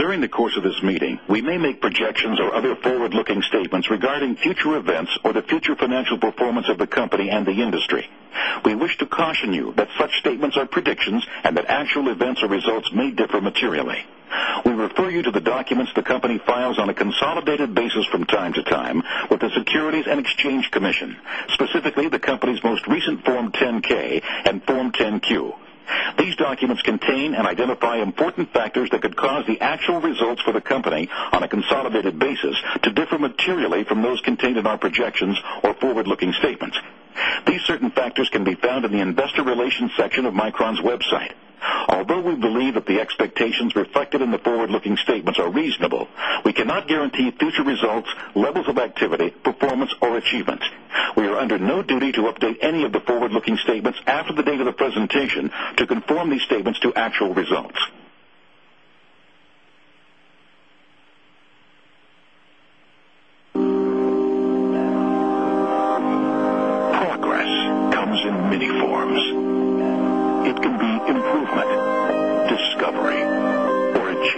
During the course of this meeting, we may make projections or other forward looking statements regarding future events or the future financial performance of the company and the industry. We wish to documents the company files on a consolidated basis from time to time with the Securities And Exchange Commission, specifically the company's most recent Form 10K and Form 10Q. These documents contain and identify important factors that could cause the actual results for the company on a consolidated basis to differ materially from those contained in projections or forward looking statements. These certain factors can be found in the Investor Relations section of Micron's website. Although we believe that the expectations were in the forward looking statements are reasonable. We cannot guarantee future results, levels of activity, performance, or achievement. We are under no duty to update any of the forward looking statements after the date of progress comes in many forms. It can be improvement, discovery, or a change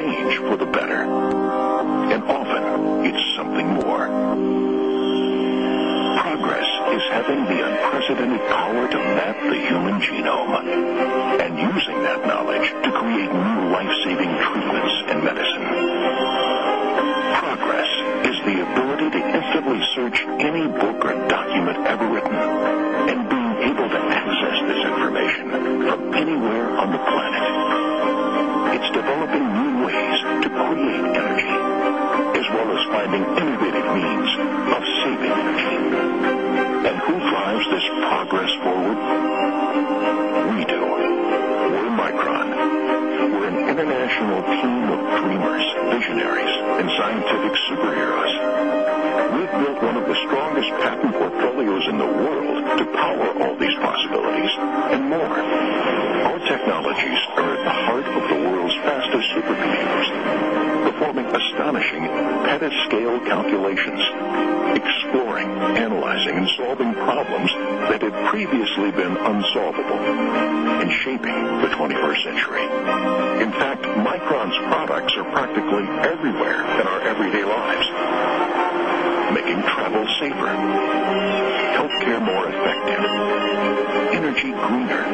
for the better. And, often, it's something more. Progress is having the unprecedented power to map the human genome and using that knowledge to create lifesaving Litz And Medicine. Progress is the ability to instantly search any bookroom document ever and being able to access this information from anywhere on the planet. It's developing new ways to coordinate energy. As well as finding innovative needs of saving. And who flies this progress forward? Be doing. The World Micron. We're an international team of 3 Mars legendaries and scientific superheroes. 1 of the strongest patent portfolios in the world to power all these possibilities and more. Technologies are at the heart of the world's faster superpowers, performing astonishing in the past, we've been able to make sure that we're in the future. Products products are practically everywhere energy greener,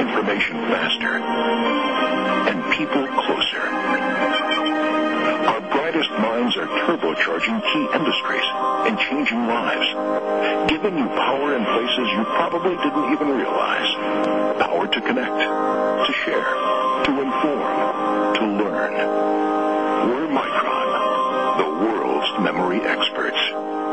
information faster, and people closer. Our brightest minds are turbo charging key industries and changing lives. Giving you power in places you probably didn't even realize, power to to share, to inform, to learn, where my tribe, the world memory experts.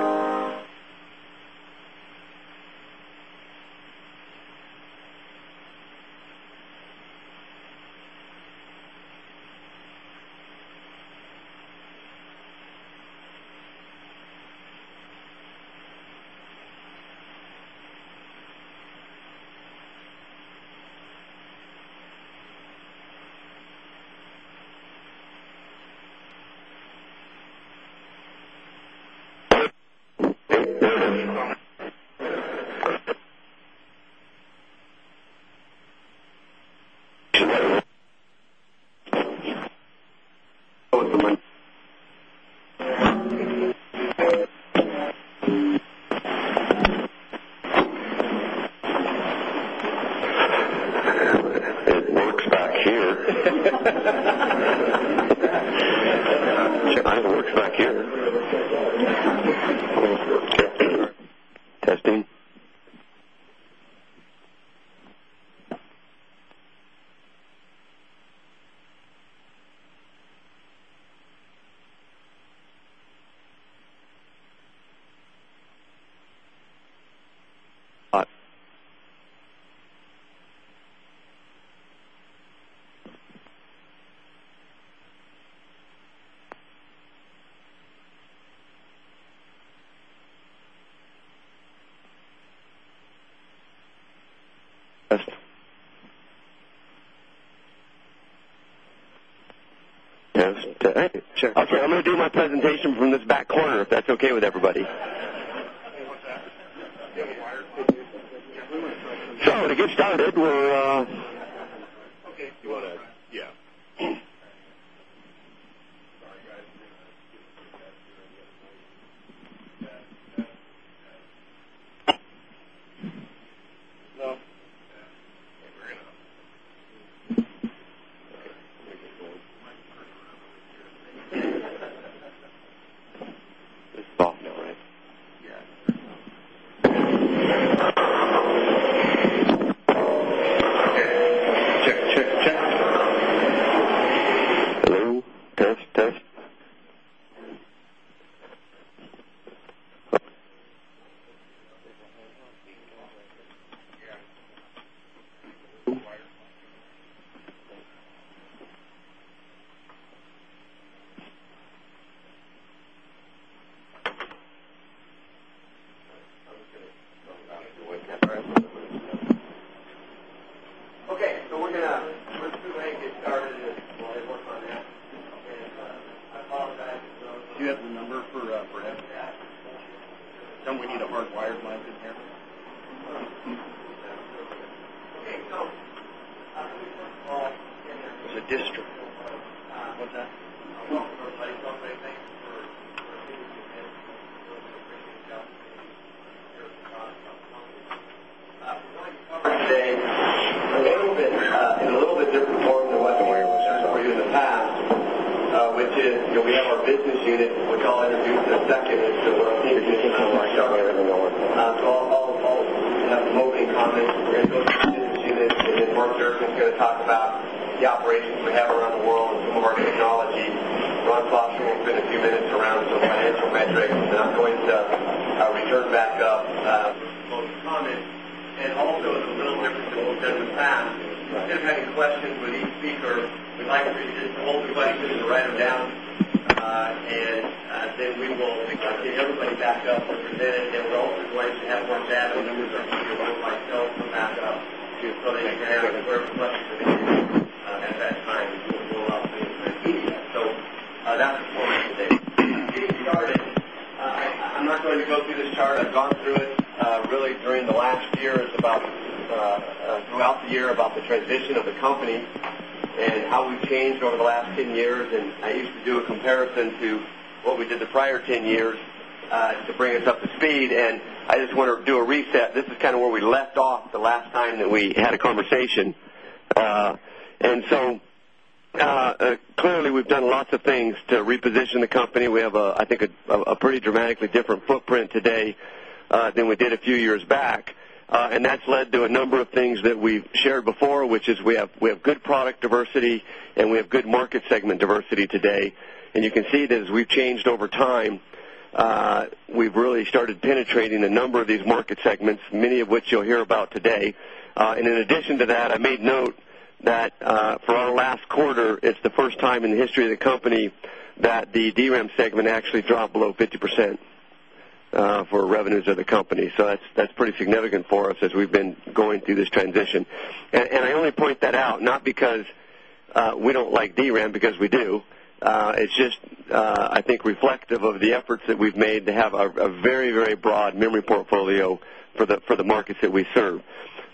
the, for the markets that we serve.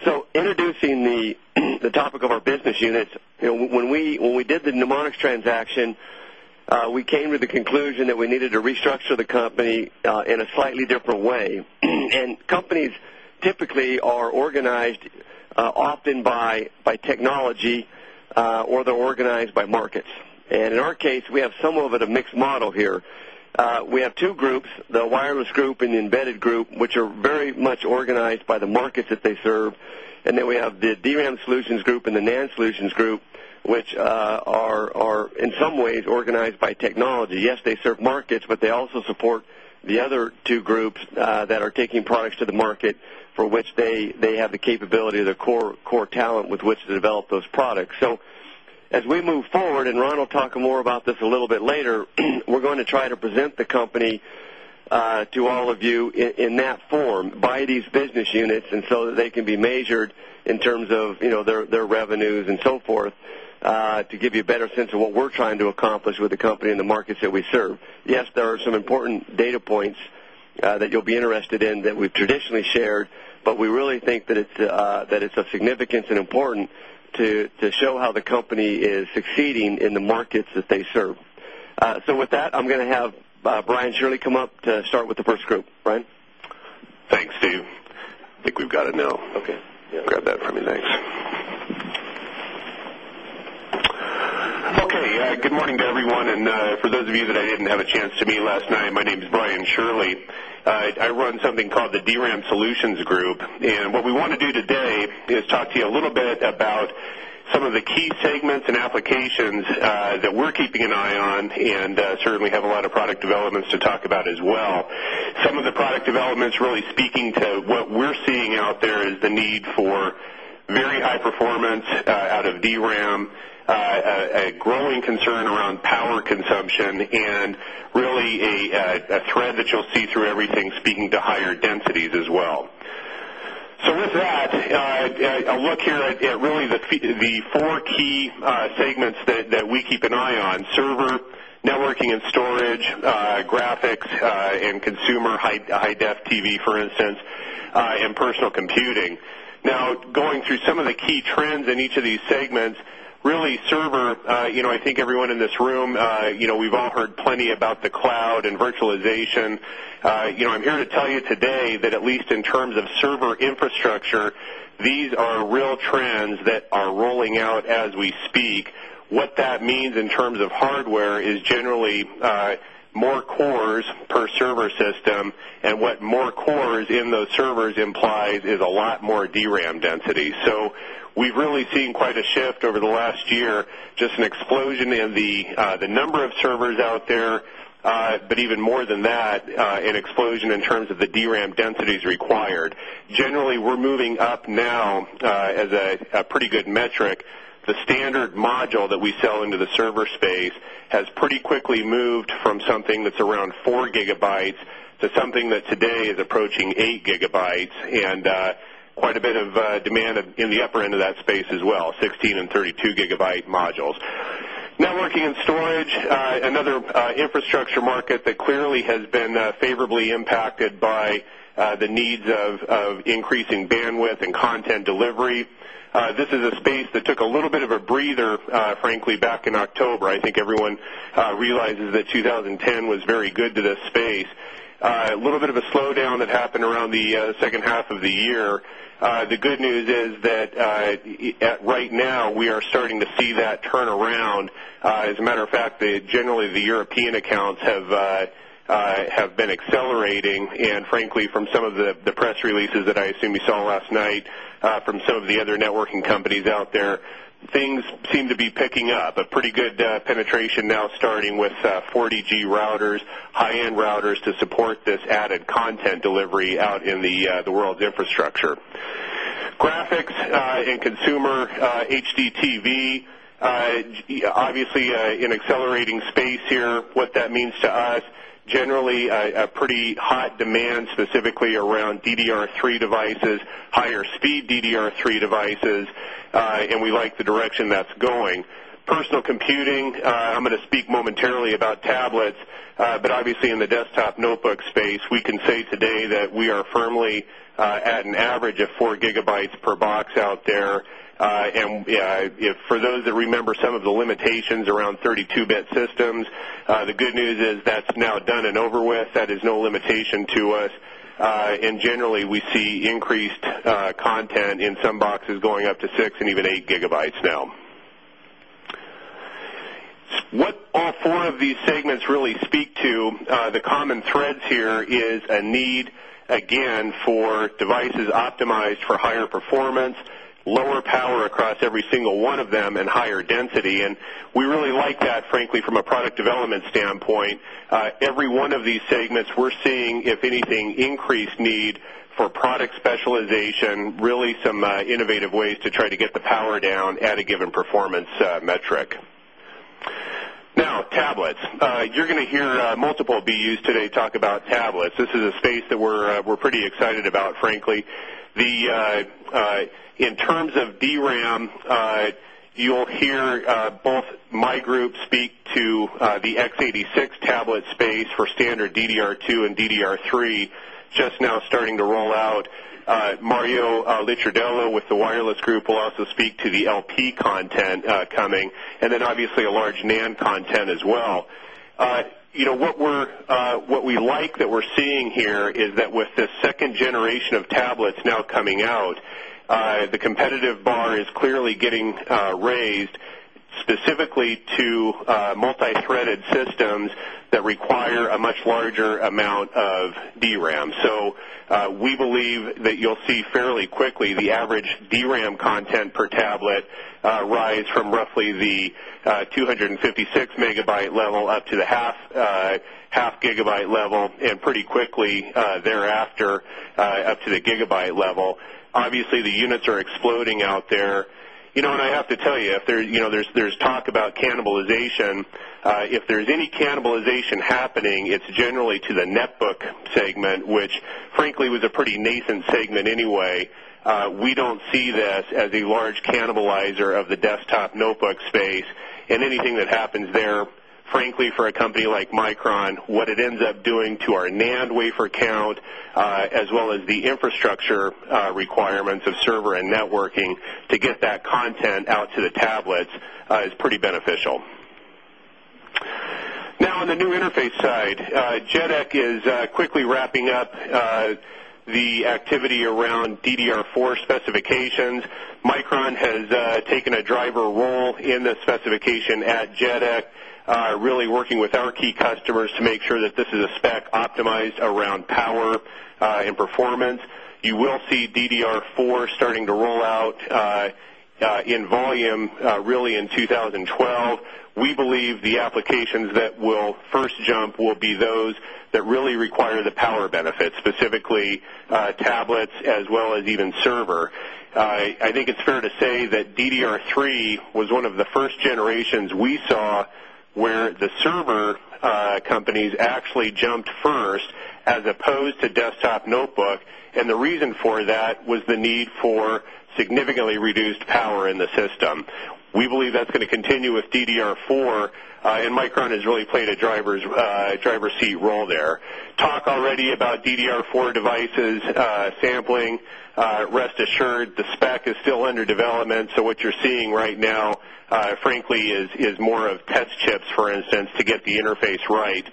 So, seeing the, the topic of our business units, when we, when we did the Mnemonics transaction, we came to the conclusion that we needed to restructure the company in a slightly different way. And companies typically are organized, often by technology, or they're organized by And in our case, we have some of it a mixed model here. We have 2 groups: the wireless group and the embedded group, which are very much organized by the markets that they serve. And then we have the DRAM solutions group and the NAND solutions group, which, are, are, in some ways, organized technology. Yes, they serve markets, but they also support the other 2 groups, that are taking products to the market for which they have the capability of the core, core talent with which to develop those products. So, as we move forward and Ron will talk it later, we're going to try to present the company, to all of you in that form by these business units and so that they can be measured in terms of, you know, their revenues and so forth, to give you a better sense of what we're trying to accomplish with the company and the markets that we yes, there are some important data points, that you'll be interested in that we've traditionally shared, but we really think that it's, that it's a significance and important show how the company is succeeding in the markets that they serve. So with that, I'm going to have, Brian Shirley come up to start with the 1st group. Brian? Thanks. I think we've got to know. Okay. Yeah. Grab that for me. Thanks. Everyone. And, for those of you that I didn't have a chance to meet last night, my name is Brian Shirley. I run something called the DRAM Solutions Group. And what we wanna do today is talk to a little bit about some of the key segments and applications, that we're keeping an eye on and, certainly have a lot of product development to talk about as well. Some of the product developments really speaking to what we're seeing out there is the need for very high performance, out of DRAM, a growing concern around power consumption and really a, a thread that you'll see through everything speaking higher densities as well. So with that, a look here at, at really the, the 4 key, segments that, that we keep an eye on server, networking and storage, graphics, and consumer high, high def TV, for instance, and personal computing. Now, going through some of the key trends in each of these segments, really server, you know, I think everyone in this room, you know, we've all heard plenty about the cloud and virtualization. You know, I'm here to tell you today that at least in terms of server infrastructure, these are real trends that are rolling out as we speak. What that means in terms of hardware is generally, more cores server system and what more cores in those servers implies is a lot more DRAM density. So, we've really seen quite to shift over the last year, just an explosion in the, the number of servers out there, but even more than that, in explosion in terms of the DRAM densities required. Generally, we're moving up now, as a pretty good metric. The standard module that we sell into the server space has pretty quickly moved from something that's around 4 gigabytes to something that today is approaching 8 gigabytes. And, quite a bit of, demand in the upper end of that space as well, 1632 gigabyte modules. Networking and storage, another infrastructure market that clearly has been favorably impacted by, the needs of increasing bandwidth and content delivery. This is a space that took little bit of a breather, frankly back in October. I think everyone realizes that 2010 was very good to this space. A little bit of a slowdown that happened the, second half of the year. The good news is that, right now, we are starting to see that turn around. As a matter of fact, generally, the European accounts have, have been accelerating. And frankly, from some of the, the press releases that I assume we saw last night, from some of the other networking companies out there. Things seem to be picking up, but pretty good, penetration now starting with, 40g routers, high end routers to support this added content delivery out in the, the world's infrastructure. Graphics, in consumer, HDTV, obviously, in accelerating space here, what that means to us generally, a pretty hot demand, specifically around DDR3 devices, higher speed DDR3 cases, and we like the direction that's going. Personal computing, I'm going to speak momentarily about tablets, but obviously in the desktop notebook space, we can say today that we are firmly, at an average of 4 gigabytes per box out there. For those that remember some of the limitations around 32 bit systems, the good news is that's now done and over with. That is no to us. And generally, we see increased, content in some boxes going up to 6 and even 8 gigabytes now. What all four of these segments really speak to, the common thread here is a need, again, for devices optimized for higher performance, lower power across every single of them and higher density. And we really like that frankly from a product development standpoint. Every one of these segments, we're seeing if anything, increased need for product specialization, really some, innovative ways to try to get the power down at a given metric. Now, tablets, you're gonna hear, multiple BUs today talk about tablets. This is a space that we're, we're pretty excited about, frankly, The, in terms of DRAM, you'll hear, both my groups speak to, the X86 tablet space for standard DDR2 and DDR3 just now starting to roll out. Mario Dolo with the wireless group will also speak to the LP content, coming, and then obviously a large NAND content as well. You know, what we're, what we like that we're seeing here is that with the 2nd generation of tablets now coming out, the competitive bar is clearly getting, raised specifically to, multi threaded systems that require a much larger amount of DRAM. So we believe that you'll see fairly quickly the average DRAM content per tablet, rise from roughly the, 2.56 megabyte level up to the half, half gigabyte level. And pretty quickly, thereafter, up to the gigabyte level. Obviously, the units are exploding out there. You know, and I have to tell you if there, you know, there's, there's talk about cannibalization. If there's any cannibalization happening, it's generally to the net book segment, which frankly was a pretty nascent segment anyway. We don't see this as large cannibalizer of the desktop notebook space and anything that happens there, frankly, for a company like Micron, what it ends up doing to our NAND wafer count, as well as the infrastructure requirements of server and networking. To get that content out side, JEDEC is quickly wrapping up, the activity around DDR4 specific Micron has, taken a driver role in this specification at JEDEC, really working with our key customers to make sure this is a spec optimized around power, in performance. You will see DDR4 starting to roll out, in volume, really in 2012, we believe the applications that will first jump will be those that really require the power benefit specifically, tablets as well as even server. I think it's fair to say that DDR3 was one of the 1st generation we saw where the server, companies actually jumped first as opposed to desktop And the reason for that was the need for significantly reduced power in the system. We believe that's going to continue with DDR 4, and Micron has really played a driver's, driver's seat role there. Talk already about DDR4 devices, sampling, rest assured spec is still under development. So what you're seeing right now, frankly, is, is more of test chips, for instance, to get the interface right.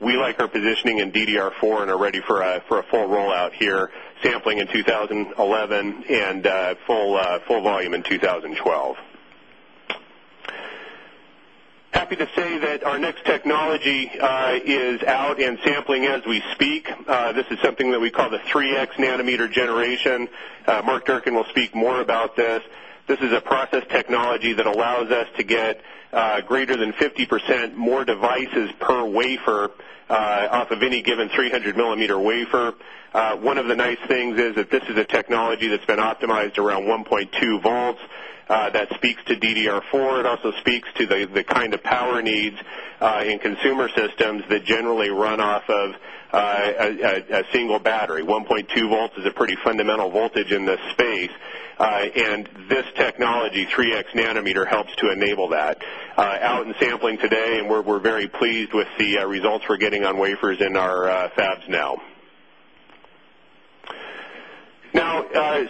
We like positioning in DDR4 and are ready for, for a full rollout here, sampling in 2011 and, full, full volume 2012. Happy to say that our next technology, is out and sampling as we speak. This something that we call the 3x nanometer generation. Mark Durkin will speak more about this. This is a process technology that allows us to get, greater than 50% more devices per wafer, off of any given 300 millimeter wafer. One of the nice things is that this is a technology that's been optimized around 1.2 volts, that speaks to DDR4. It also speaks to the, the kind of power needs, in consumer that generally run off of, a, a single battery. 1.2 volts is a pretty fundamental voltage in this space. And this technology 3x nanometer helps to enable that, out and sampling today, and we're, we're very pleased with the, results we're getting on papers in our fabs now. Now,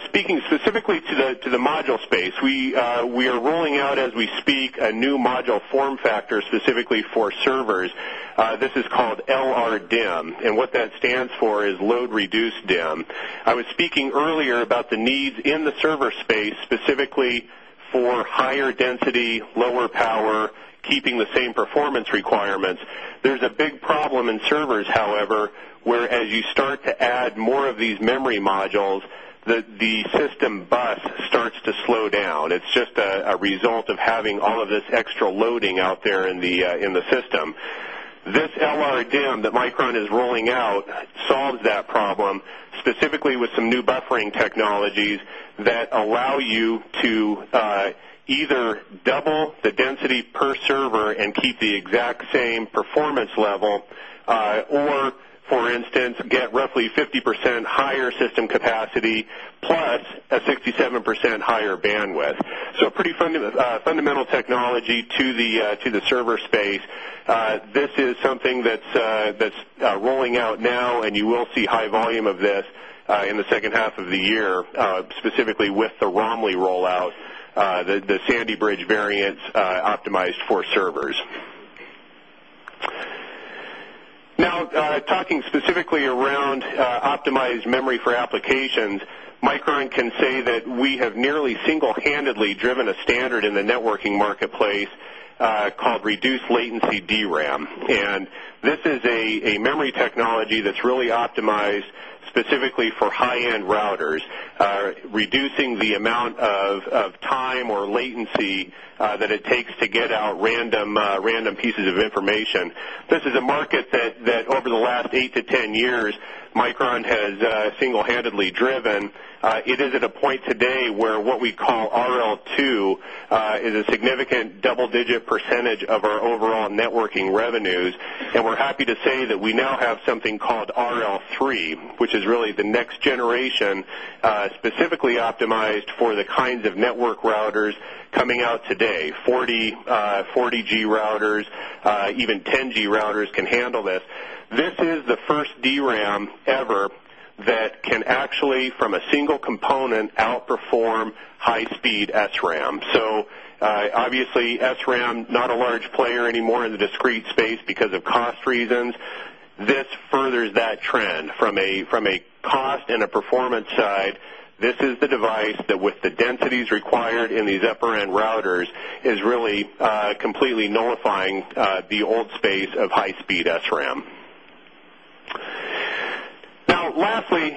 speaking specifically to the, to the module space, we, we are rolling out we speak a new module form factor specifically for servers, this is called LRDIMM. And what that stands for is load reduced DIM I was speaking earlier about the needs in the server space, specifically for higher density, lower power, keeping the same performance required There's a big problem in servers, however, whereas you start to add more of these memory modules that the system bus starts to slow down. It's just a result of having all of this extra loading out there in the, in the system. This LRDIM that Micron is rolling out solves that problem, specifically with some new buffering technologies that allow you to, either double the density per server and keep the exact same performance level, or, for instance, get roughly 50% higher system capacity, plus a 67% higher bandwidth. So pretty fundamental technology the, to the server space. This is something that's, that's of this, in the second half of the year, specifically with the Romley rollout, the, the Sandy Bridge variants, optimized for servers. Now, talking specifically around, applications, Micron can say that we have nearly single handedly driven a standard in the networking marketplace, called reduce latency DRAM. In This is a, a memory technology that's really optimized specifically for high end routers, reducing the amount of, of time or latency, that it takes to get out random, random pieces of information. This is a market that, that over the last eight to 10 years, Micron has, single handedly driven. It is at a point today where what we call RL2, is a significant double digit percentage of our overall networking revenues, and we're happy to say that we now have something called which is really the next generation, specifically optimized for the kinds of network routers coming out today 40, 40 g routers, even 10 g routers can handle this. This is the first DRAM ever that can actually, from a single component, outperform high speed SRAM. So, obviously, SRAM not a large player anymore has discrete space because of cost reasons, this furthers that trend from a, from a cost and a performance side. This is the device that would the densities required in these upper end routers is really, completely nullifying, the old space of high speed SRAM. Now, lastly,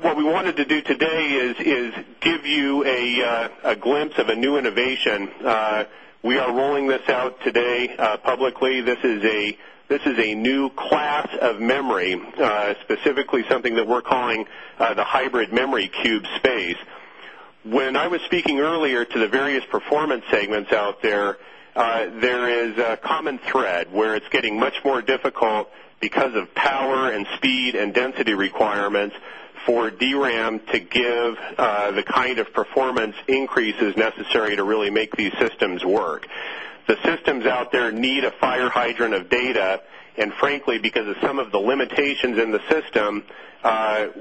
what we wanted to do today is, is give you a, a glimpse of a new innovation. We are rolling this out today publicly, this is a, this is a new class of memory, specifically something that we're calling, a hybrid memory cube space. When I was speaking earlier to the various performance segments out there, there is a common bread where it's getting much more difficult because of power and speed and density requirements for DRAM to give the kind of performance increases necessary to really make these systems work. The systems out there need a 5 hydrin of data. And frankly, because of some of the limitations in the system,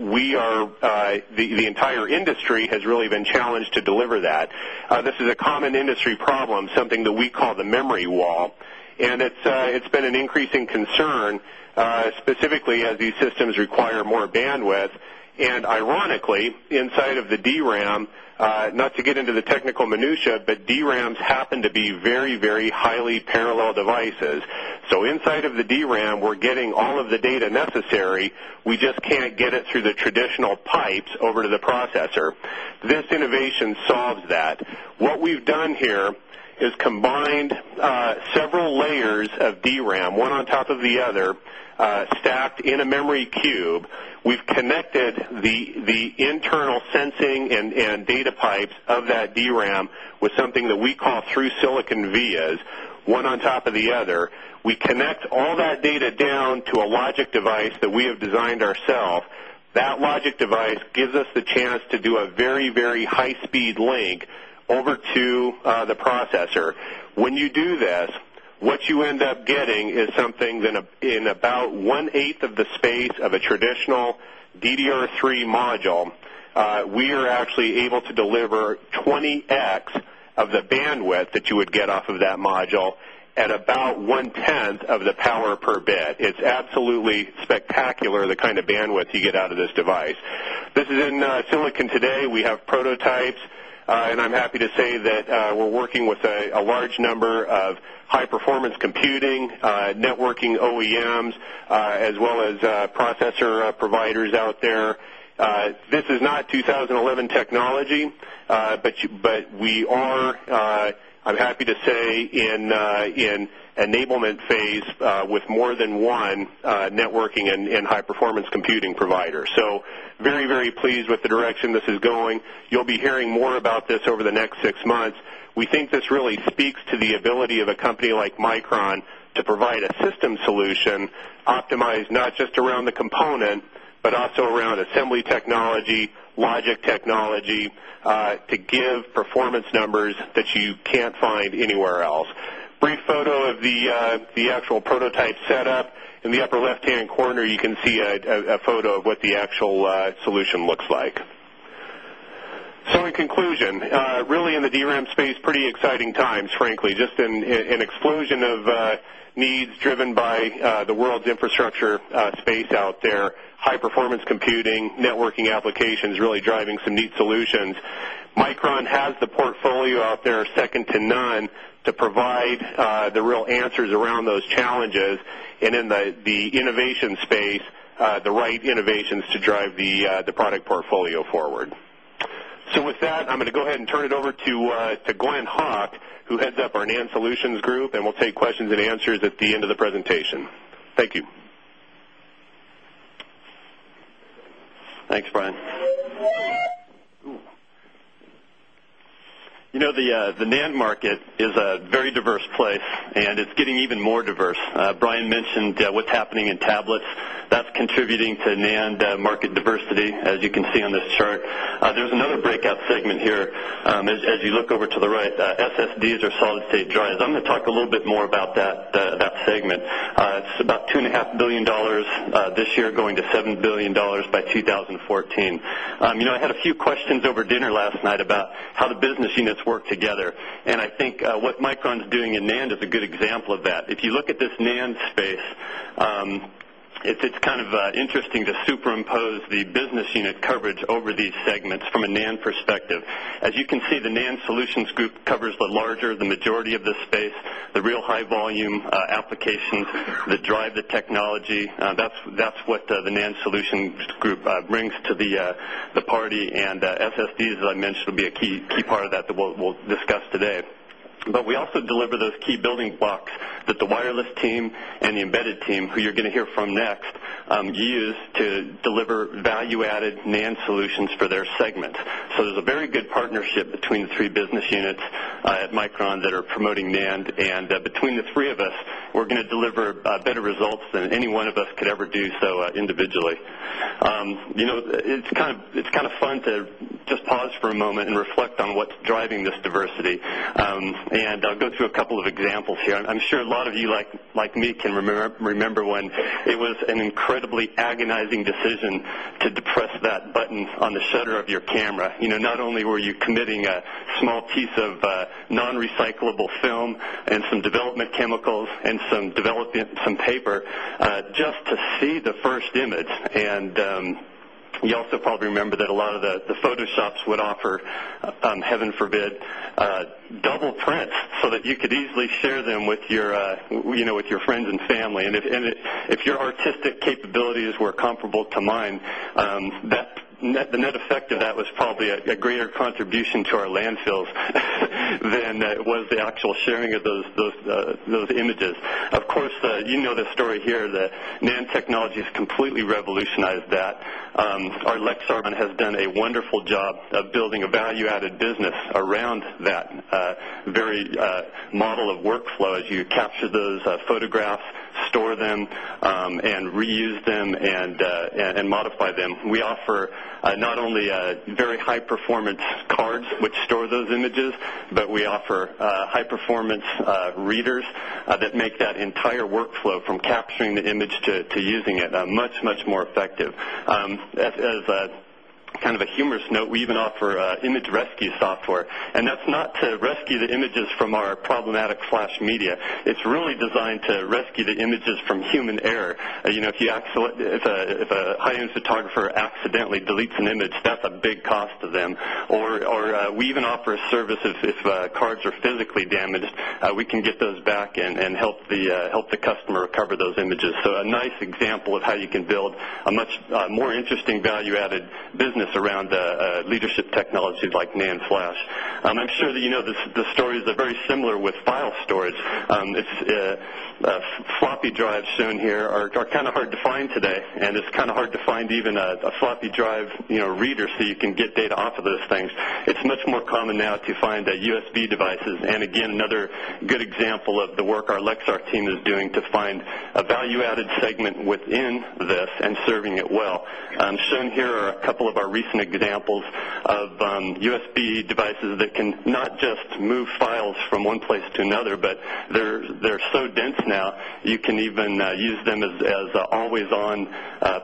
we are, the entire industry really been challenged to deliver that. This is a common industry problem, something that we call the memory wall. And it's, it's been an increasing concern, specific as these systems require more bandwidth. And, ironically, inside of the DRAM, not to get into the technical minutiae, but DRAMs happen to be very, very highly parallel devices. So inside of the DRAM, we're getting all of the data necessary. We just can't get it through the traditional pipes over the processor. This one on top of the other, stacked in a memory cube, we've connected the, the internal sensing and, and data pipes of that DRAM with something that we call through silicon Vias, one on top of the other, we connect all that data very high speed link over to, the processor. When you do this, what you end up getting is something that in about one eighth of the base of a traditional DDR3 module. We are actually able to deliver 20x of the bandwidth that you would get that module at about 1 10th of the power per bit. It's absolutely spectacular, the kind of bandwidth get out of this device. This is in, Silicon today. We have prototypes, and I'm happy to say that, we're working with a a large number of high performance computing, networking OEMs, as well as processor providers out there. This is not 2011 technology, but you, but we are, I'm happy to say in, in an enablement phase, with more than 1, networking and high performance computing providers. So, very, very pleased with the direction this is going. You'll be hearing more about this over the next 6 months. We think this really speaks to the ability of a company like Micron to provide a system solution, optimize not just around the component, but also around assembly technology, logic technology, to give performance numbers that you can't find anywhere else. Brief photo of the, the actual prototype set up. In the upper left hand corner, you can see a photo of what the actual solution looks like. So in conclusion, really in the DRAM space, pretty exciting times, frankly, just in, in, in exploring of, needs driven by, the world's infrastructure space out there, high performance computing, networking applications, really driving some neat solutions. Micron has the portfolio out there second to none to provide, the real answers around those is. And in the, the innovation space, the right innovations to drive the, the product portfolio forward. So with that, I'm gonna ahead and turn it over to, to Glenn Hawk, who heads up our NAND solutions group, and we'll take questions and answers at the end of the presentation. You. Thanks, Brian. You know the the NAND market is a very diverse place and it's getting even more diverse. Brian mentioned, what's happening in tablets. That's leading to NAND market diversity, as you can see on this chart. There's another breakout segment here, as, as you look over to the right, SSD are solid state drives. I'm going to talk a little bit more about that, that segment. It's about $2,500,000,000 this year going to $7,000,000,000 by 20 14. You know, I had a few questions over dinner last night about how the business units work other. And I think what Micron is doing in NAND is a good example of that. If you look at this NAND space, it's, it's kind of, interesting to superimpose the business unit coverage over these segments from a NAND perspective. As you can see, the NAND Solutions group covers the larger, the majority of this space, the real high volume applications that drive the technology. That's what, the NAND solutions group brings to the, the party and SST as I mentioned will be a key part of that that we'll discuss today. But we also deliver those key building blocks that the wireless team and the embedded team gonna hear from next, used to deliver value added NAND solutions for their segment. So there's a very good partner between the three business units at Micron that are promoting NAND. And, between the three of us, we're going to deliver better results than any one of us could do so individually. You know, it's kind of, it's kind of fun to just pause for a moment and reflect on what's driving this diversity. And I'll go through a couple of examples here. I'm sure a lot of you like, like me can remember when it was an incredibly agonizing decision to depress that button on the shutter of your camera, not only were you committing a small piece of non recyclable film, some development chemicals and some development, some paper, just to see the first image. And, you also probably remember that of the, the Photoshops would offer, heaven forbid, double print so that you could easily share them with your, you know, with your friends and family. And If your artistic capabilities were comparable to mine, the net effect of that was probably a greater distribution to our landfills than that was the actual sharing of those, those, those images. Of course, you know, this right here that NAND technology is completely revolutionized that. Our Lexarvon has done a wonderful job of building a value a business around that very model of workflow as you capture those photographs, store them, and reuse them and, and modify them. We offer, not only, very high performance cards, which store those images, but we offer, high performance, readers that make that entire workflow from capturing the image to using it much, much more effective. As a kind of a humorous note, we even offer, image rescue software. And that's not to rescue the images from our problematic flash media. It's really designed rescue the images from human error. You know, if you, if a, if a high end photographer accidentally deletes an image, that's a big cost of them, or we even offer a service if, if cards are physically damaged, we can get those back and help the customer recover those images. So a nice example of how you can build a much more interesting value added business around as you'd like NAND Flash. I'm sure that, you know, the stories are very similar with file storage. It's, floppy drive soon here are kind of our find today, and it's kind of hard to find even a floppy drive reader so you can get data off of those things. It's much more common now to find that U. S. Devices. And again, another good example of the work our Lexar team is doing to find a value added segment within this and serving it well shown are a couple of our recent examples of, USB devices that can not just move files from one but they're, they're so dense now. You can even use them as, as always on,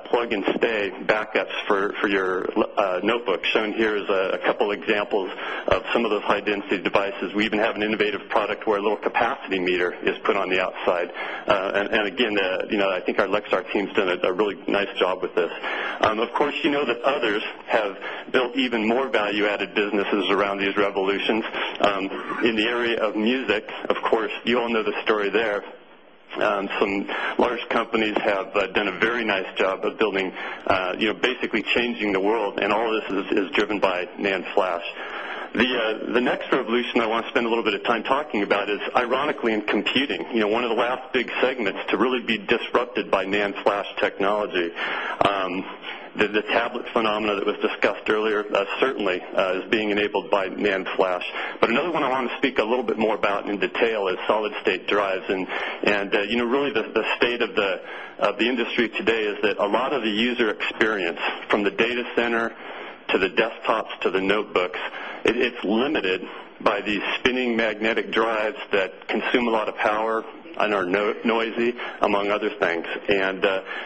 plug and stay backups for, for your notebook shown here is a couple examples of some of those high density devices. We even have an innovative product where a little capacity meter is put on the outside And again, I think our Lexar team's done a really nice job with this. Of course, you know, that others have built even more value added businesses around these evolutions, in the area of music, of course, you all know the story there, some large these have done a very nice job of building, you know, basically changing the world and all of this is driven by NAND Flash. The, the next revolution I want a little bit of time talking that was discussed earlier, certainly, is being enabled by NAND Flash. But another one I want to speak a little bit more about in detail is solid state drives and And, you know, really the state of the, of the industry today is that a lot of the user experience from the data center to the desktop to the notebooks, it's limited by these spinning magnetic drives that consume a lot of power and are noisy. Other things. And,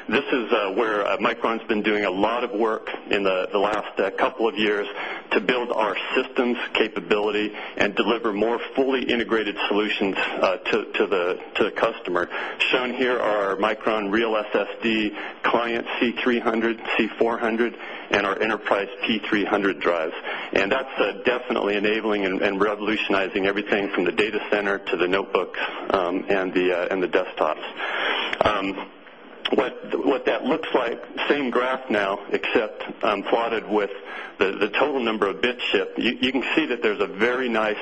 this is where Micron's been doing a lot of work in the last couple of years to build systems capability and deliver more fully integrated solutions, to the, to the customer shown here our Micron Real SSD client C300C400 and our enterprise P300 drives. And that's definitely enabling revolutionizing everything from the data center to the notebook, and the, and the desktops. What that looks like, same graph now, it shipped, plotted with the total number of bits shipped, you can see that there's a very nice,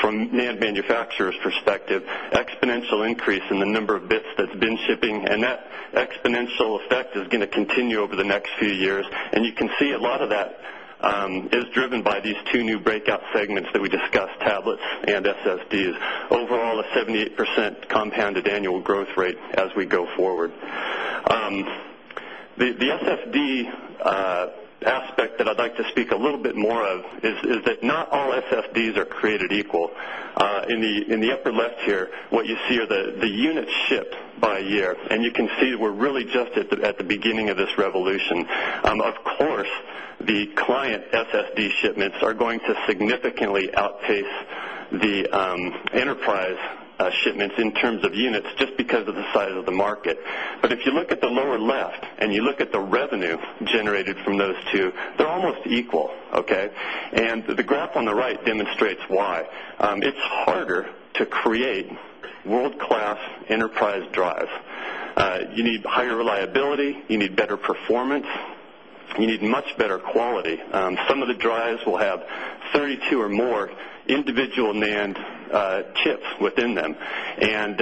from NAND manufacturers perspective, exponential increase in the number of bits that's been shipping and that exponential effect is going to continue over the next few years. And you can see a lot of that, is driven by 2 new breakout segments that we discuss tablets and SSDs, overall a 78% compounded annual growth rate as we go forward. The SFD, aspect that I'd like to speak a little bit more of is that not all SFDs are created equal. In the, in the upper left here, what you see are the units shipped by year. And you can see that we're really just at the beginning of this revolution. Of course, the client SSD shipments are going to significantly outpace the, enterprise shipment in terms of units just because of the size of the market. But if you look at the lower left and you look at the revenue generated from those 2, they're almost equal. Okay. And the graph on the right demonstrates why, it's harder to create world class enterprise drive. You need higher liability, you need better performance, you need much better quality. Some of the drives will have 32 or more individual NAND chips within them. And,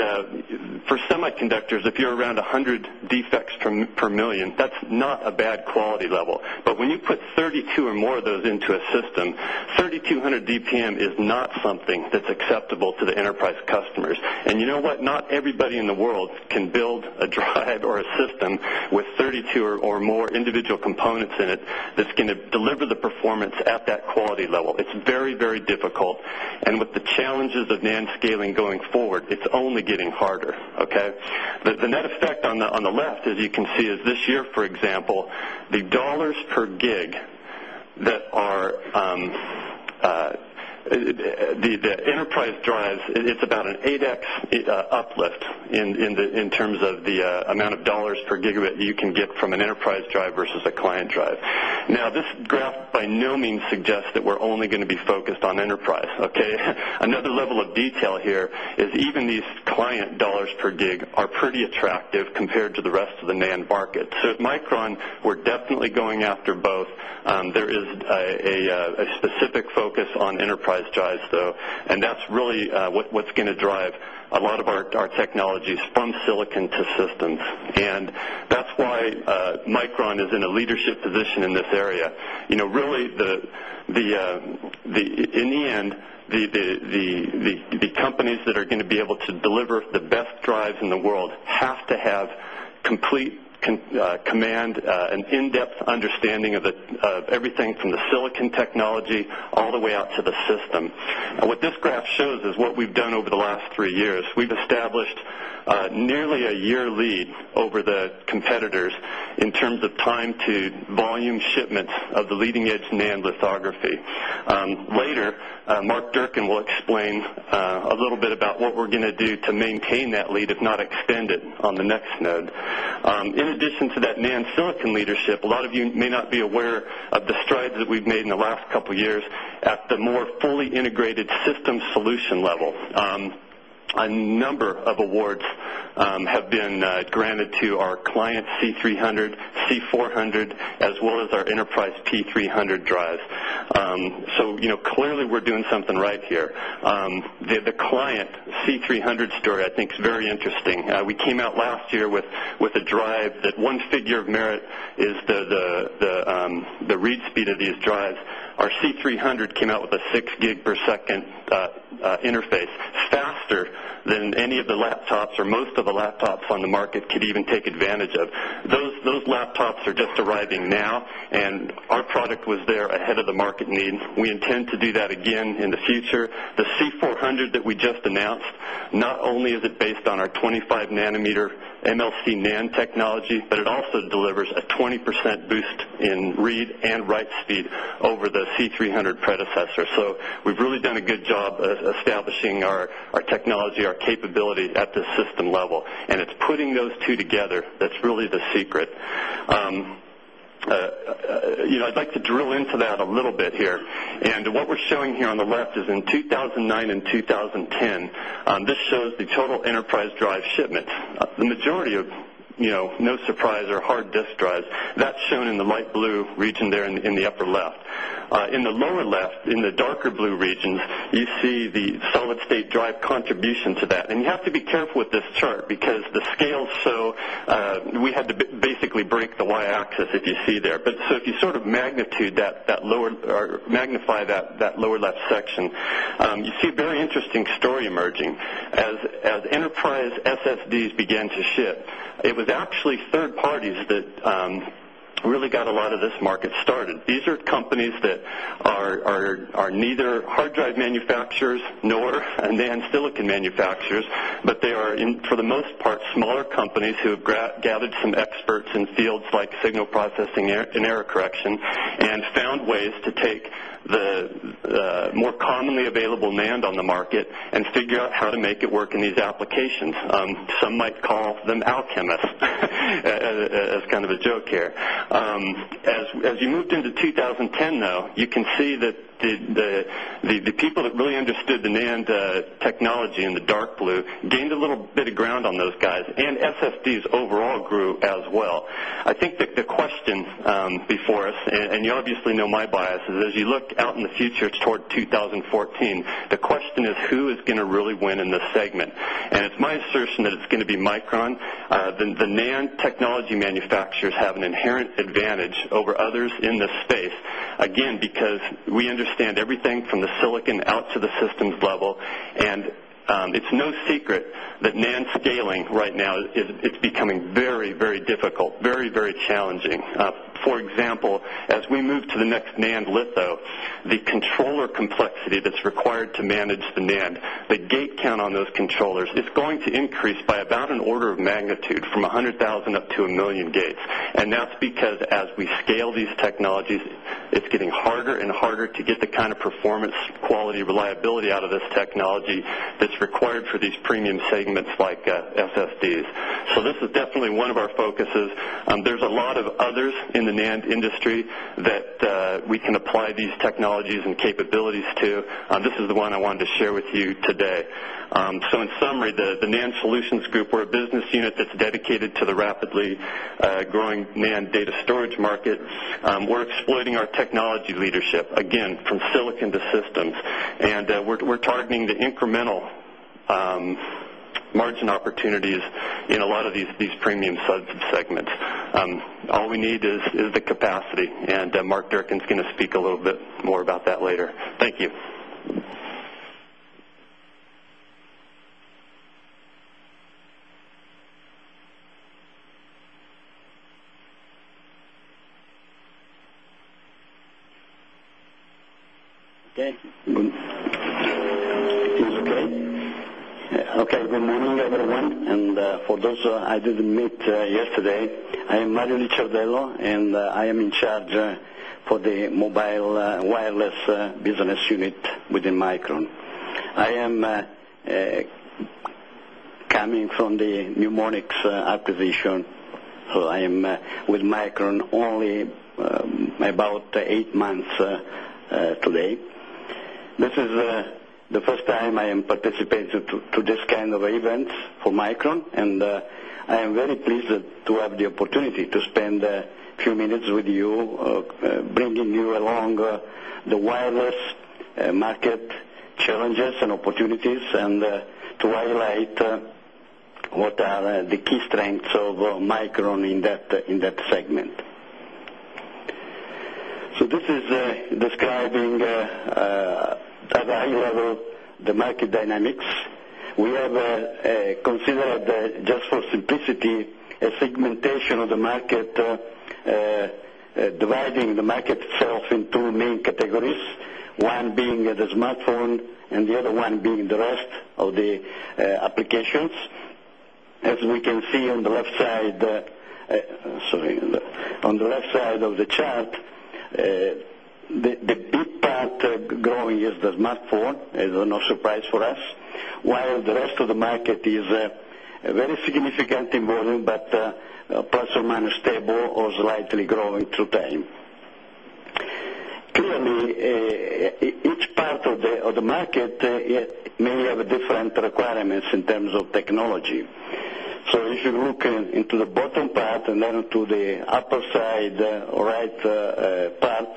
for semiconductors, if you're around 100 defects per, per 1,000,000, that's not a bad quality level. But when you put 32 or more, though, into a system, 3200 DPM is not something that's acceptable to the enterprise customers. And you know what? Not everybody in the world can build a drive or assist them with 32 or more individual components in it that's going to deliver the performance at that quality level. It's very, very difficult. And with the challenges of NAND scaling going forward, it's only getting harder, okay? The net effect on the, on the left, as you can see, is this year, for example, the dollars per gig that are, the enterprise drives, it's about an ADAC uplift in terms of the amount of dollar per gigabit you can get from an enterprise drive versus a client drive. Now, this graph by no means suggests that we're only going to be focused on rise. Okay. Another level of detail here is even these client dollars per gig are pretty attractive compared to the rest of the barket. So at Micron, we're definitely going after both. There is a specific focus on enterprise drives though, and that's really what's going to drive a lot of our technologies from Silicon Assistance. And that's why, Micron is in a leadership position in this area you know, really the, the, the, in the end, the, the, the, the, the companies that are going to be able to deliver the best drives in the world have to have complete command an in-depth understanding of everything from the silicon technology all the way out to the system. Now, what this graph shows is what we've done over the last 3 years. We've established, nearly a year lead over competitors in terms of time to volume shipments of the leading edge NAND lithography. Will explain, a little bit about what we're going to do to maintain that lead, if not extend it on the next node. In addition to that NAND, so in leadership, a lot of you may not be aware of the strides that we've made in the last couple of years at the more fully integrated systems solution level. A number of awards, have been granted to our client C300 C400 as well as our price P300 drives. So, clearly, we're doing something right here. The client C300 story, I think, is very interesting. We came out last year with a drive that one figure of merit is the, the, the read speed of these drives, our C3 100 came out with a 6 gig per second, interface faster than any of the laptops or most of the laptops on the could even take advantage of. Those, those laptops are just arriving now, and our product was there ahead of the market need We intend to do that again in the future. The C400 that we just announced, not only is it based on our 25 nanometer MLC NAND technology, also delivers a 20 percent boost in read and write speed over the C300 predecessor. So we've really done a good job of establishing our technology, our capability at the system level. And it's putting those 2 together. That's really the secret, you know, I'd like to drill into that a little bit here. And what we're showing here on the left is in 2009 2010. This shows the the majority of, you know, no surprise or hard disk drives, that's shown in the light blue region there in the upper left. In the lower left in the darker blue regions, you see the solid state drive contribution to that. And you have to be careful with this chart because the scale so we had to basically break the Y axis if you see there. But so, if you sort of magnitude that, that lower or magnify that lower left section, you see a very interesting story emerging. As, as enterprise SSDs began to ship, it was actually third parties that really got a lot of this market started. These are companies that are neither hard drive manufacturers nor a NAND silicon manufacturers. But they are, for the most part, smaller companies who have gathered some experts in fields like signal processing and error and found ways to take the, more commonly available NAND on the market and figure out how to make it work in these applications some might call them alchemists as kind of a joke here. As you move to to 2010 though, you can see that the, the, the people that really understood the NAND, technology in the dark blue gained a little bit of ground on those guys. And SSD's overall grew as well. I think the question, before us, and you obviously know my bias is as you look out in the future toward 2014. The question is, who is going to really win in this segment? And it's my assertion that it's going to be Micron. The NAND technology manufacturers have inherent advantage over others in this space, again, because we understand everything from the silicon out to the systems level. And, it's no seek that NAND scaling right now is, it's becoming very, very difficult, very, very challenging. For example, as we move to next NAND litho, the controller complexity that's required to manage the NAND, the gate count on those controllers is going to increase by about an order of MANG attitude from 100,000 up to a million gates. And that's because as we scale these technologies, it's getting harder and harder to the kind of performance quality reliability out of this technology that's required for these premium segments like, FSDs. So, this is definitely one of our focuses. There's these 2. This is the one I wanted to share with you today. So in summary, the NAND Solutions group or a business unit that's dedicated to the rapidly, growing NAND data storage market, we're exploiting our technology leadership, again, from silicon to systems. And, we're targeting the incremental, margin opportunities in a lot of these premium subsets segment. All we need is, is the capacity Mark Durkin is going to speak a little bit more about that later. Thank you. Okay. Also, I didn't meet yesterday. I am Mario Richardello, and I am in charge for the mobile wireless business unit. Within Micron. I am coming from the mnemonics shown. I'm with Micron only about 8 months today. This is, the first time I am participating to this kind of events for Micron. And, I am very pleased have the opportunity to spend a few minutes with you, bringing you along the wireless market challenges and opportunities to highlight what are the key strengths of a micron in that segment. So this is describing, at a high level, the market dynamics. We have a co is that, just for simplicity, a segmentation of the market, dividing the market self in 2 main categories, one being the smartphone and the other one being the rest of the applications. We can see on the left side, sorry, on the left side of the chart, the big part going is does not fall. There's no surprise for us. While the rest of the market is a very significant improvement, but, plus or minus stable or slightly growing through time. Clearly, each part of the of the market many of the different requirements in terms of technology. So if you look into the bottom part and then into the upper side, right, path,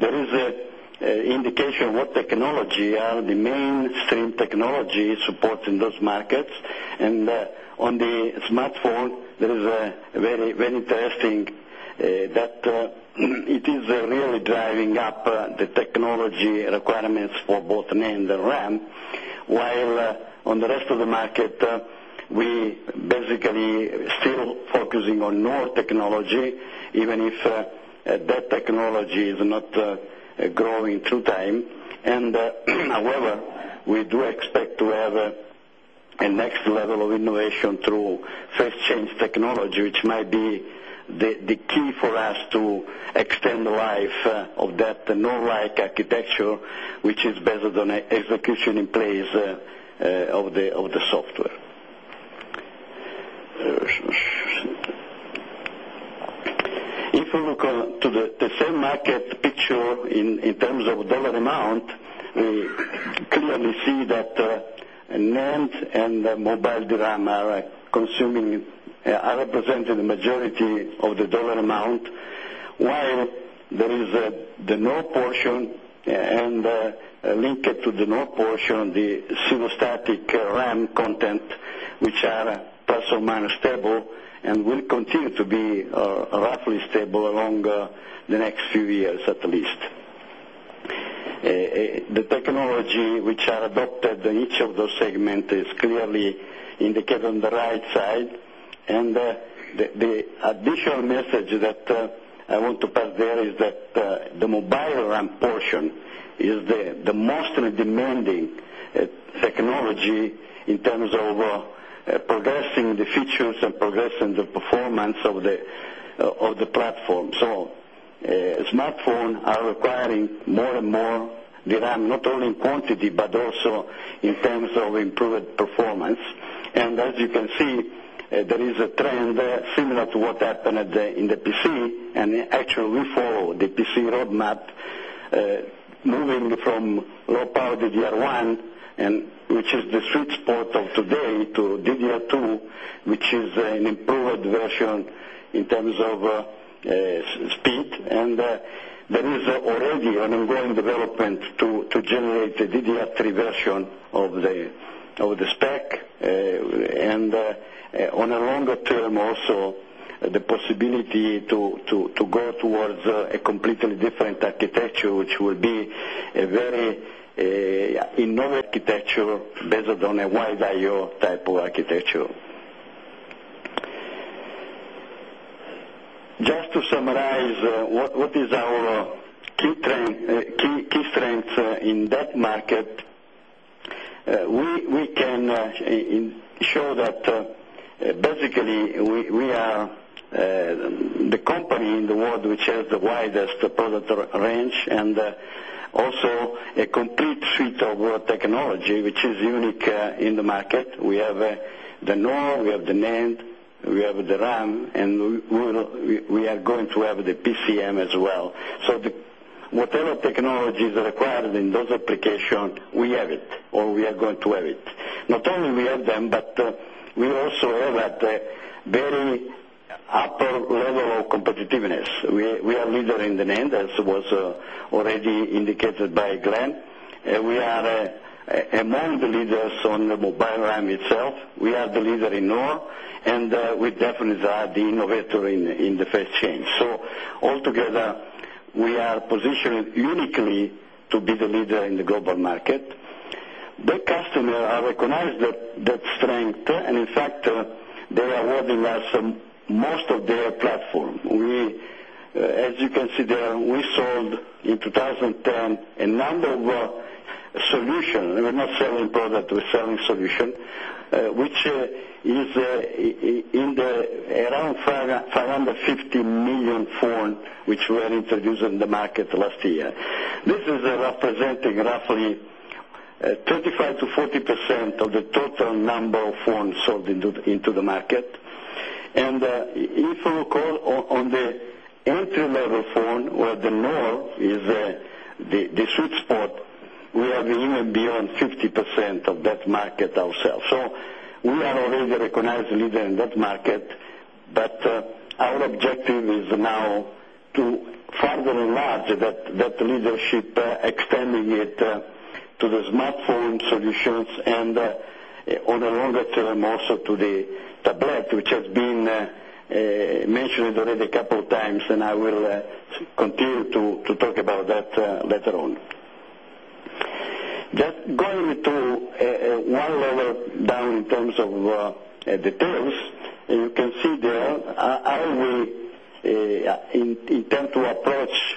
there is an indication of what technology are the main stream technology supports in those markets and, on the smartphone, there is a very, very interesting, that, it is really driving up technology requirements for both NAND RAM, while on the rest of the market, we basically still focusing on more technology, even if that technology is not growing through time, And, however, we do expect to have a next level of innovation through fast change technology, which might be the key for us to extend the life of that no right architecture, which is based on execution in place of the soft player. If we look to the same market, picture in terms of dollar amount, we clearly see that, NAND and more Bazda Amara consuming, represented the majority of the dollar amount, while there is the NOR portion and, link it to the NOR portion, the Simostatic RAM content which are at plus or minus stable and will continue to be roughly stable around the next few years at least. The technology which are adopted in each of those segment is clearly indicated on the right side. And, the additional message that, I want to pass there is that, the mobile and portion is the most demanding technology in terms of progressing the future and progress in the performance of the of the platform. So, smartphone are requiring more and more that I'm not only quantity, but also in terms of improved performance. And as you can see, there is a trend similar to what happened in the PC and actually follow the PC road map, moving from low power to GR1 and which is the export of today to DDR2, which is an improved version in terms of, speed. And, there is already an ongoing development to generate the DDI 3 version of the, of the tech, and, on a longer term, also, the possibility to go towards a completely different architecture, which will be a very, in no architecture based on a Y IO type of architecture. Just to summarize, what, what is our key trend, key strength in that market, we can show that, basically, we are, the in the world, which has the widest positive range and also a complete suite of technology, which is unique in the market. We have the norm, we have the NAND, we have the RAM, and we are going to the PCM as well. So the whatever technology is required in those applications, we have it or we are going to have it. Only we have them, but we also have that very upper level of competitiveness. We are leader in the name that was already indicated by Glenn. We are a non believer on the mobile program itself. We are the leader in NOR, and, we definitely the innovator in the first chain. So, altogether, we are positioned uniquely to be the leader in the go market. The customer recognized that, that strength. And in fact, they are webbing us on most of their platform. We as you can see there, we sold in 2010 a number of solutions. We're not selling products. We're selling so which is, in the, around 5,500,000,000 foreign, which we're introducing the market last year. This is representing roughly 35% to 40% of the total number of phones sold into the market. And, if you recall on the entry level phone where the more is, the the sweet spot, we are the unit beyond 50% of that market ourselves. So, we are already leader in that market, but, our objective is now to further enlarge that leadership, extending it to the smartphones solutions and, on the longer term also to the black, which has been, mentioning that there's a couple times, and I will, continue to, to talk about that, later on. Just going to a a one level down in terms of, details. And you can see there, how we, intend to approach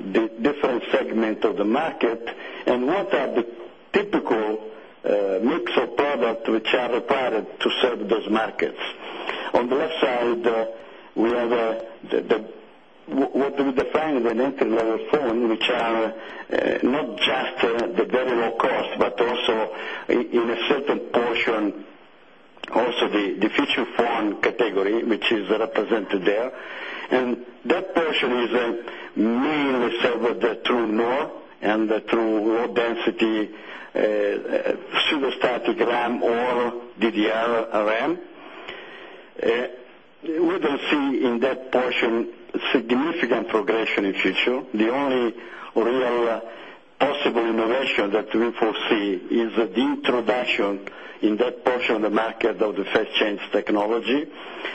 the different segment of the market, and what are the typical, mix of product to each other product to serve those market on the left side, we have, the, what do we define as an intent and what we're pulling, which are not just the very low cost, but also in a certain portion, also the future one category, which is represented there. And that portion is a main result with the true norm and the true wall density cyberstatic RAM or the DRAM, we can see in that portion significant for in the future. The only real possible innovation that we foresee is the introduction in that show in the market of the face change technology,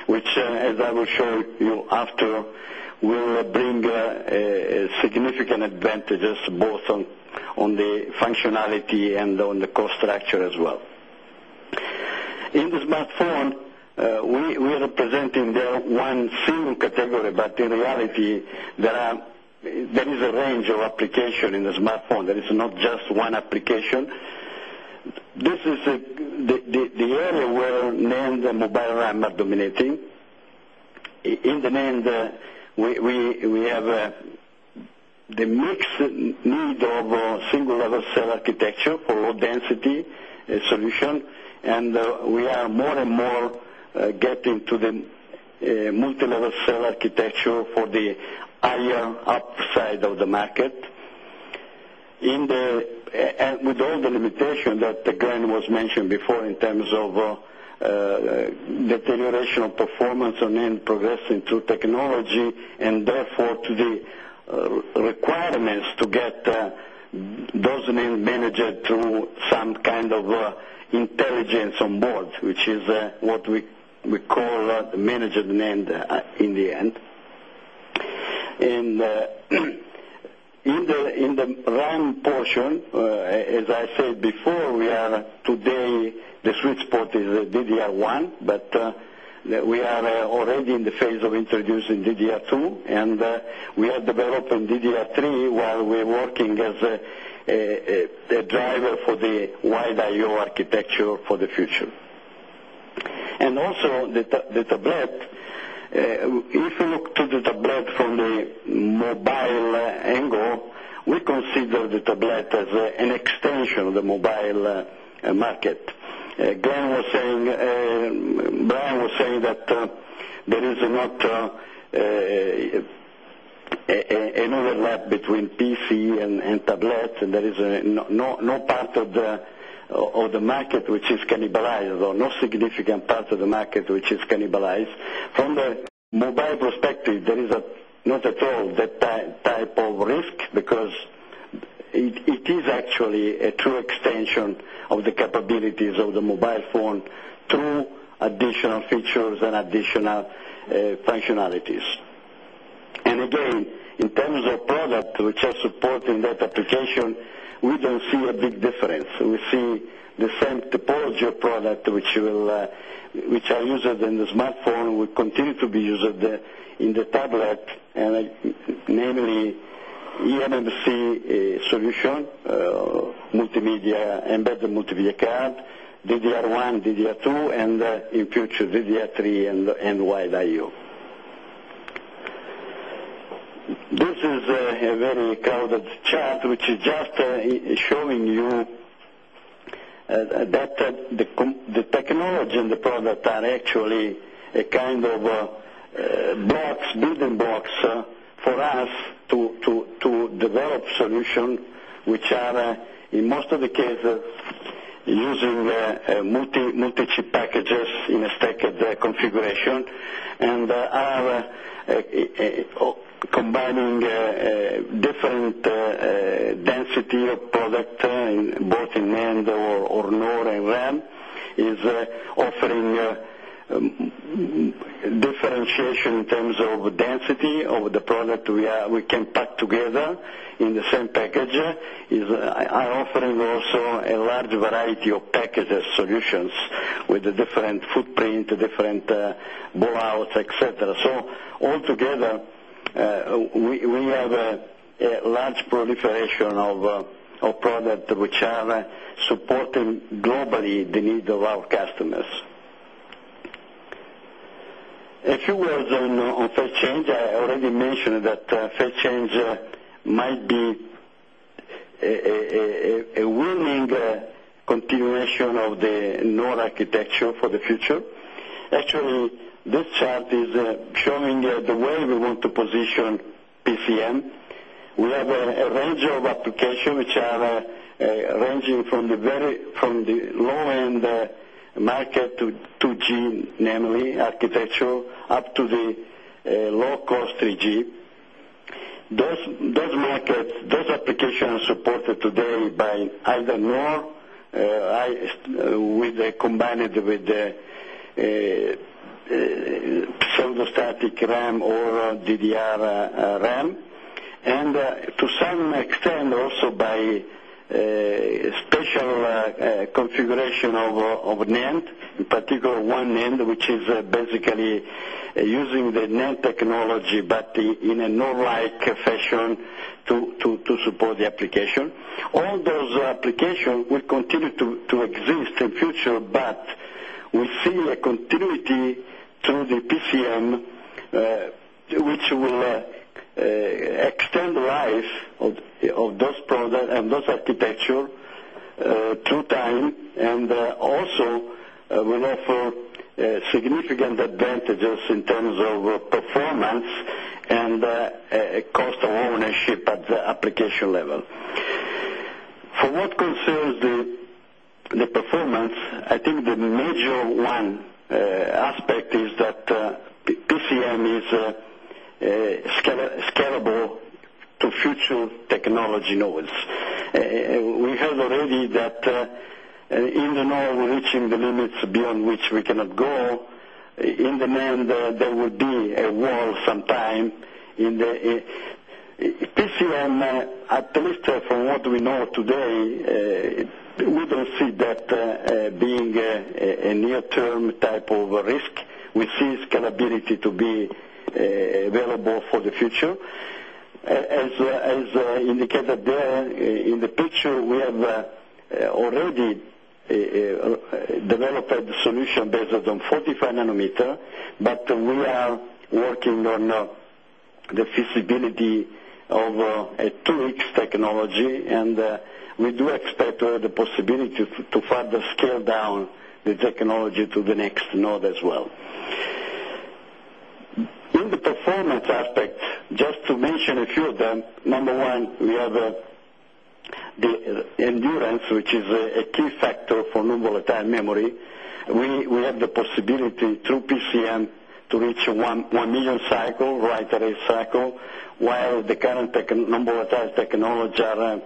which, as I will show after, will bring a significant advantage both on the functionality and on the cost structure as well. In this smartphone, we, we had a presenting their one single category, but in reality, there are, there is a range of application in the smartphone that is not just one indication. This is a the area where NAND and mobile RAM are dominating. In the NAND, we we have, the mix need of a single level cell architecture for density solution. And we are more and more getting to the multilevel cell architecture for the higher upside of the market. In the, with all the limitation that Glenn was mentioned before in terms of, the the operational performance of NAND progressing through technology and therefore, to the requirements to get those men manage it to some kind of intelligence on board, which is what we call the manager demand in the end. And in the, in the round portion, as I said before, we are, today, the switch port is DDR1, but, we are already in the of introducing DDR2, and we are developing DDR3 while we're working as a a driver for the wide IO architecture for the future. And also, the the the bread, if you look to the the bread the mobile angle, we consider the tablet as an extension of the mobile market Again was saying Brian was saying that there is not an overlap between PC and tablet and there is no part of the market, which is cannibalized or no significant parts of the market which is cannibalized. From the mobile perspective, there is not at all the type of risk because it is actually a true extension of the capabilities of the mobile phone through features and additional functionalities. And again, in terms of product, which are supporting that application we don't see a big difference. We see the same technology product, which will, which are users in the smartphone. We need to be used at the, in the tablet, and I, namely, EMMC solution, embedded multivia card, DDR1, DDR2, and in future DDR3 and YII. This is a very crowded chart, which is just showing you that the the technology and the product are actually a kind of box, building blocks for us to develop solution, which are, in most of the cases, using, multi multi chip packages in a staggered configuration. And our combining different density of product both in hand or north and ramp is offering differentiation in terms of density of the product we are, we can together in the same package is offering also a large variety of packaged solutions with a different footprint, different bow outs, etcetera. So, altogether, we have a large prolific of a product which are supporting globally the needs of our customers. A few words on, on fair change, I already mentioned that, fair change, might be a willing continuation of the known architecture for the future. Actually, this chart is showing the way we want to position PCM. We have an advantage of application, which are, ranging from the very, from the lower the market to 2G namely architecture up to the low cost 3G, does markets, those applications are supported today by either more, with the combining with the phostatic RAM or DDR RAM. And, to some extend also by, special configuration of NAND in particular one end, which is basically using the NAND technology, but in a normal like fashion to support the application. All the the application will continue to exist in future, but we see a continuity through the ACM, which will, extend the life of those products and those architecture two times and also will offer significant advantages in terms of performance and a cost of ownership at the application level. From what concerns the performance I think the major one aspect is that PCM is scalable to future technology novels. We have already that, in the know we're reaching the limits beyond which we cannot go in demand that there would be a war sometime time in the, at least from what we know today, we don't see that being a near term type of risk, we see scalability to be available for the future. As indicated there in the picture, we have already developed a solution based on 4 nanometer, but we are working on, the feasibility of a 2 weeks technology. And we do expect the possibility to further scale down the technology to the next node as well. In the performance aspect, just to mention a few of them, number 1, we have the endurance, which is a key factor for Nimble attack memory, we have the possibility through PCM to reach 1,000,000 cycle, right at a cycle, while the current number attached technology are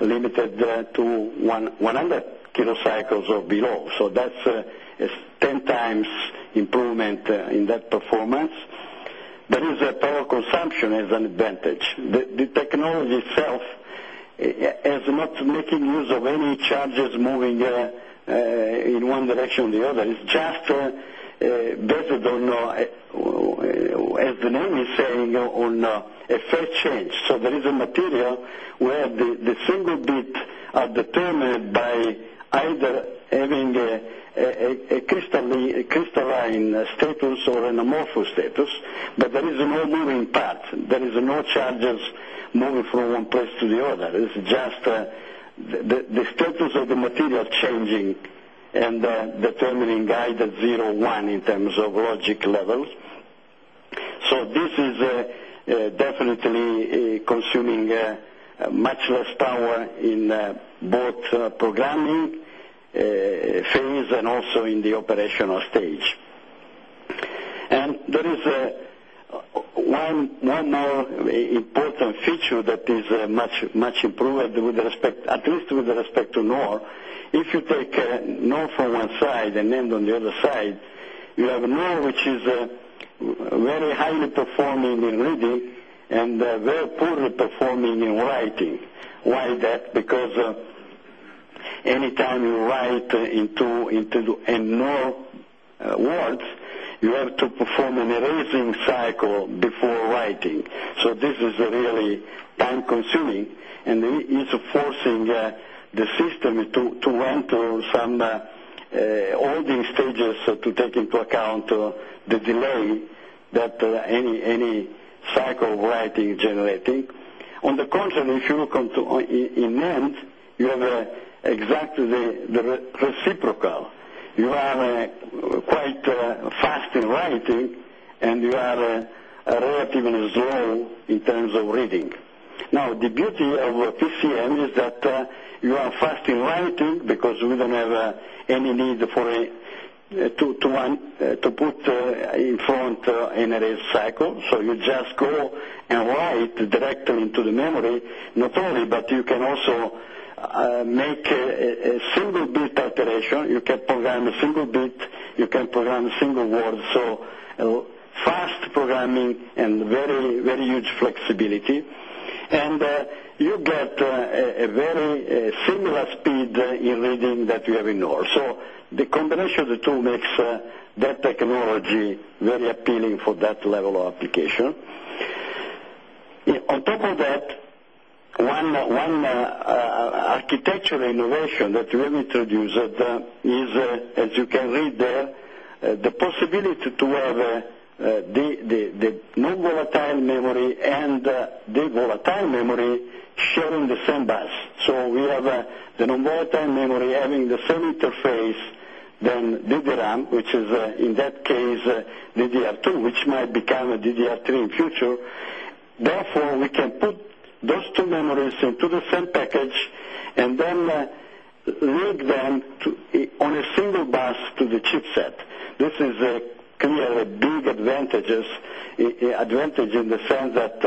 limited to 100 kilocycles or below. So, that's a ten times improvement in that performance. That is a power consumption as an advantage. The technology is self as not making use of any charges moving, in one direction or the other. It's just, basically, you know, as the name is saying on, a fair change. So there is a material where the same a bit determined by either having a crystalline status or an amorphous state but there is no moving parts. There is no charges moving from one person to the other. It's just the status of the material change and the determining guide at 1 in terms of logic levels. So this is, definitely, consuming much less power in both programming phase and also in the operational stage. And that is, one more important feature that is much, much improved with respect, at least with the respect to no if you take a note from one side and then on the other side, you have no, which is a very highly performing in Redid. And very poorly performing in writing. Why is that? Because anytime you write into into a more world, you have to perform in a racing cycle before writing. So, this is really time consuming and it's forcing the system to run through some all the stages to take into account the delay that any cycle variety is generating. On the contrary, if you look on in end, you have, exactly the reciprocal. You have a quite, fasting writing and we are a relative in a zone in terms of reading. Now, the beauty of PCM is that, you are fasting to, because we don't have any need for a 2 to 1 to put in front NLS cycle. So you just go and write directly into the memory, not only, but you can also, make a single bit iteration. You can a single bit, you can program a single word. So a fast programming and very, very huge flexibility. And you get a very similar speed in reading that you have in order. So the combination of the makes that technology very appealing for that level of application. On of that one, one, architectural innovation that we introduced is, as you can the, the possibility to have, the, the, the, normal attack memory and, the, volatile memory sharing the same bus. So we have, the no more time memory having the same interface than Digiram, which is, in that case, did the 2, which might become a DDR3 in future. Therefore, we can put those 2 memories into the same package and then read them on a single bus to the chipset. This is a are big advantages, advantage in the sense that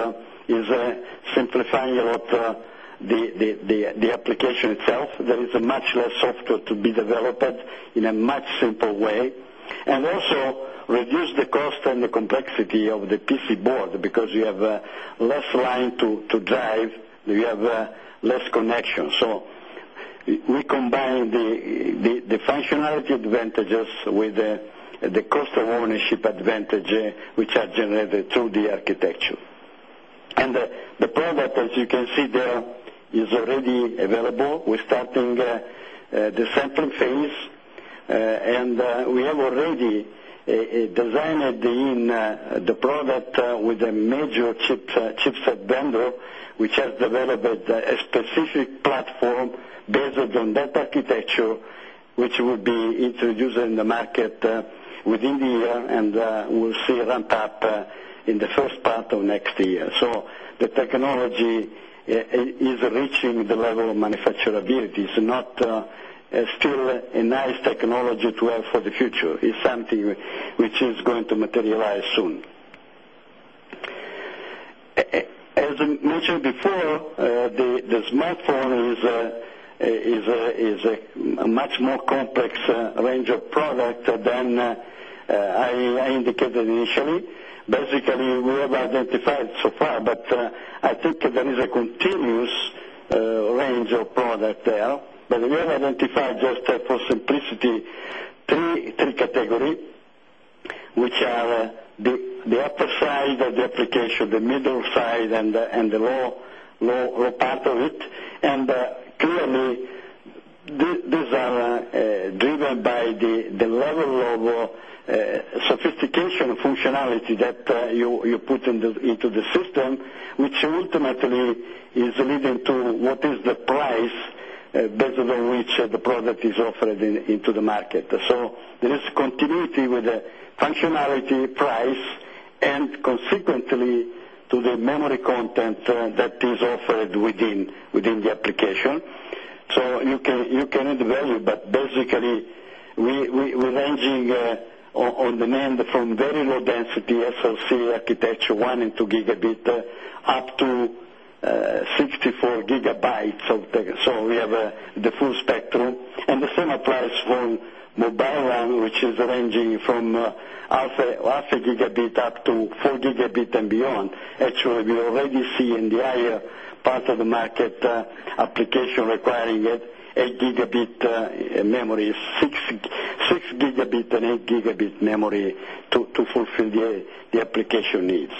is simplifying about the application itself. There is a much software to be developed in a much simple way and also reduce the cost and the complexity of the PC board because we have, less line to drive. We have, less connection. So we combine the, the, the functionality advantage just with the cost of ownership advantage, which are generated through the architecture. And the product, as you can see there is a the available. We're starting, the central phase. And, we have already design at the end, the product with a major chipset bundle, which has developed a specific platform based on that architecture, which will be introduced in the market within the year and we'll see a ramp up in the first out of next year. So, the technology is reaching the level of manufacturability, so not still in technology to have for the future is something which is going to materialize soon. As I mentioned before, the smartphone is a much more complex range of product than I indicated initially. Basically, we have identified so far, but, I think that is a continuous range of product there. But we have identified just for simplicity 3 category, which have, the the upper side, the application, the middle side, and the, and the low, low, low power it. And, clearly, these are driven by the level of sophistication and functionality that you put into the system, which ultimately is leading to what is the price, there's a reach the product is offered into the market. So there is continuity with the functionality price and consequently the memory content that is offered within the application. So you can add value, but basically, we remain on demand from very low density SLC architecture 1 and 2 gigabit up to 6 4 gigabytes. So we have the full spectrum and the same applies for mobile run, which is ranging from, I'll say, 100 gigabit up to 4 gigabit and beyond. Actually, we already see in the higher parts of the market application requiring 8 gigabit memory, 6 gigabit and 8 gigabit memory to fulfill the application needs.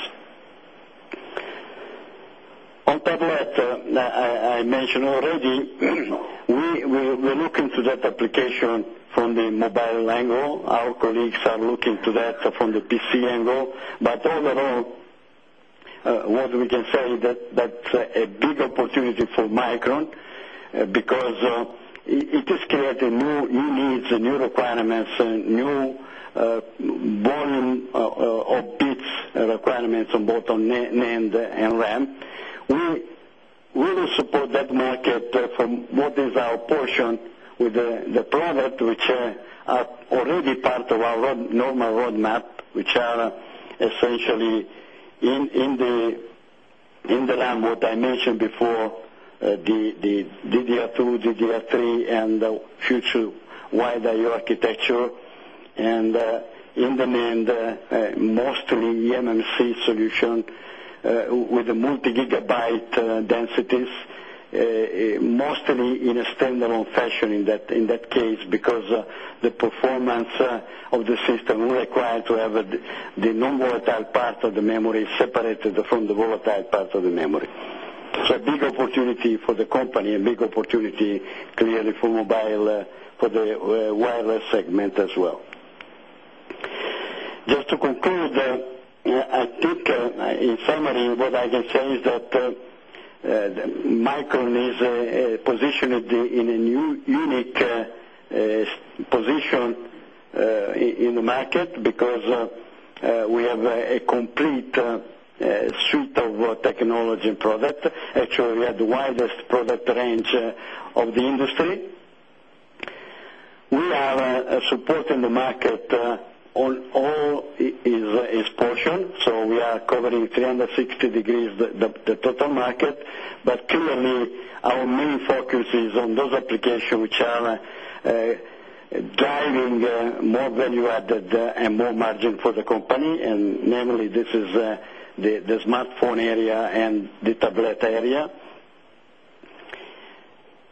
On tablet, I mentioned all the, we, we, we look into that application from the mobile angle. Our colleagues are looking to that from the PC angle, but overall, what we can say that, that's a big opportunity for Micron because it just creates a new needs, a new requirements, a new, volume, or pitch requirements on both on NAND and Lam, we really support that market, from is our portion with the product, which are already part of our normal roadmap, which are essentially in the, in the land, what I mentioned before, DVR2, DDF3, and the future wide IO architecture and, in demand, mostly the MMC. So you with the multi gigabyte densities, mostly in a standalone fashion in that case, because the performance of the system required to have the non volatile part of the memory separated from the volatile part of the memory. So a big opportunity for the company and big opportunity clearly for mobile, for the wireless segment as well. Just to conclude, I think in summary, what I can say is that, Michael is positioned in a new unique position in the market because we have a complete suite of technology and product, actually we had the widest product range of the industry see. We are, supporting the market, all is, is poor So we are covering 360 degrees, the total market. But clearly, our main focus on those applications, which are driving more value added and more margin for the company. And namely, this is the smartphone area and the tablet area.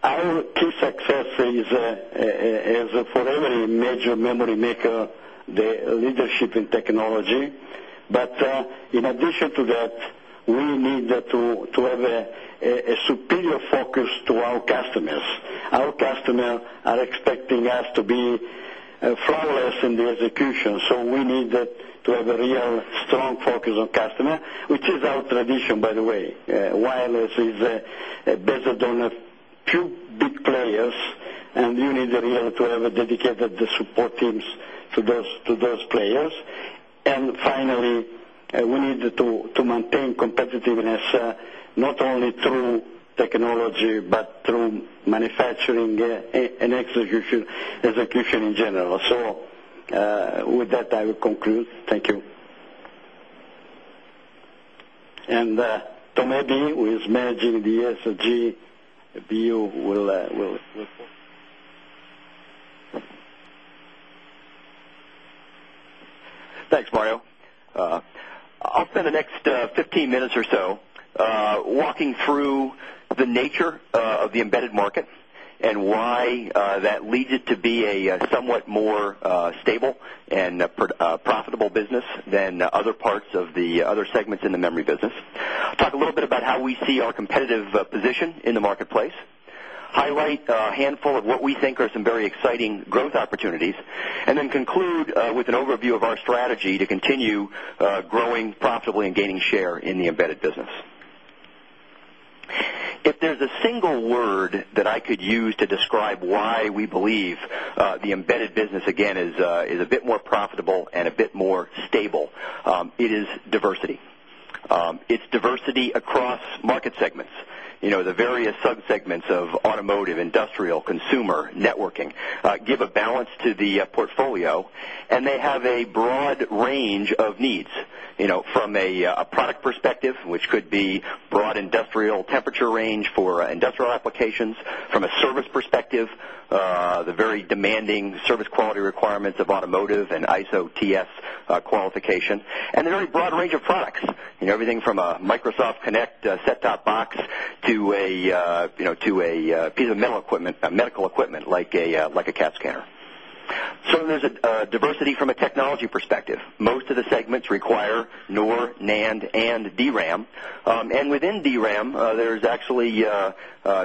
Our key success is, as for every major memory make the leadership in technology. But, in addition to that, we need to have a superior focus to our customers. Our customers are expecting us to be flawless in the execution. So we need to have a real strong focus on customer, which is our tradition, by the way, wireless is a a better donor, few big players and you need the real to have a dedicated support teams to those, to those players. And finally, we need to maintain competitiveness, not only through technology, but through manufacturing and execution, the accretion in general. So with that, I will conclude. Thank you. Tomobi, who is managing the ESG BU will Thanks, Mario. I'll spend the next 15 minutes or so, walking through the nature of the embedded market and why that leads it to be a somewhat more, stable and profitable business than other parts of the other segments in the memory business. Talk a little bit about how we see our competitive position in the marketplace. Highlight handful of what we think are some very exciting growth opportunities. And then conclude with an overview of our strategy to continue growing profitably and gaining share in the If there's a single word that I could use to describe why we believe the embedded business is a, is a bit more profitable and a bit more stable. It is diversity. It's diversity across market segments. The various sub segments of automotive, industrial, consumer networking, give a balance to the portfolio and they have a broad range of applications from a service perspective, the very demanding service quality requirements of automotive and ISO TS qualification. And an early broad range of products, everything from a Microsoft Connect set top box to a piece of metal equipment, medical equipment, like a, like a cat scanner. So there's a diversity from a technology perspective. Most of the segments require, nor, NAND, and DRAM. And within DRAM, there's actually,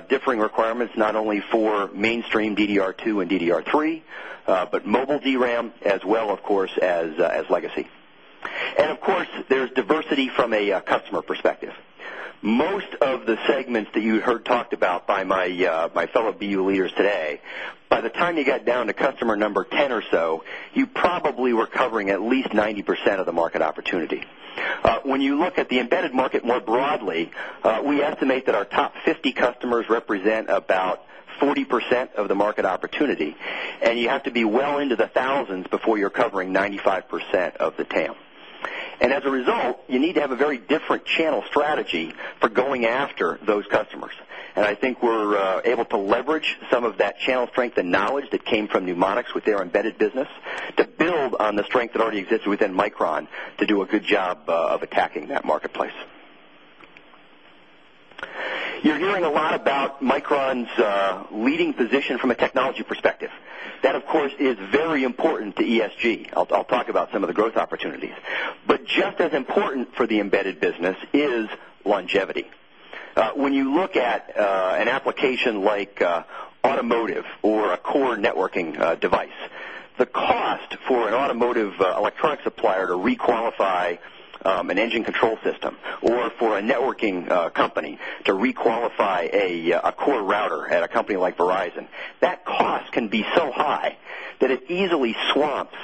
differing requirements, not only for mainstream DDR2 and DDR3, mobile DRAM as well, of course, as legacy. And of course, there's diversity from a customer perspective. Most of the segments that you heard talk about by my fellow BU leaders today. By the time you got down to customer number 10 or so, you probably were covering at least 90% of the market opportunity. When you look at the embedded market more broadly, and you have to be well into the thousands before you're covering 95% of the TAM. And as a result, you need to have a very different channel strategy for going after those customers. And I think we're, able to leverage some of that channel strength and knowledge that came from Mnemonics with their embedded business to build on the strength he exists within Micron to do a good job of attacking that marketplace. You're hearing a lot about Micron's leading a as important for the embedded business is longevity. When you look at an application like, automotive or a core networking device. The cost for an automotive electronic supplier to re qualify, an engine control system or for a networking company to re qualify a core router at a company like Verizon. That cost can be so high that it easily swamps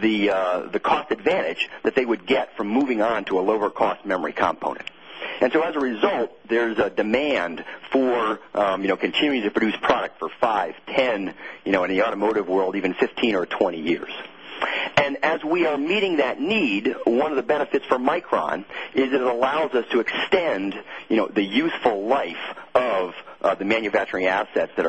the the cost advantage that they would get from moving on to a lower cost memory component. And so as a result, there's a demand for continuing to produce product for 5, 10 in the automotive world, even 15 or 20 years. And as we are meeting that need one of the benefits for Micron is that it allows us to extend the useful life of the man factoring assets that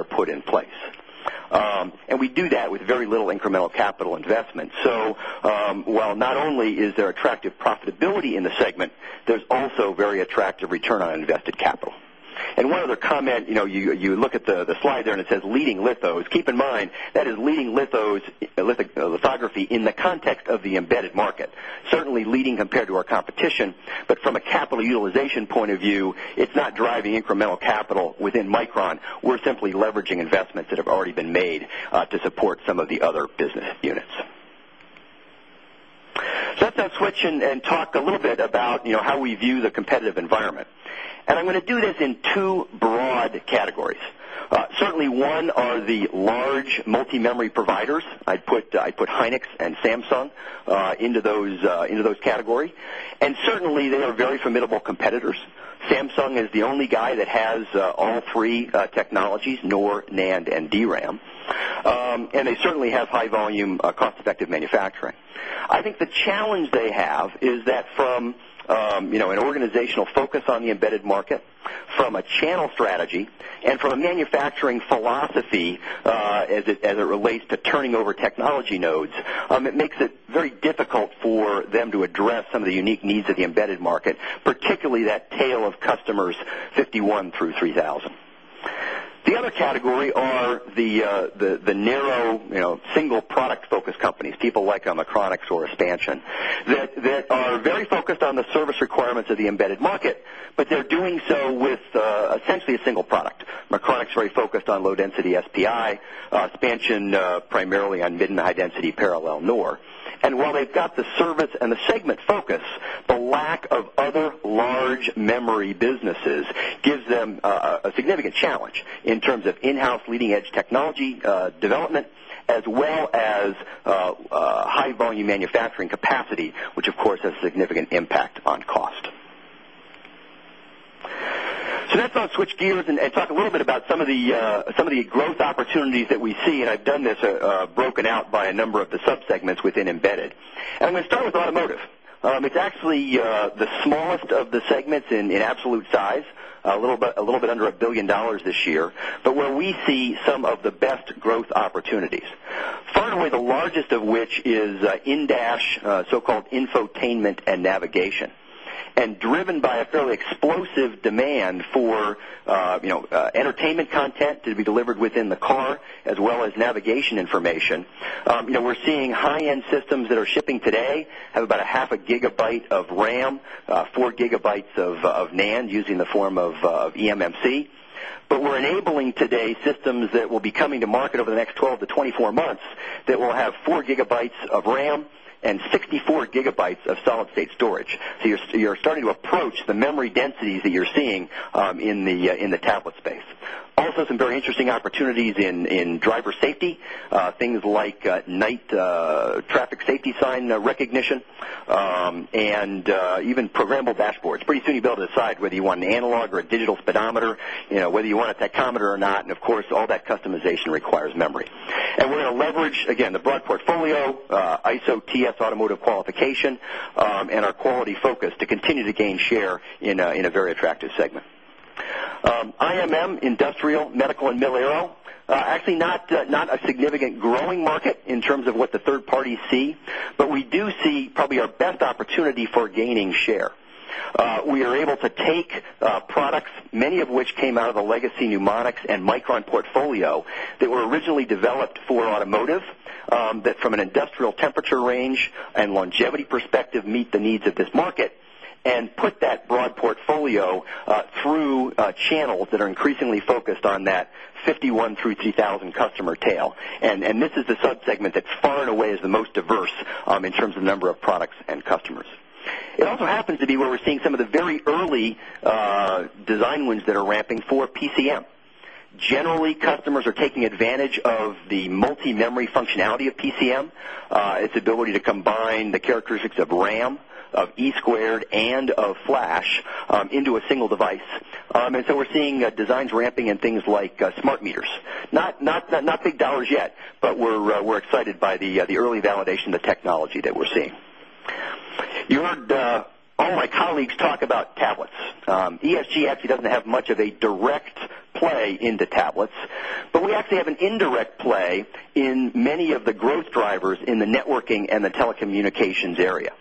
attractive profitability in the segment, there's also very attractive return on invested capital. And one other comment, you know, you look at the slide there and it says leading lithos, keep in mind that is leading lithography in the context of the embedded market, certainly leading compared to our competition, but a capital utilization point of view, it's not driving incremental capital within Micron. We're simply leveraging investments that have already been made to support the other business units. So that's on switch and talk a little bit about, you know, how we view the competitive environment. And I'm gonna do this in 2 broad categories. Certainly, one are the large multi memory providers. I'd I put Hynix and Samsung into those categories. And certainly, they are very formidable competitors. Samsung is the only guy that has all three technologies, NOR, NAND, and DRAM. And they certainly have high volume, a cost effective manufacturer, I think the challenge they have is that from, an organizational focus on the embedded market, from a channel threat and from a manufacturing philosophy, as it relates to turning over technology nodes, it makes very difficult for them to address some of the unique needs of the embedded market, particularly that tale of customers 51 through 3000. The other category are the, the, the narrow, you know, single product focused companies, people like electronics or expansion, that, that are focused on the service requirements of the embedded market, but they're doing so with essentially a single product. Macronix is very focused on low density SP AI, expansion, primarily on mid and high density parallel norm. And while they've got the service and the segment focus, the lack of other large memory businesses gives them a significant challenge in terms of in house leading edge technology development as well as high volume manufacturing capacity, which of course has significant impact on cost. So let's now switch gears and talk a little bit about some of the growth opportunities that we see and I've done this broken out by a number of the subsegments within Embedded. And I'm going to start with Automotive. It's actually the smallest of the segments in absolute size, a little bit under $1,000,000,000 this year, but where we see some of the best growth opportunities. 1st, way the largest of which is in dash, so called infotainment and navigation, and driven by a fairly explosive end for entertainment content to be delivered within the car as well as navigation information. We're seeing high end systems that are shipping today have about a half a gigabyte of RAM, 4 gigabytes of NAND using the form of eMMC. But we're enabling today systems that will be coming to market over the next 12 to 24 months that will have 4 gigabytes of RAM and 64 gigabytes of solid state storage. So you're starting to approach the memory densities that you're seeing in the tablet space. Also some very opportunities in driver safety, things like night traffic safety sign recognition, And even programmable dashboards, pretty soon you build it aside, whether you want an analog or a digital speedometer, whether you want it that kilometer or not. And of course, all that optimization requires memory. And we're going to leverage again the broad portfolio, ISO TS Automotive qualification, and our quality focus to continue to gain share in a very attractive segment. IMM, Industrial, Medical And Milaro, actually not a significant growing market in terms of what the 3rd party see, but we do see probably our best opportunity for gaining share. We are able to take products many of which came out of the legacy mnemonics and Micron portfolio that were originally developed for automotive, that from an industrial temperature range and longevity perspective meet the needs of this market and put that broad portfolio through channels that are increasingly focused on that 51 through 3000 customer tail. And this is the sub segment that's far and away is the most diverse, in terms of number of products and customers. In happens to be where we're seeing some of the very early design wins that are ramping for PCM. Generally, customers are taking it advantage of the multi memory functionality of PCM, its ability to combine the characteristics of RAM of E squared and of flash into a single device. And so, we're seeing designs ramping and things like smart meters, not big ours yet, but we're, we're excited by the early validation of the technology that we're seeing. Your, all my colleagues talk about tablets. ESG actually doesn't have much of a direct play into tablets, but we actually have an indirect play in many of the growth drivers in the network and the telecommunications area.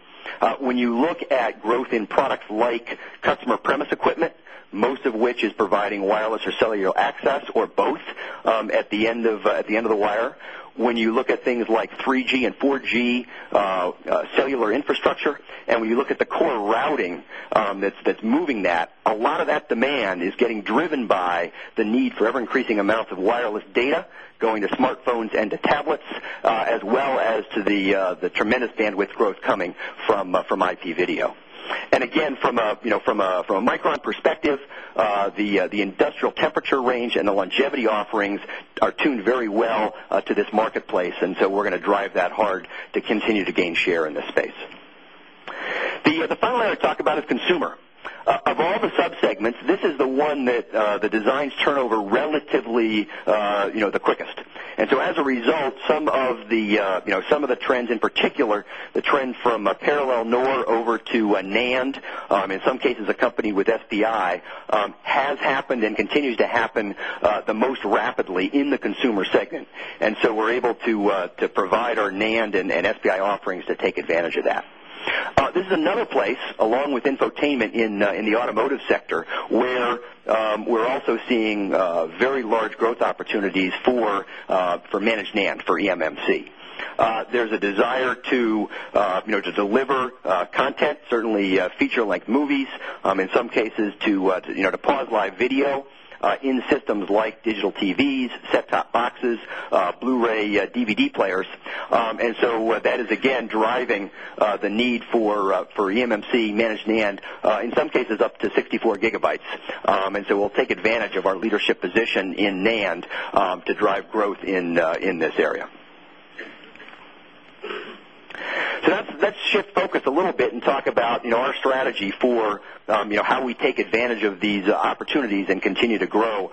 When you look at growth in products like customer premise equipment, most of which is providing wireless or cellular access or both, at the end of at the end of the wire. When you look at things like 3G and 4G cellular infrastructure. And when you look at the core routing, that's moving that, a lot of that demand is getting driven by the need for ever increasing amounts of wireless data going smartphones and the tablets, as well as to the, the tremendous bandwidth growth coming from, from IP video. And again, from a micron perspective, the industrial temperature range and the longevity offerings are tuned very sell to this marketplace. And so we're going to drive that hard to continue to gain share in this space. The final I want to talk about is consumer. Of all the sub sub segments, this is the one that, the designs turnover relatively, the quickest. And so as a result, some of the, some the trends in particular, the trend from a parallel NOR over to NAND, in some cases, a company with SBI, has happened and continues to happen the most rapidly in the consumer segment. And so we're able to provide our NAND and SBI offerings to take advantage of manage opportunities for, for Managed NAND for E MMC. There's a desire to, to deliver content, certainly feature like movies, in some cases to, to pause live video in systems like digital TVs, set top boxes, up Blu ray DVD players. And so that is, again, driving the need for EMC managed NAND. In some cases, up 64 gigabytes. And so we'll take advantage of our leadership position in NAND, to drive growth in this you. So that's shift focus a little bit and talk about our strategy for, how we take advantage of these opportunities and continue to grow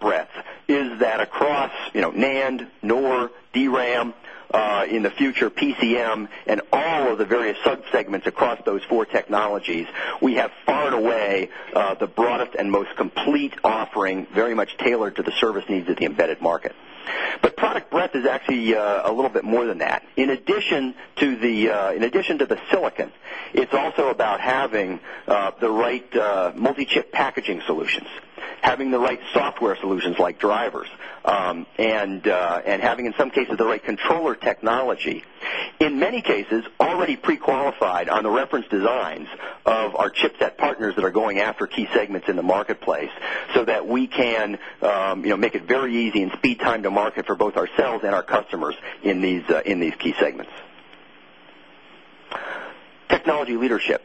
breath, is that across NAND, nor DRAM, in the future PCM and all of the various segments across those 4 technologies, we have far and away, the broadest and most complete offering very much tailored to the service needs of the embedded market. But product breadth is actually a little bit more than that. In addition to the, in addition to the silicon, it's also about having the right multi chip packaging solutions, having the right software solutions like drivers. And, and having, in some case, therate controller technology. In many cases, already prequalified on the reference designs of our chipset partners that are going after key segments in the marketplace, so that we can, make it very easy and speed time to market for both ourselves and our customers in these key segments. Technology leadership,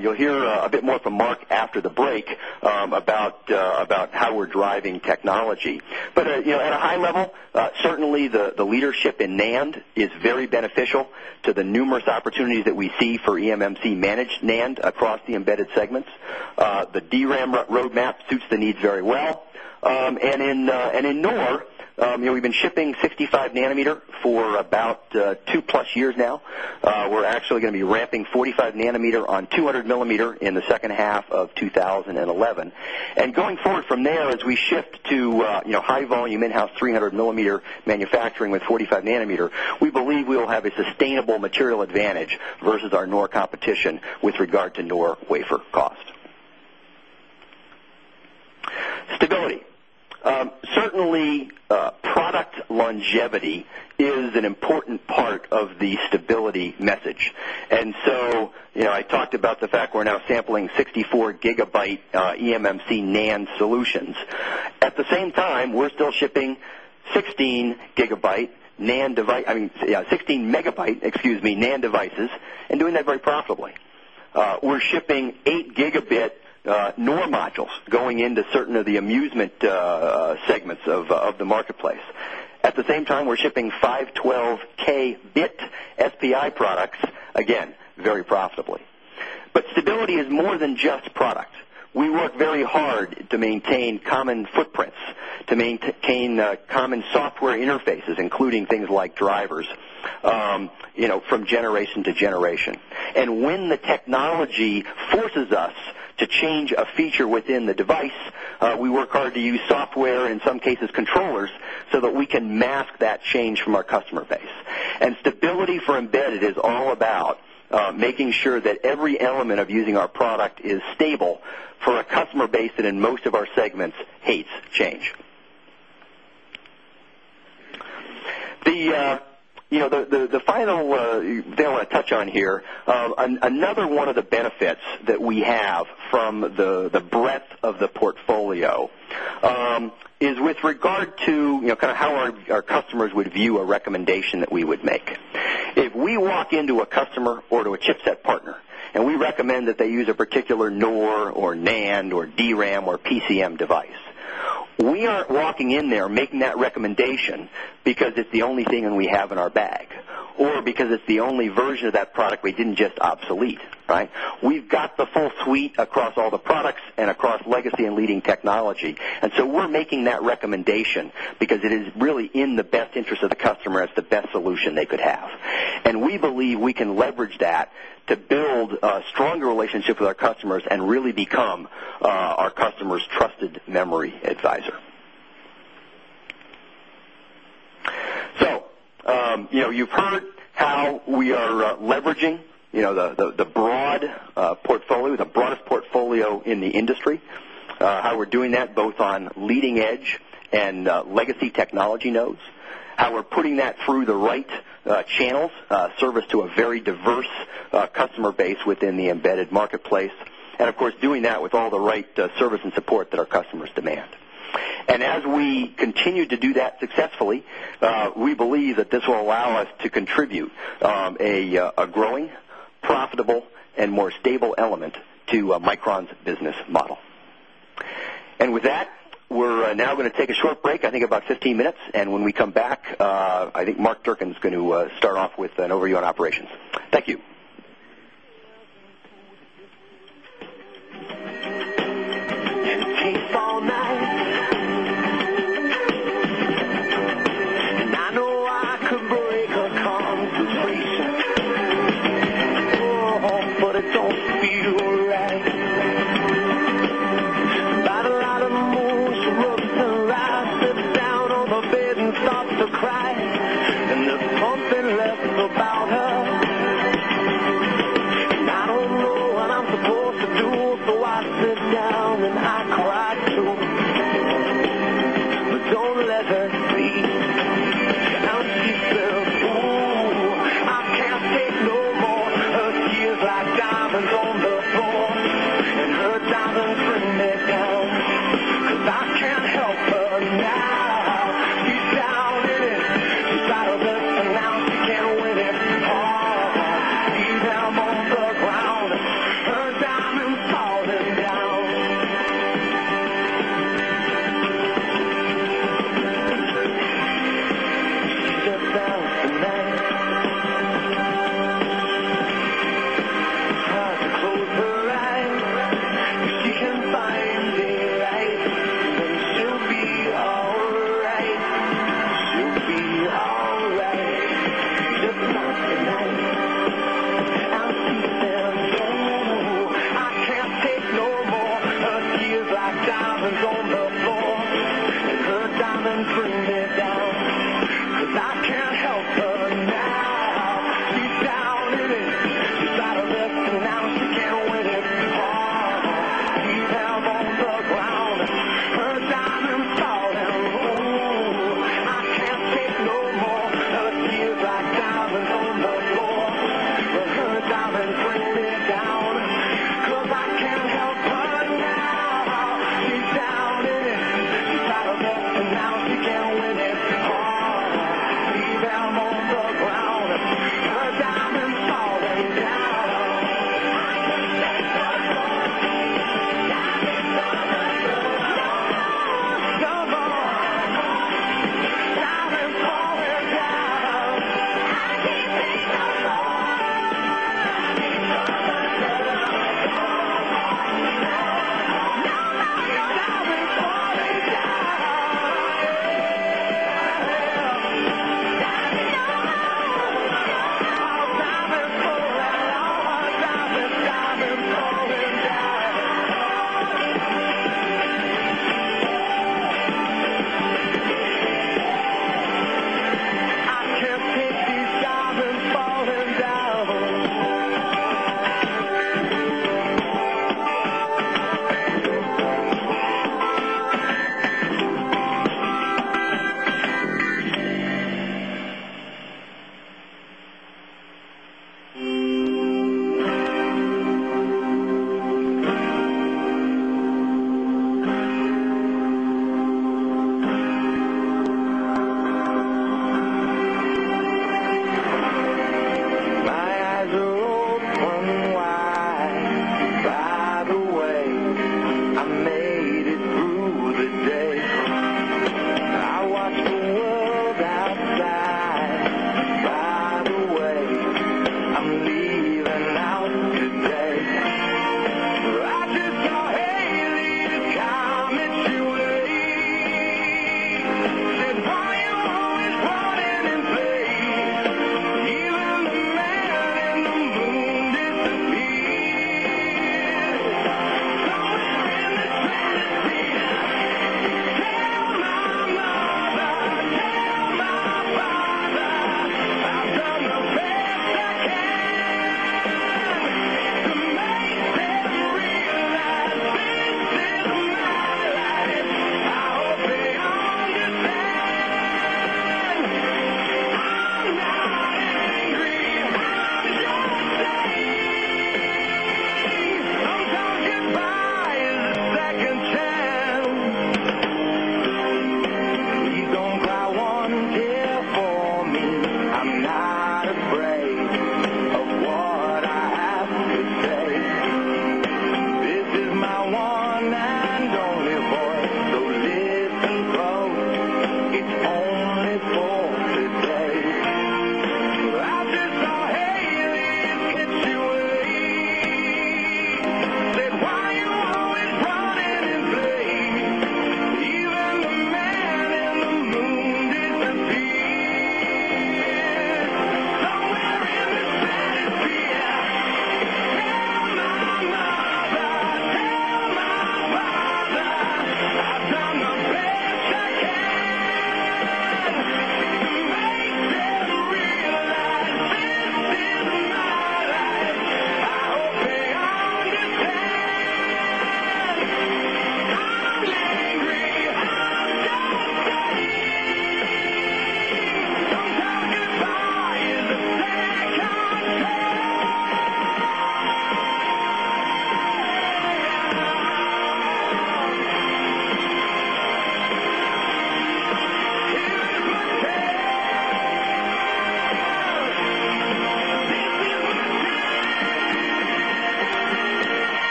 you'll hear a bit more from Mark after the break, about allergy. But at a high level, certainly the leadership in NAND is very beneficial to the numerous opportunities that we see for MMC managed NAND across the embedded segments. The DRAM roadmap suits the needs very well. And in NOR, We've been shipping 65 nanometer for about 2 plus years now. We're actually going to be ramping 45 nanometer on two millimeter in the second half of twenty eleven. And going forward from there, as we shift to high volume in house 300 millimeter may factoring with 45 nanometer, we believe we will have a sustainable material advantage versus our NOR competition with regard to wafer cost. Stability, product longevity is an important part of the stability message. And so, I talked about the fact we're now solutions. At the same time, we're still shipping 16 gigabyte, NAND device I mean, 16 megabytes, excuse me, NAND devices and doing that very profitably. We're shipping 8 gigabit, NOR module going into certain of the amusement segments of the marketplace. At the same time, we're shipping 512 K bit SPI products, again, very profitably. But stability is more than just product. We work very hard to maintain common footprints to maintain common software interfaces, including things like drivers, from generation to generation. And when the technology forces us to change a feature within the device, we work hard to use software in some cases controllers so that we can mask that change from our customer base. And stability for embedded is all about making sure that every element of using product is stable for a customer base that in most of our segments hate change. The final, Dan, want to touch on here, another one of the benefits that we have from the the breadth of that we vice. We aren't walking in there, making that recommendation because it's the only thing we have in our bag, or because it's the only version of that We didn't just obsolete, right? We've got the full suite across all the products and across legacy and leading technology. And So, we're making that recommendation because it is really in the best interest of the customer as the best solution they could have. And we believe we can bridge that to build a stronger relationship with our customers and really become, our customers trusted memory. It's sir. So, you've heard how we are leveraging the the broad, portfolio, the broadest portfolio in the industry. How we're doing that both on leading edge and, leg technology nodes. How we're putting that through the right channels, service to a very diverse customer base within the embedded marketplace. And of course, doing that with all the right service and support that our customers demand. And as we continue to do that successfully, we will that this will allow us to contribute, a growing, profitable and more stable element call. And with that, we're now going to take a short break, I think, about 15 minutes. And when we come back, I think Mark Durkin is going to start off with an overview on operations. Thank you the the board, the tools, the locks is down, and I cried too. Don't let us be for the She can domains over the phone. Her diamond printed. By the way. I'm It's In New Never enough. Me. You?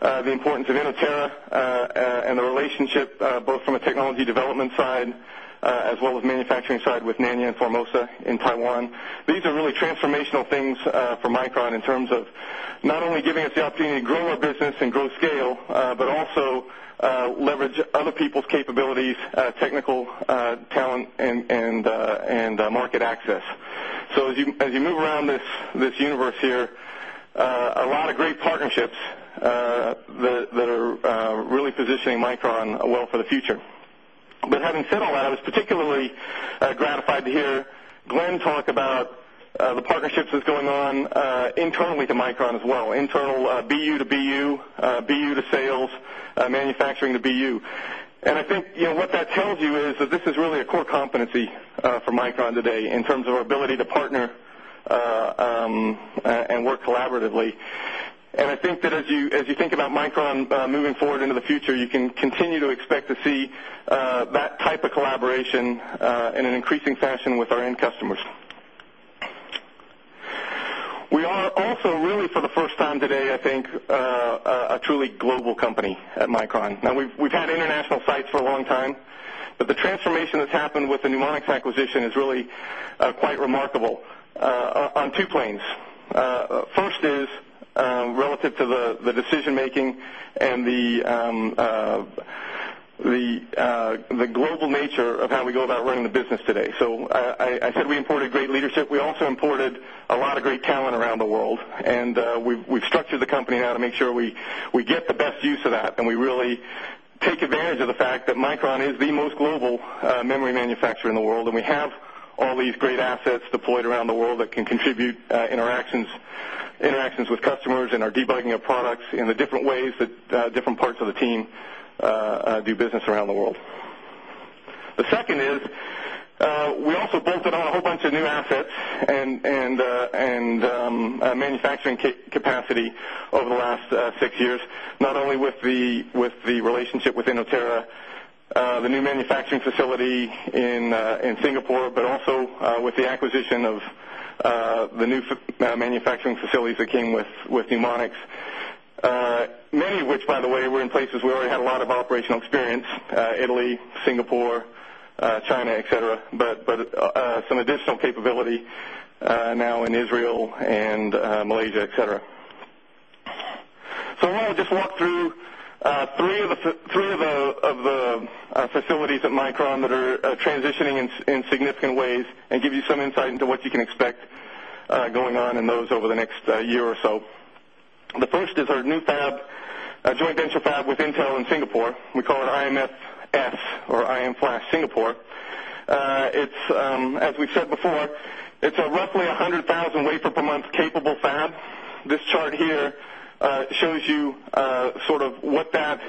the importance of Innovara, and the relationship, both from a technology development side, as well as manufacturing side with Nania and Formosa in Taiwan. These are really transformational things, for Micron in terms of not only giving us the opportunity to grow our business and grow scale, but also, leverage other people's capabilities, technical, talent and, and, and, market access. So as you, as you move around this, this universe here, a lot of great partnerships, that are, really positioning Micron well for the future. But having said all that, I was particularly gratified to hear. Glenn talk about, the partnerships that's going on, internally to Micron as well. Internal BU to BU, BU to sales, manufacturing the BU. And I think, you know, what that tells you is that this is really a core competency, for Micron Day in terms of our ability to partner, and work collaboratively. And I think that as you, as you think about Micron moving forward into the future, you can you to expect to see, that type of collaboration in an increasing fashion with our end customers. We are also really for the first time today, I think, a truly global company at Micron. And we've had sites for a long time. But the transformation that's happened with the Mnemonics acquisition is really, quite remarkable, on two planes. First is, relative to the decision making and the, the, the global nature we go about running the business today. So, I, I said we imported great leadership. We also imported a lot of great talent around the world, and, we've structured the company to make sure we get the best use of that, and we really take advantage of the fact that Micron is the most global, memory manufacturer in the world. And we have all these great assets deployed around the world that can contribute parts of the team, do business around the world. The second is, we also bolted on a whole bunch of new fit and, and, and, manufacturing capacity over the last 6 years, not only with the, with relationship within Oterra, the new manufacturing facility in, in Singapore, but also with the acquisition of, the new manufacturing facilities that came with mnemonics. Many of which, by the way, were in places. We already had a lot of operational experience. Italy, Singapore, China etcetera, but, but, some additional capability, now in Israel and Malaysia, etcetera. So, I want to just walk through 3 of the 3 of the, facilities at Micron that are transitioning in significant ways and give you some insight into what you can expect. Going on in those over the next year or so. The first is our new fab joint venture fab with Intel in Singapore. We call it IMF at or I'm flash Singapore. It's, as we've said before, it's a roughly 100,000 wafer per month capable fab. Chart here, shows you, sort of what that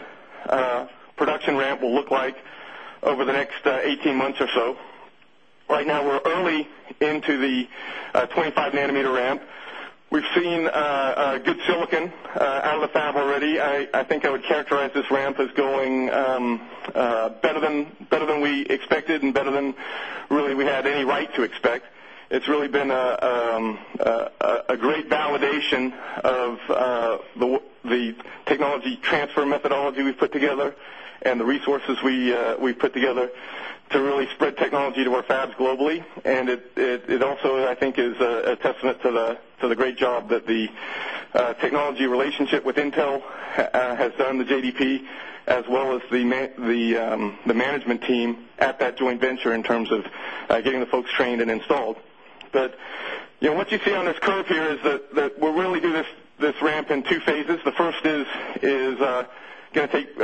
production ramp will look like. Over the next 18 months or so. Right now, we're early into the 25 nanometer ramp. We've seen, a good silicon, out the fab already. I think I would characterize this ramp as going, better than we expected and better than really we had any right to it's really been a, a great validation of, the technology transfer methodology we put together and the resources we, we put together to really spread technology to our fabs globally. And it also I think is a testament to the, to the great job that the, technology relationship with Intel, has done the JDP as well as the management team at that joint venture in terms of getting the folks trained and installed. But, you know, what you see on curve here is that we'll really do this, this ramp in 2 phases. The first is, is, going to take,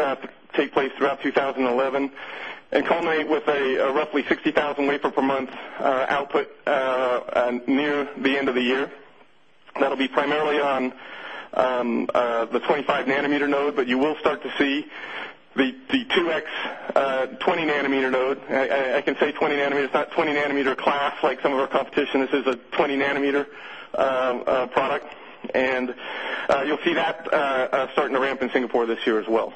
take place throughout 20 7 and coordinate with a roughly 60,000 wafer per month, output, near the end of the year. That'll be primarily on the 25 nanometer node, but you will start to see the, the 2x, 20 nanometer node. I can say 20 nanometer is not 20 nanometer asked, like, some of our competition. This is a 20 nanometer, product. And, you'll see that, the ramp in Singapore this year as well.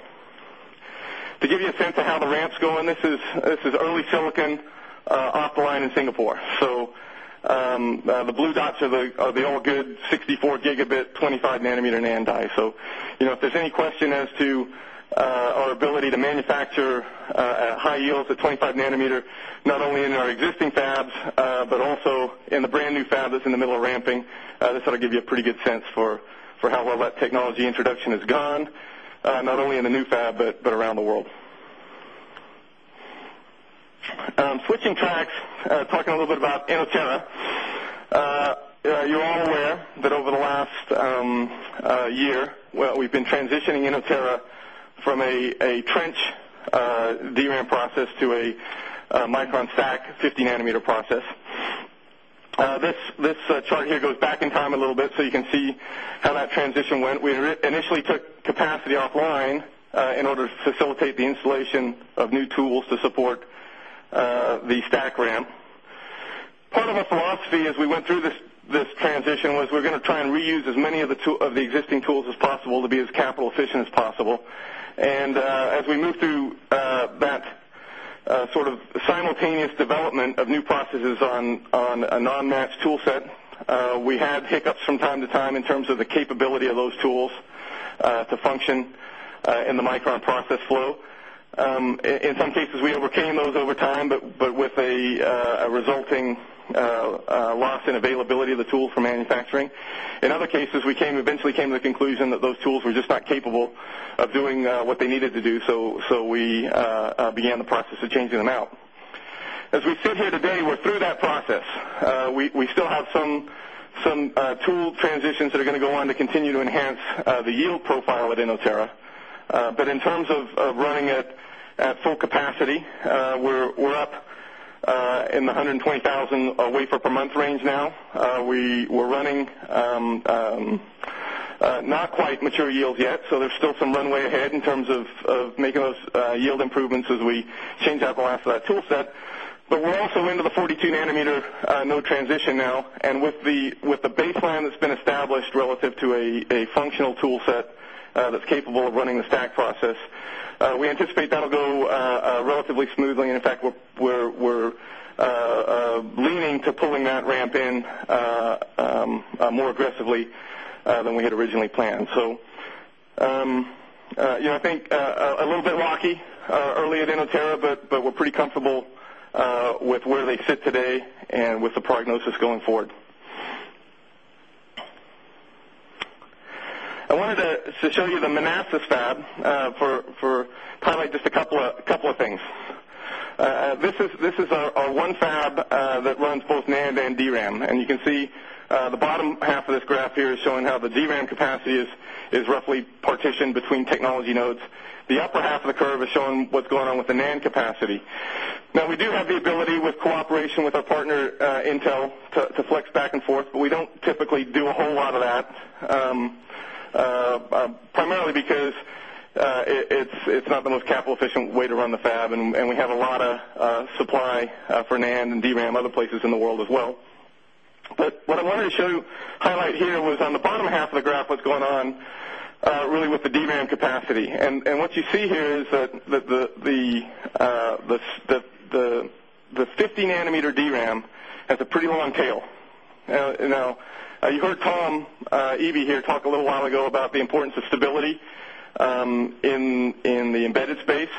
To give you a sense of how the ramps go, and this is, this is early silicon, offline in Singapore. So, the the blue dots are the all good 64 gigabit, 25 nanometer NANDI. So, if there's any question as to, our ability to manufacture a yields at 25 nanometer, not only in our existing fabs, but also in the brand new fab that's in the middle of ramping, this ought to give you a pretty good sense for how well that takes as the introduction is gone, not only in the new fab, but around the world. Switching tracks, talk a little bit about Innoterra. You're all aware that over the last year, we've been transitioning Inno from a trench, DRAM process to a, micron SAC 15 nanometer process. This, this chart here goes back in time a little bit so you can see how that transition went. We initially took capacity offline, in order to the installation of new tools to support, the stack ramp. Part of our philosophy as we went through this, this was we're going to try and reuse as many of the existing tools as possible to be as capital efficient as possible. And, as we move through that sort of simultaneous development of new processes on a non match toolset. We have HIC from time to time in terms of the capability of those tools, to function, in the Micron process flow. Some cases, we overcame those over time, but with a resulting loss in availability of the tool for manufacturing. In other cases, came, eventually came to the conclusion that those tools were just not capable of doing what they needed to do. So, so we, began the process of changing them out. As we sit here today, we're through that process. We, we still have some, some, tool transitions that are going to go on to continue to enhance the yield profile within Oterra. But in terms of running at full capacity, we are up in the 120,000 wafer per month range now. We were running, not quite mature yields yet. So there's still some runway ahead in terms of, of making those, yield improve as we change out the last of that toolset. But we're also into the 42 nanometer, no transition now. And with the, with the baseline that's been established relative to a, a fun toolset that's capable of running the stack process. We anticipate that'll go, relatively smoothly. And in fact, we're leaning to pulling that ramp in, more aggressively than we had originally planned. So you know, I think, a little bit rocky, earlier than Oterra, but, but we're pretty comfortable, with where sit today and with the prognosis going forward. I wanted to show you the Manassas tab, for, for highlight, just a couple of things. This is, this is a one fab, that runs both NAND and DRAM. And you can see, bottom half of this graph here is showing how the DRAM capacity is roughly partitioned between technology nodes. The upper half of the curve is showing going on with the NAND capacity. Now, we do have the ability with cooperation with our partner, Intel to flex back and forth, but we don't typically do a whole lot of that. Primarily because, it's, it's not the most capital efficient way to run the fab, and we have a lot of, supply for NAND and DRAM other places in the world as well. But what I wanted to show you highlight here was on the bottom half of the graph was going on, really with the DRAM capacity. And what you see here is that the, the, the 50 nanometer DRAM has a pretty long tail. Now, you heard Tom, EV here talk a little while ago about the importance of stability. In, in the embedded space.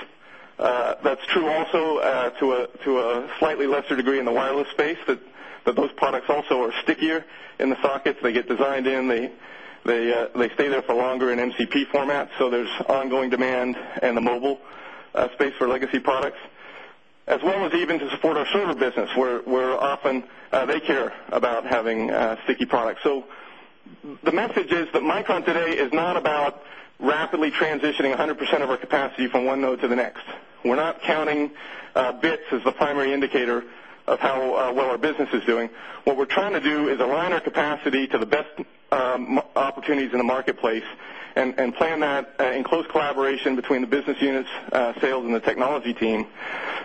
That's true also, to a, to a slightly lesser degree in the wireless space that those products also are stickier in the sockets. They get designed in. They, they, they stay there for longer in MCP format. So, there's ongoing demand the mobile space for legacy products, as well as even to support our server business, where often they care about having a sticky product. So, the message is that Micron today is not about rapidly transitioning 100% of our capacity no to the next. We're not counting, bits as the primary indicator of how, well, our business is doing. What we're trying to do is align our capacity to the best, opportunities in the marketplace and plan that in close collaboration between the business units, sales and the technology team.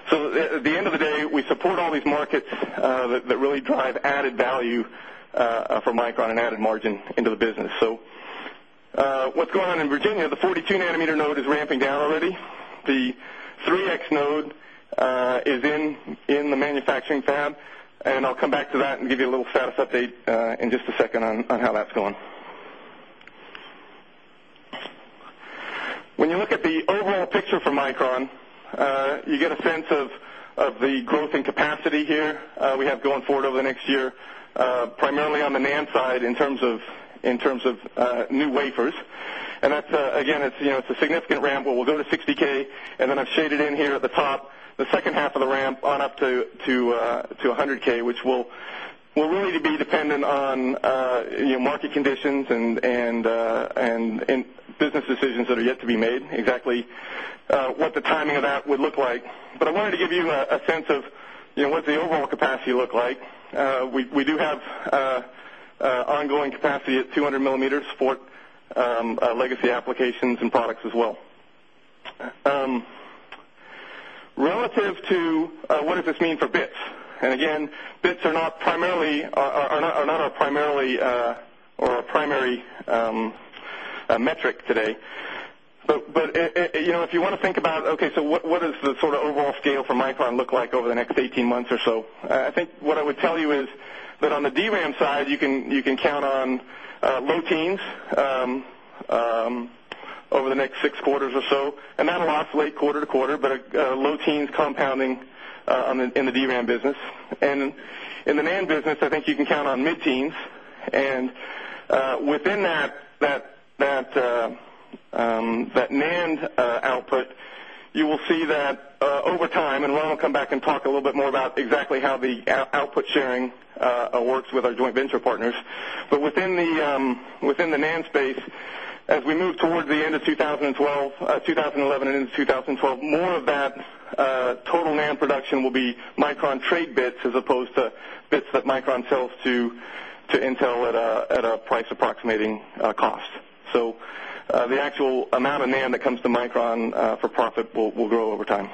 So end of the day, we support all these markets that really drive added value, for Micron and added margin into the business. So what's going on in Virginia, the 42 nanometer node is ramping down already. The 3x node, is in the manufacturing fab. And I'll come back to that and give you a little status update in just a second on how that's going. Look at the overall picture for Micron, you get a sense of, of the growth and capacity here. We have going forward over the next year, primarily on the NAND side in terms of, in terms of, new wafers. And that's, again, it's, you know, it's a significant ramp, but we'll go to 60 k, and then I've shaded in here at the top. The second half the ramp on up to, to, to 100 K, which will really be dependent on, you know, market conditions and, and, and in businesses that are yet to be made, exactly, what the timing of that would look like. But I wanted to give you a, a sense of, you know, what's the overall capacity look like. We, we do have, ongoing capacity at 200 millimeters for, legacy applications and products well. Relative to, what does this mean for bits? And again, bits are not primarily are are not our primarily, or our primary, metric today. But if you want to think okay, so what does the sort of overall scale for Micron look like over the next 18 months or so? I think what I would tell you is that on the D hand side, you can, you can count on, low teens, over the next six quarters or so. And that will oscillate quarter to quarter, a low teens compounding, in the DRAM business. And in the NAND business, I think you can count on mid teens. And, within that, that, that NAND output, you will see that over time. And Ron will come back and talk a little bit more about how the output sharing, works with our joint venture partners. But within the, within the NAND space, as we move towards the end of 2012, 20 in 2012. More of that, total NAND production will be Micron trade bits as opposed to bits that Micron sell to, to Intel at a, at a price approximating cost. So, the actual amount of NAND that comes micron, for profit will grow over time.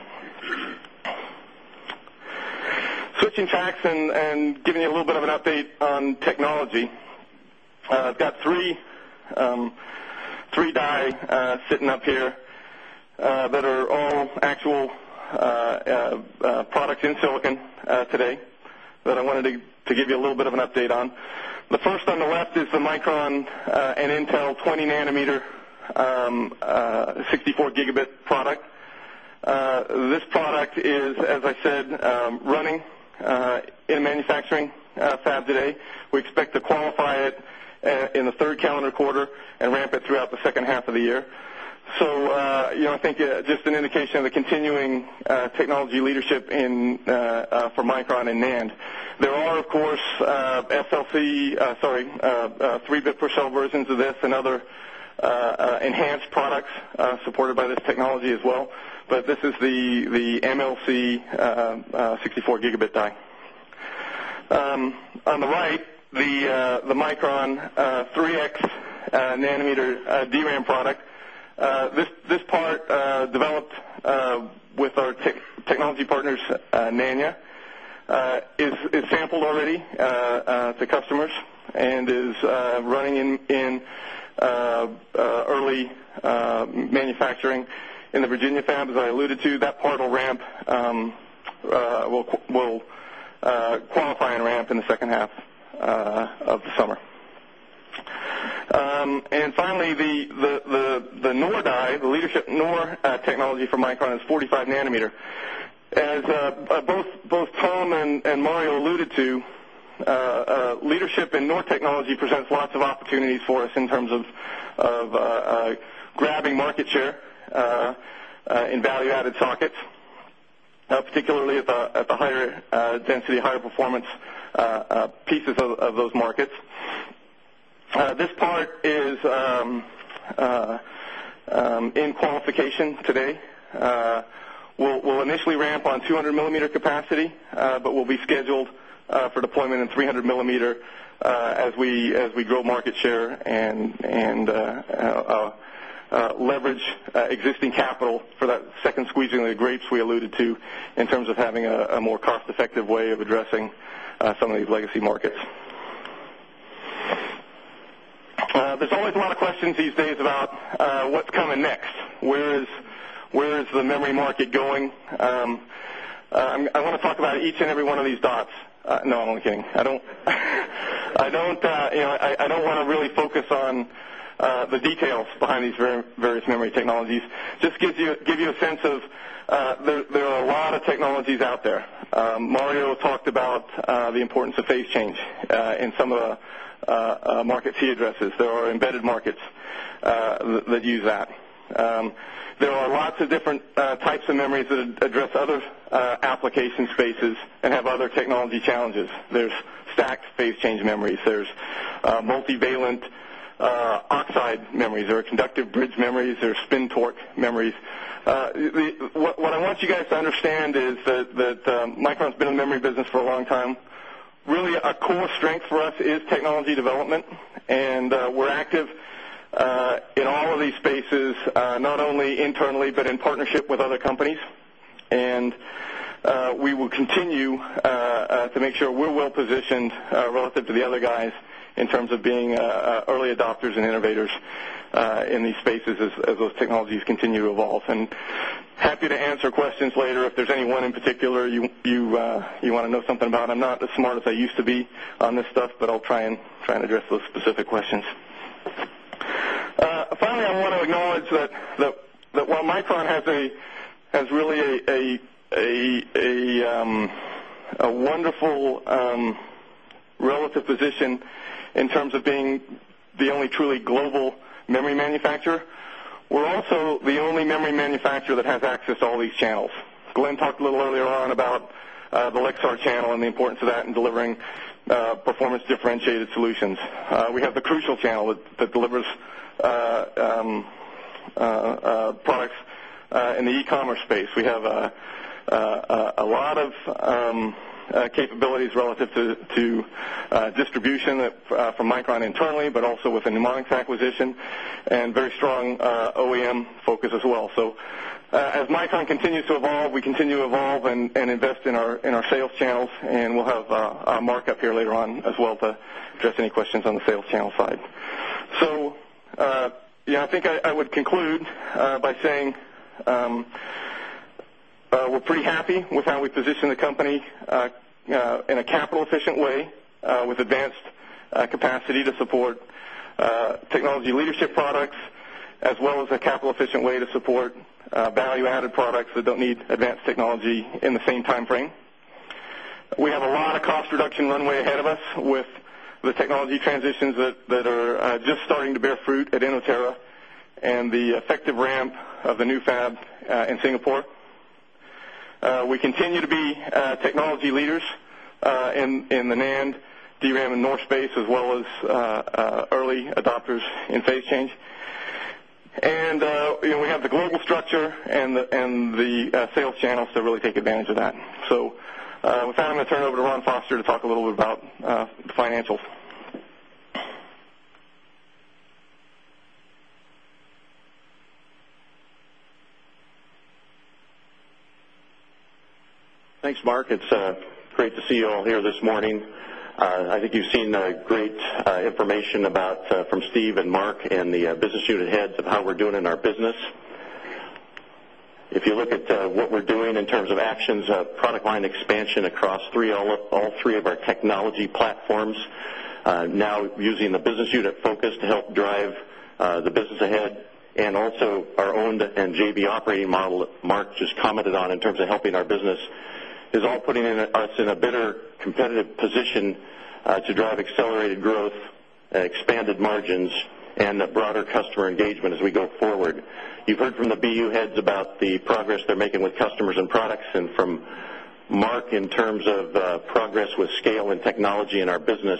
Switching facts and, and giving you a little bit of an on technology. I've got 3, 3 dye, sitting up here, that are all actual, products in silicon today, but I wanted to give you a little bit of an update on. The first on the left is the micron an Intel 20 nanometer, 64 gigabit product. This product is, as I said, running, in manufacturing fab today. We expect to qualify it in the 3rd calendar quarter and ramp it throughout the second half of the year. So, you know, I think just an indication of the continuing technology leadership in, for Micron and NAND, there are, of course, FLC, sorry, 3 bit per cell versions of this and other, enhanced box, supported by this technology as well. But this is the MLC, 64 gigabit die. On the right, the Micron 3x Nanometer DRAM product, this developed with our technology partners, Nania, is sampled already. To customers and is, running in, in, early, manufacturing in the Virginia as I alluded to, that portal ramp, will, qualify and ramp in the second half. Of the summer. And finally, the, the, the, the Nor die, the leadership, nor technology for Micron is 45 nanometer. As, both, both Tom and Mario alluded to, leadership North Technology presents lots of opportunities for us in terms of, of, grabbing market share, in you added sockets, particularly at the higher density, higher performance, pieces of those markets. This part is, in qualification today. We'll initially on 200 millimeter capacity, but will be scheduled for deployment in 300 millimeter as we grow market share and leverage existing capital for that second squeezing of the grapes we alluded to in terms of having a more cost effective way of lessing some of these legacy markets. There's always a lot of questions these days about, what's coming next. Where is where is the memory market going? I want to talk about each and every one of these dots. No, I'm only kidding. I don't don't, you know, I don't want to really focus on, the details behind these various memory technologies. Just give you, give you sense of, there, there are a lot of technologies out there. Mario talked about, the importance of face change, in some of the, market fee addresses. There embedded markets, that use that. There are lots of different types of memories that address other application spaces and have other technology challenges. There's stacks, face change memories. There's, multivalent, oxide memories. There are conductive bridge memories or spin torque worries. What I want you guys to understand is that, that, Micron has been a memory business for a long time. Really, a core strength for us is LNG development. And, we're active, in all of these spaces, not only internally, but in partnership with other companies. And, we will continue, to make sure we're well positioned, relative to the other guys in terms of being, early adopters and innovators, in these spaces as those technologies continue to evolve. And happy to answer questions later. If there's anyone in particular, you, you, you want to know something about, I'm not the smartest I used to be on this stuff, but I'll try and address those specific questions. Finally, I want to acknowledge that while Micron has a, has really a, a, a, a wonderful, relative position in terms of being the only truly global memory manufacturer. We're also the only memory manufacturer that has access to all these channels. Glenn talked a little earlier on about the Lexar channel and the importance of that in delivering performance differentiated solutions. We have the crucial that delivers, products in the e commerce space. We have, a lot of, capabilities relative to, to, distribution from Micron internally, but also with the Neuronix acquisition. And very strong, OEM focus as well. So, as Micron continues to evolve, we continue to evolve and invest in our sales channels, and we'll have a mark up here later on as well to address any questions on the sales channel side. So, yeah, I think I would conclude by saying, we're pretty happy with how we position the company in a capital efficient way with advanced capacity to support technology leadership products, as well as a capital efficient way to support value added products that don't need advanced technology in the same time frame. We have lot of cost reduction runway ahead of us with the technology transitions that that are, just starting to bear fruit at Innoterra and the effective ramp of the new fab in Singapore. We continue to be technology leaders, in in the NAND DRAM and North space as well as early adopters in face change. And, you know, we have the global structure and the, and the, sales channels to really take advantage that. So, I'm going to turn it over to Ron Foster to talk a little bit about financials. Thanks, Mark. It's great to see you all here this morning. I think you've seen great information about, from Steve and Mark and the business unit heads of how we're doing in our business. If you look at, what we're doing in terms of actions, product line expansion across all three technology platforms, now using the business unit focus to help drive, the business ahead and also our owned and JV operating Mark just commented on in terms of helping our business is all putting us in a better competitive position to drive accelerated growth expanded margins and the broader customer engagement as we go forward. You've heard from the BU heads about the progress they're making with customers and products and from Mark and terms of, progress with scale and technology in our business.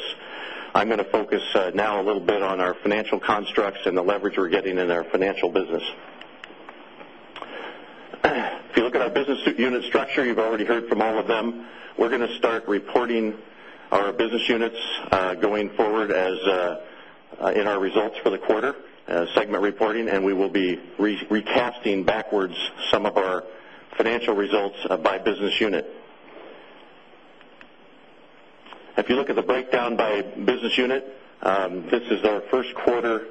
I'm going to focus, now a little bit on our financial constructs and leverage we're getting in our financial business. If you look at our business unit structure, you've already heard from all We're going to start reporting our business units, going forward as, in our results for the quarter. So, segment reporting and we will be recasting backwards some of our financial results by business unit. If you look the breakdown by business unit. This is our 1st quarter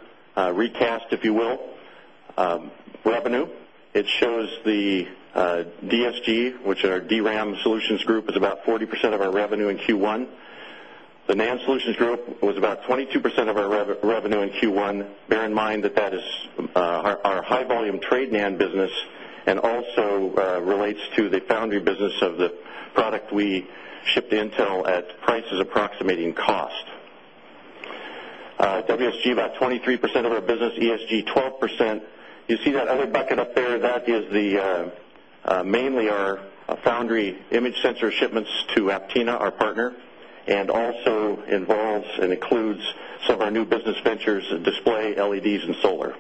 recast, if you will. Revenue. It shows the, DSG, which our DRAM solutions group, is about 40% of our revenue in Q 1. The NAND Solutions group was about 22 percent of our revenue in Q1. Bear in mind that that is, our high volume trade NAND business and also, relates to the foundry business of the product we shipped to Intel at Price's approximating cost. WSEG about 23% of our business ESG 12%. You see that other bucket of that is the, mainly our foundry image sensor shipments to Aptina, our partner, and also involves and includes some of our new business ventures display LEDs and solar.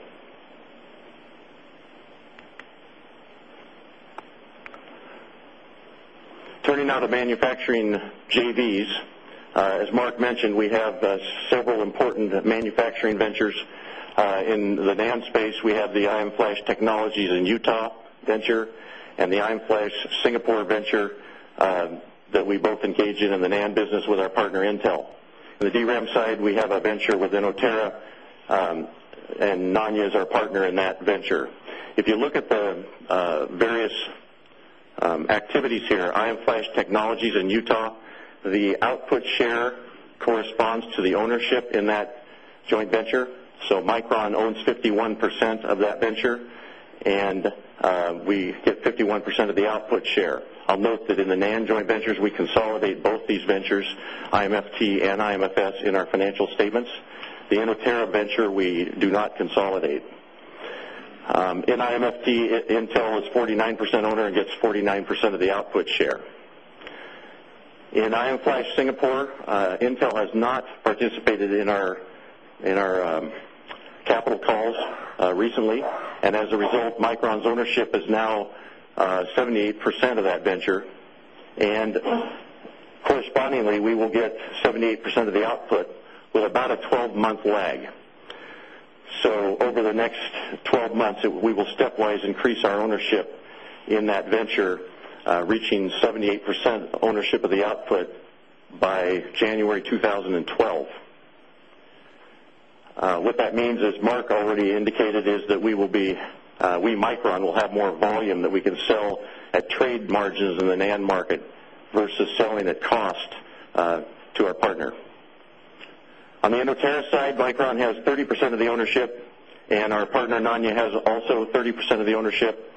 Turning now to manufacturing JVs. As Mark mentioned, we have, several important manufacturing ventures, in the NAND space. We have the I'm Flash Technologies in Utah Venture and the Ein Flash Singapore Venture, that we both engage in in the NAND business with our partner Intel. On the DRAM side, we have a venture within Oterra, and Nania is our partner in that venture. If you look at the, various, activities here, I am Flash Technologies in Utah, the output share corresponds to the ownership in that joint venture. That venture. And, we hit 51 percent of the output share. I'll note that in the NAND joint ventures, we consolidate both these Ventures, IMFT and IMFS in our financial statements. The Anotera venture, we do not consolidate. In IMFT, Intel is 49 percent owner and gets 49% of the output share. In IM Flash, Singapore, Intel has not purchased in our, in our, capital calls recently. And as a result, Micron's ownership is now 78% of that venture. And correspondingly, we will get 78% of the output with about a 12 month lag. So, over the next 12 months, we will stepwise increase our ownership in that venture, reaching 78% ownership of the output by January 2012. Already indicated is that we will be, we, Micron, will have more volume that we can sell at trade margins in the NAND market versus selling at cost, to our partner. On the Endoterra side, Micron has 30% of the ownership and our partner Nania has also 30% of the ownership.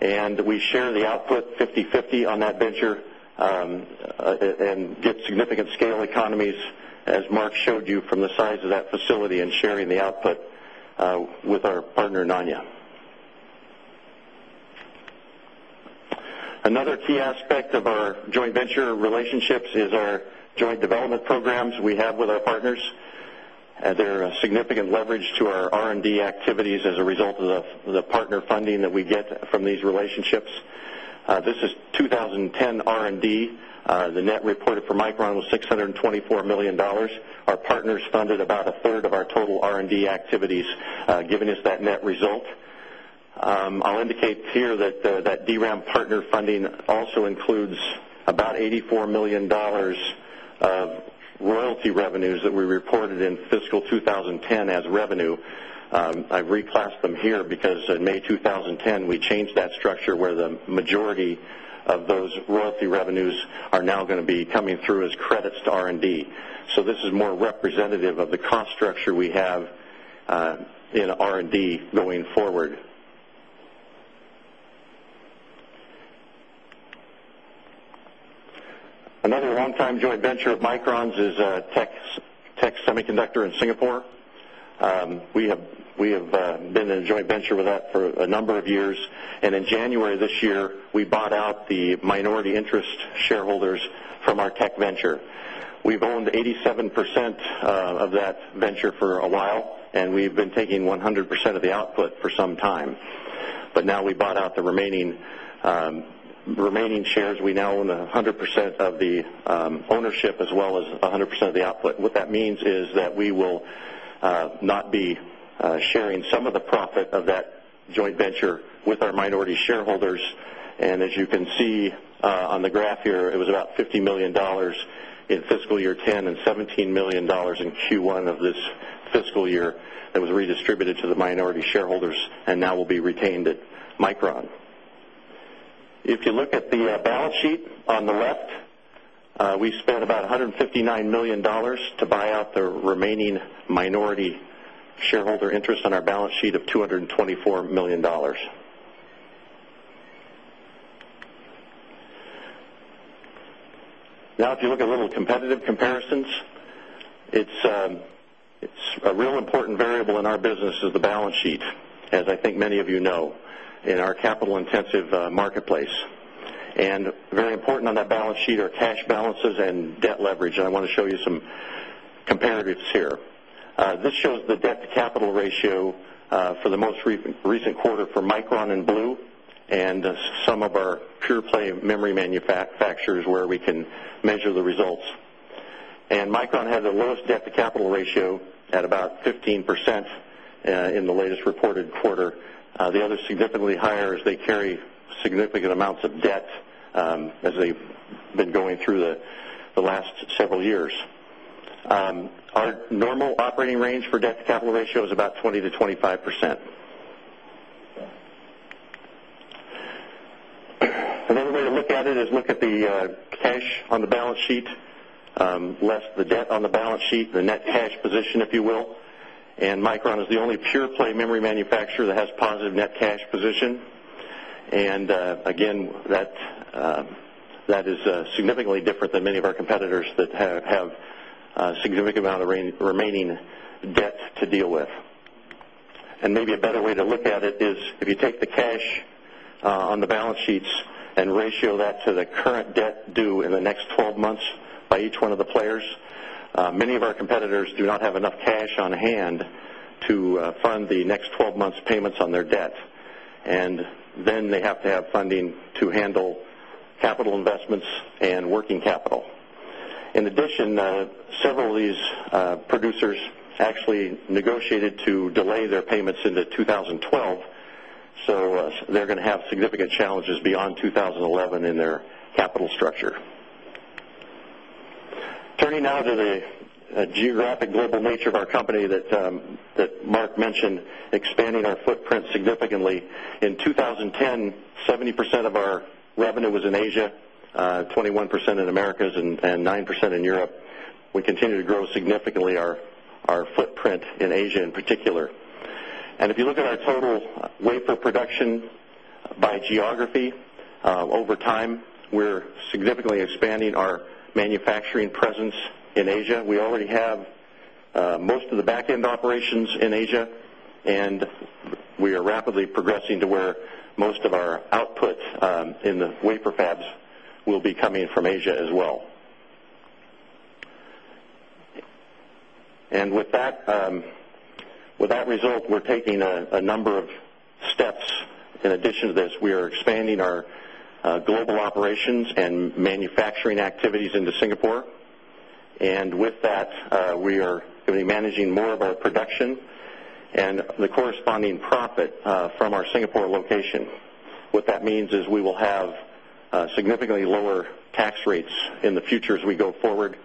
And we share the output fifty-fifty on that venture, and get significant scale economies as Mark showed you from the size of that facility and sharing the output, with our partner Nania. Another key aspect of our joint venture relationships is our joint development programs we have with our partners. There significant leverage to our R and D activities as a result of the, the partner funding that we get from these relationships, to is 2010 R and D. The net reported for Micron was $624,000,000. Our partners funded about a third of our total R and activities, giving us that net result. I'll indicate here that DRAM partner funding also includes about 84 $1,000,000 of royalty revenues that we reported in fiscal 2010 as revenue. I've reclassed them here because 2010, we changed that structure where the majority of those royalty revenues are now going to be coming through as credits R and D. So, this is more representative of the cost structure we have, in R and D going forward Another round joint venture of Microns is a techs techsemiconductor in Singapore. We have, we have, been a joint venture with that for number of of that venture for a while, and we've been taking 100% of the output for some time. But now we bought out the remaining, remaining as we now own 100% of the ownership, as well as 100% of the output. What that means is that we will not be sharing some of the profit of that joint venture with our minority shareholders. And as you can see on the graph here, it was about $50,000,000 in fiscal year 10 $17,000,000 in Q1 of this fiscal year that was to the minority shareholders, and now will be retained at Micron. If you look at the balance sheet on the left, we've spent about $59,000,000 to buy out the remaining minority shareholder interest on our balance sheet of 220 $1,000,000. Now, if you look at a little competitive comparisons. It's, it's a real important variable in our business as the balance sheet. As I think many of you know, in our capital intensive, marketplace. And very important on that balance sheet are cash balances and debt leverage. And I want to show you some comparatives here. This is the debt to capital ratio, for the most recent quarter for Micron and Blue. And some of our pure play manufacturers where we can measure the results. And Micron has a lowest debt to capital ratio at about 15 percent in the latest reported quarter. The other significantly higher is they carry significant amounts of debt as they've been going through the last several years. Our normal operating range for debt to capital ratio is about 20 to 20 5%. Another way to look at it is look at the, cash the balance sheet, less the debt on the balance sheet, the net cash position, if you will. And Micron is the only pure play memory manufacturer that has positive cash position. And again, that, that is significantly different than many of our that have a significant amount of remaining debt to deal with. And maybe a better way to look at it is if you take the cash on the balance sheets and ratio that to the current debt due in the next 12 months by each one of the players. Many of our competitors do have enough cash to handle capital investments and working capital. In addition, several of these, producers actually negotiated to delay their payments into 2012. So, they're going to have significant challenges beyond 2011 in their capital structure Turning now to the geographic global nature of our company that, that Mark mentioned expanding our foot significantly. In 2010, 70 percent of our revenue was in Asia, 21% in Americas and 9% in Europe. We continue to grow significantly our, our footprint in Asia in particular. And if you look at our total wafer production by geography, over time, we're significantly expanding our manufacturing presence in Asia. We already have, most of the back end operations in Asia And we are rapidly progressing to where most of our output, in the wafer fabs will be coming from Asia as well. We're taking a number of steps. In addition to this, we are expanding our global operations and manufacturing act in report location. What that means is we will have, significantly lower tax rates in the future as we go forward,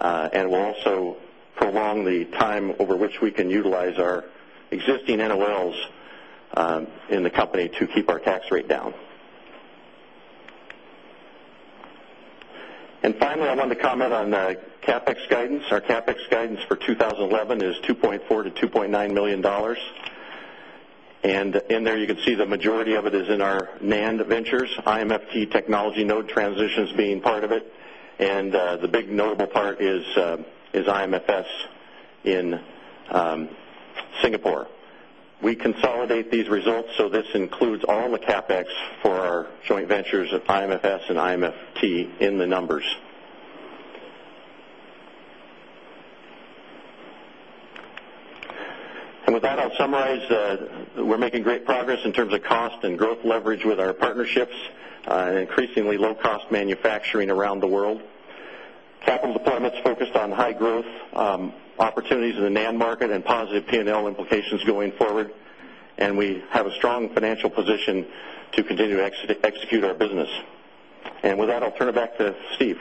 and we'll also prolong the time over which we can utilize our existing NOLs in the company to keep our tax rate CapEx guidance for 20.11 is $2,400,000 to $2,900,000. And in there, you can see the majority of it is in our end of ventures, IMFT Technology node transitions being part of it. And, the big notable part is, is IMS in, Singapore. We consolidate these results. So, this includes all the CapEx for our joint ventures of IMFS and IMFT in the numbers. And with that, I'll summarize we're making great progress in terms of cost and growth leverage with our partnerships and increasingly low cost manufacturing around the capital deployment is focused on high growth, opportunities in the NAND market and positive P and L implications going forward. And we have a strong financial position to continue to execute our business. And with that, I'll turn it back to Steve.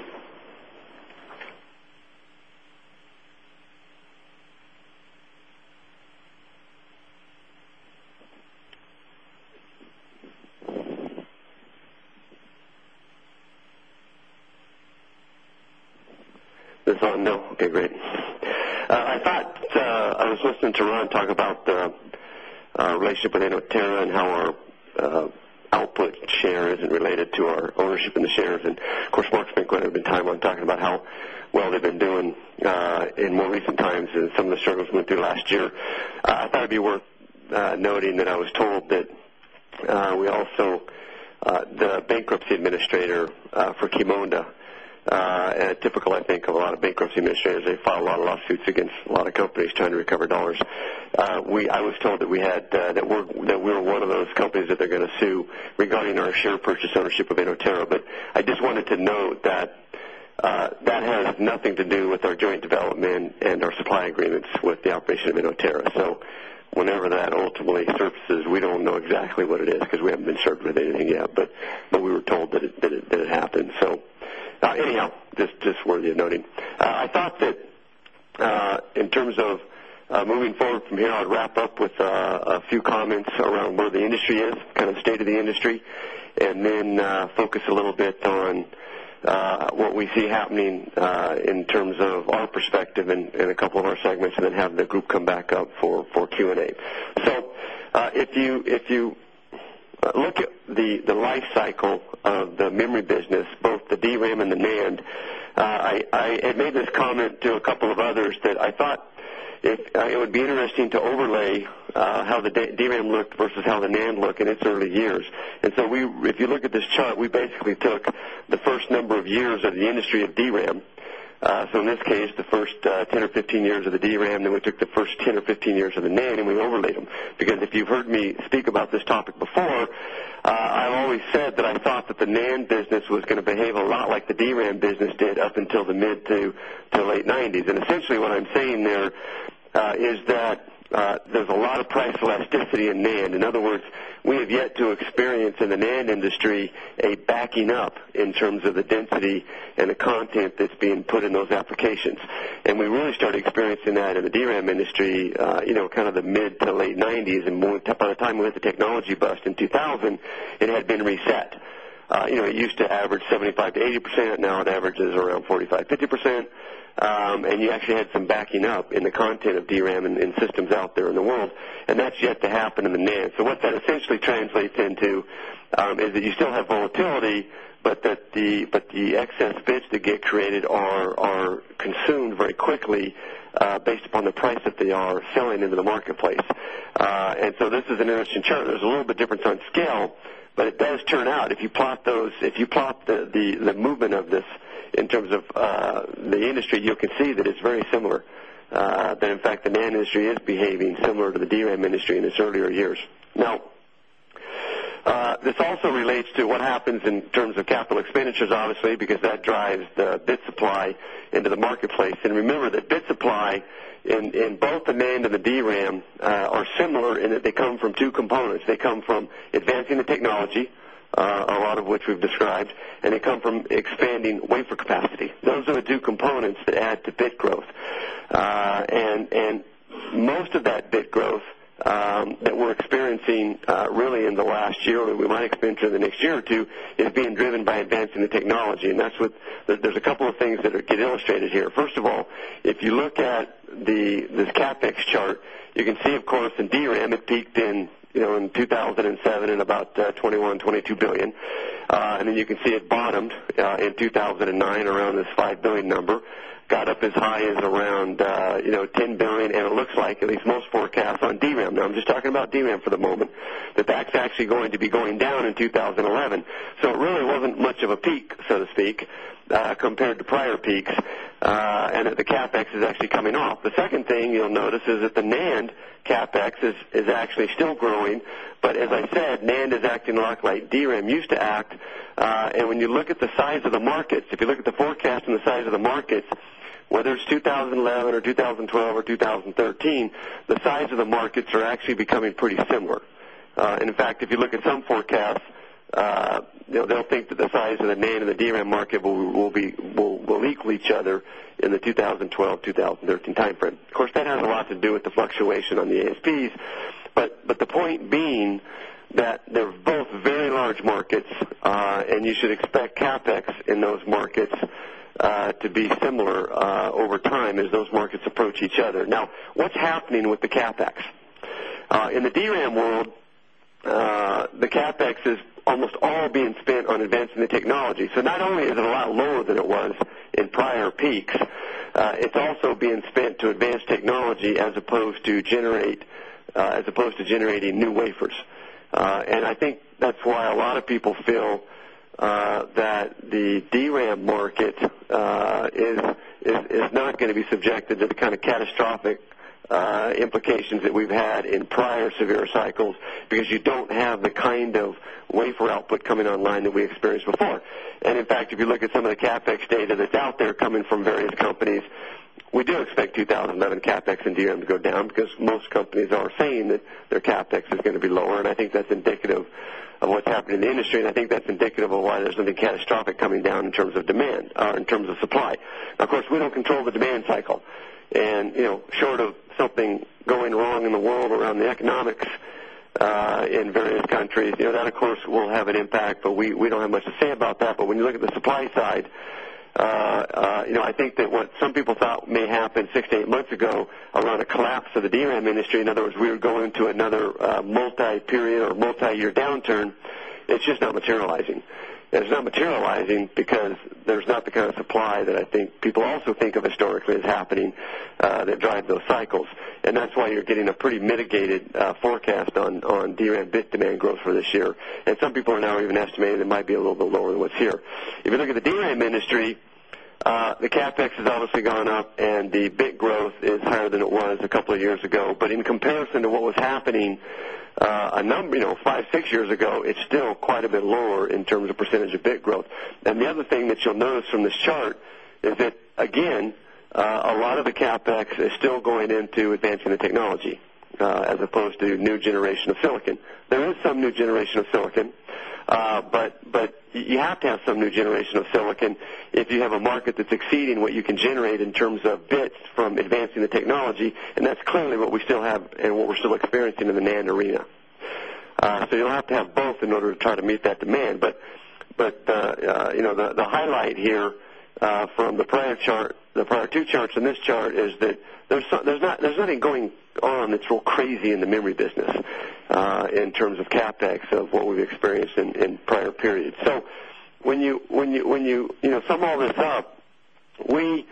This one? No. Okay, great. I thought, I was listening to Ron talk about relationship with Anadura and how our output share is related to our ownership and the shares. And of course, my been quite a bit of time on talking about how well they've been doing in more recent times as some of the struggles went through last year. I thought it'd be worth noting was told that we also, the bankruptcy administrator, for Kimo and a typical, I think, lot of bankruptcy measures. They file a lot of lawsuits against a lot of companies trying to recover dollars. We, I was told that we had, that we're, that we're one of those is that they're going to sue regarding our share purchase ownership of Antero, but I just wanted to know that, that has nothing to do with our joint development and our supplying it's with the operation of in Oterra. So whenever that ultimately surfaces, we don't know exactly what it is because we haven't been served with anything yet, but we were told that it it happened. So, anyhow, just worthy of noting, I thought that, in terms of moving forward from here, I would wrap up with a few comments around where the industry is, kind of state of the industry and then focus a little bit on what we see happening in terms of our perspective in a couple of our segments and then having the group come back up for Q and A. So, if you, if you look at the lifecycle of the memory business, both the DRAM and the NAND, I had made this comment to a couple of others that I thought it would be interesting to overlay, how the DRAM looked versus the NAND look in its early years. And so, if you look at this chart, we basically took the 1st number of years of the industry of DRAM. So, in this case, the 1st 10 or 15 years of the DRAM, then we took the 1st 10 or 15 years of the NAND and we overlaid them. Because if you've heard me speak about this topic before, I've always said that I thought that the NAND business was going to behave a lot like the DRAM business did up until the mid to late '90s. And essentially, what I'm saying there is that, there's a lot of price elasticity in May. In other words, we have yet to experience in the NAND industry a backing up in terms of the density and the content that's put in those applications. And we really started experiencing that in the DRAM industry, you know, kind of the mid to late 90s and more time with technology bust in 2000, it had been reset. It used to average 75% to 80% and now it averages around 40 50%. And you actually had some backing up in the content of DRAM and systems out there in the world. And that's yet to happen in the NAND. So, what that essentially trans tend to, is that you still have volatility, but that the excess bids that get created are consumed very quickly based upon the price that they are selling into the marketplace. And so this is an interest in churn. There is a little bit different on scale, but it does turn out. If you plot those, if you plot the movement of this in terms of, the industry, you can see that it's very similar. That in fact, the NAND industry is behaving similar to the DRAM industry in this earlier years. No. This also relates to what happens in terms of expenditures, obviously, because that drives the bid supply into the marketplace. And remember, the bid supply in both the name of the DRAM similar in that they come from 2 components. They come from advancing the technology, a lot of which we've described, and they come from expanding for capacity. Those are the 2 components that add to bit growth. And most of that bit growth that we're experiencing really in the last year that we might expect during the next year or 2 is being driven by advancing the technology. And that's what there's a couple of things that could illustrate here. First of all, if you look at the, this CapEx chart, you can see, of course, in DRAM have peaked in, you know, in 2007 and about 21, 22 and then you can see it bottomed in 2009 around this $5,000,000,000 number got up as high as around $10,000,000,000 and it looks like at least most forecasts on DRAM. Now, I'm just talking about DRAM for the moment. The back's actually going to be going down in 2011. So, it really much of a peak, so to speak, compared to prior peaks, and that the CapEx is actually coming off. The second thing you'll notice is that the NAND CapEx is actually still growing, but as I said, NAND is acting ArcLight DRAM used to act. And when you look at the size of the markets, if you look at the forecast in size of the market, whether it's 2011 or 2012 or 2013, the size of the markets are actually becoming pretty similar, in fact, if you look at some forecast, they don't think that the size of the name in the DRAM market will be will equal each other in the 20 2013 time frame. Of course, that has a lot to do with the fluctuation on the ASPs, but the point being that they're both very large market and you should expect CapEx in those markets to be similar over time as those markets approach each other. Now, what's happening with the Cap tax. In the DRAM world, the CapEx is almost all being spent on advancing the technology. So, not only is it a lot lower than it was in prior peaks. It's also being spent to advance technology as opposed to generating new wafers in I think that's why a lot of people feel objective to the kind of catastrophic, implications that we've had in prior severe cycles, because you don't have the kind of wafer output coming online that we various before. And in fact, if you look at some of the CapEx data that's out there coming from various companies, we do expect 2011 CapEx and DRAM to go because most companies are saying that their CapEx is going to be lower. And I think that's indicative of what's happening in the industry, and I think that's indicative of why catastrophic coming down in terms of demand, in terms of supply. Of course, we don't control the demand cycle and short of something going wrong in the world or the economics in various countries. That of course will have an impact, but we don't have much to say about that. But when you look at the supply side, you know, I think that what some people thought may happen 6 to 8 months ago around a collapse of the DRAM Ministry. In other words, we were going to another multi period or multi year downturn, it's just not materializing. It's not materializing because there's not the kind of supply that I think people also of historically is happening that drive those cycles. And that's why you're getting a pretty mitigated forecast on DRAM bit demand growth for this year. Some people are now even estimated, it might be a little bit lower than what's here. If you look at the DNI industry, the CapEx has obviously gone up and the big growth is higher than it was a couple of years ago. But in comparison to what was happening, a number, you know, 5, 6 years ago, it's still a bit lower in terms of percentage of bit growth. And the other thing that you'll notice from this chart is that, again, a lot of the CapEx is still going into advancing the technology. As opposed to new generation of silicon. There is some new generation of of silicon, if you have a market that's exceeding what you can generate in terms of bits from advancing the technology, and that's clearly what we have, and what we're still experiencing in the NAND arena. So you'll have to have both in order to try to meet that demand, but, but, you know, the highlight here, from the prior chart, the prior 2 charts in this chart is that there's nothing going on that's real crazy in the memory business. In terms of CapEx of what we've experienced in prior periods. So, when you sum all this up, we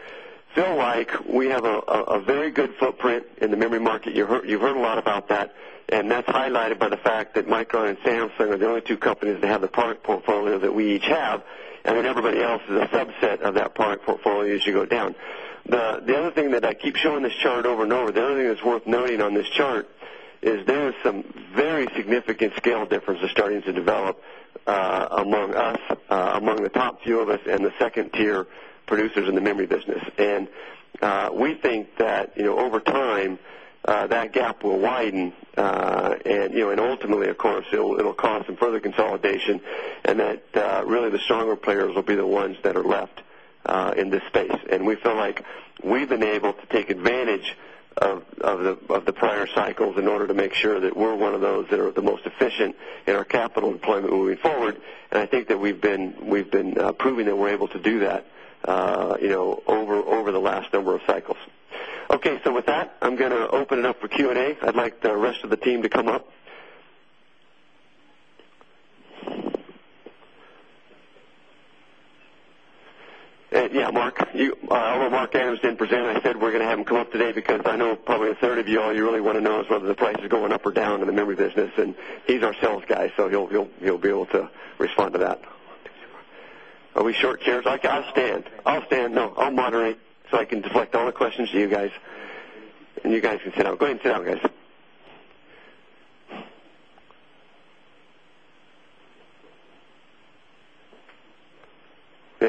feel like we a very good footprint in the memory market. You've heard a lot about that. And that's highlighted by the fact that Micron and Samsung are the only two to have the product portfolio that we each have and then everybody else is a subset of that product portfolio as you go down. The that I keep showing this chart over and over. The only thing that's worth noting on this chart is there are some very significant scale differences starting to develop, among us, among the top few of us and the 2nd tier producers in the memory business. And we think that over time, that gap will widen. And ultimately, of course, it'll cost some further consolidation and that the stronger players will be the ones that are left, in this space. And we feel like we've been able to take advantage of the prior cycles in order to make sure that we're one of those that are the most efficient in our capital deployment moving forward. And I think that we've been, we've been proving that we're able to do that, over the last number of cycles. Okay. So, with that, I'm going to open it up for Q And A. I'd like the rest of the team to come up. Yes, Mark, we're working 10%. I said we're going to have him come up today because I know probably a third of you all you really want to know is whether the price is going up or down in the memory business and he's our sales guy. So he'll you'll you'll be able to respond that. Are we short cares? I'll stand. I'll stand. No, I'll moderate so I can deflect all the questions to you guys, and you guys I'll go inside, guys.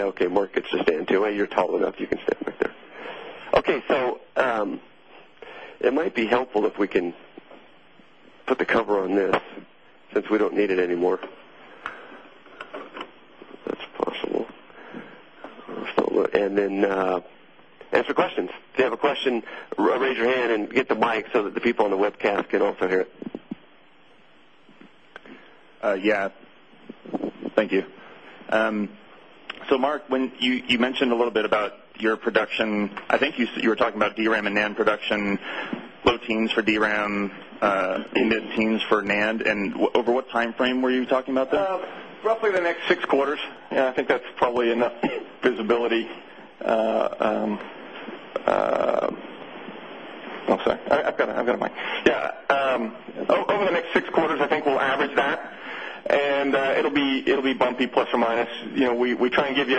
Okay. It's just Dan Duane. You're tall enough. You can stand back there. Okay. So, it might be helpful if we can the cover on this since we don't need it anymore. That's possible. And then answer questions. If you have a question, raise your hand and get the mic so that the people on the webcast can also hear it. Yes. Thank you. So, Mark, when you mentioned a little your production, I think you were talking about DRAM and NAND production, low teens for DRAM, index teams for NAND over what timeframe were you talking about this? Roughly the next six quarters. Yeah, I think that's probably enough visibility, I'm sorry. I've got it. I've got it, Mike. Yeah. Over the next six quarters, I think we'll average that. And, it'll be, it'll bumpy plus or minus, we try and give you,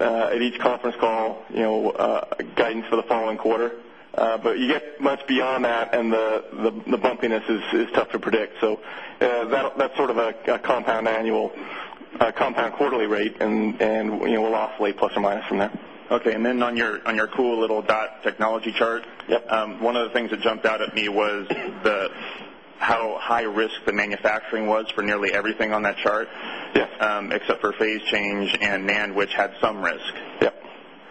at each conference call, you know, a guidance for following quarter. But you get much beyond that and the bumpiness is tough to predict. So, that's sort of a compound annual, compound quarterly rate and, and, you know, we'll oscillate plus or minus from there. Okay. And then on your, on your cool little dot technology chart, one of the things that sumped out at me was the, how high risk the manufacturing was for nearly everything on that chart, except for phase change and NAND which had some risk.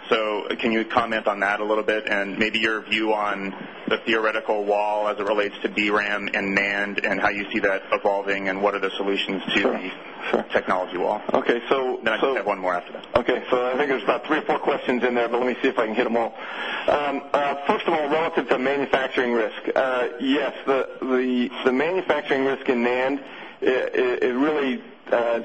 Yep. So can you comment on that a little bit and maybe your view on the theoretical wall as it relates to DRAM and NAND and how you see that evolving and what are the solutions to the technology in there, but let me see if I can hit them all. 1st of all relative to manufacturing risk. Yes, the, the, the, factoring risk in NAND, it really,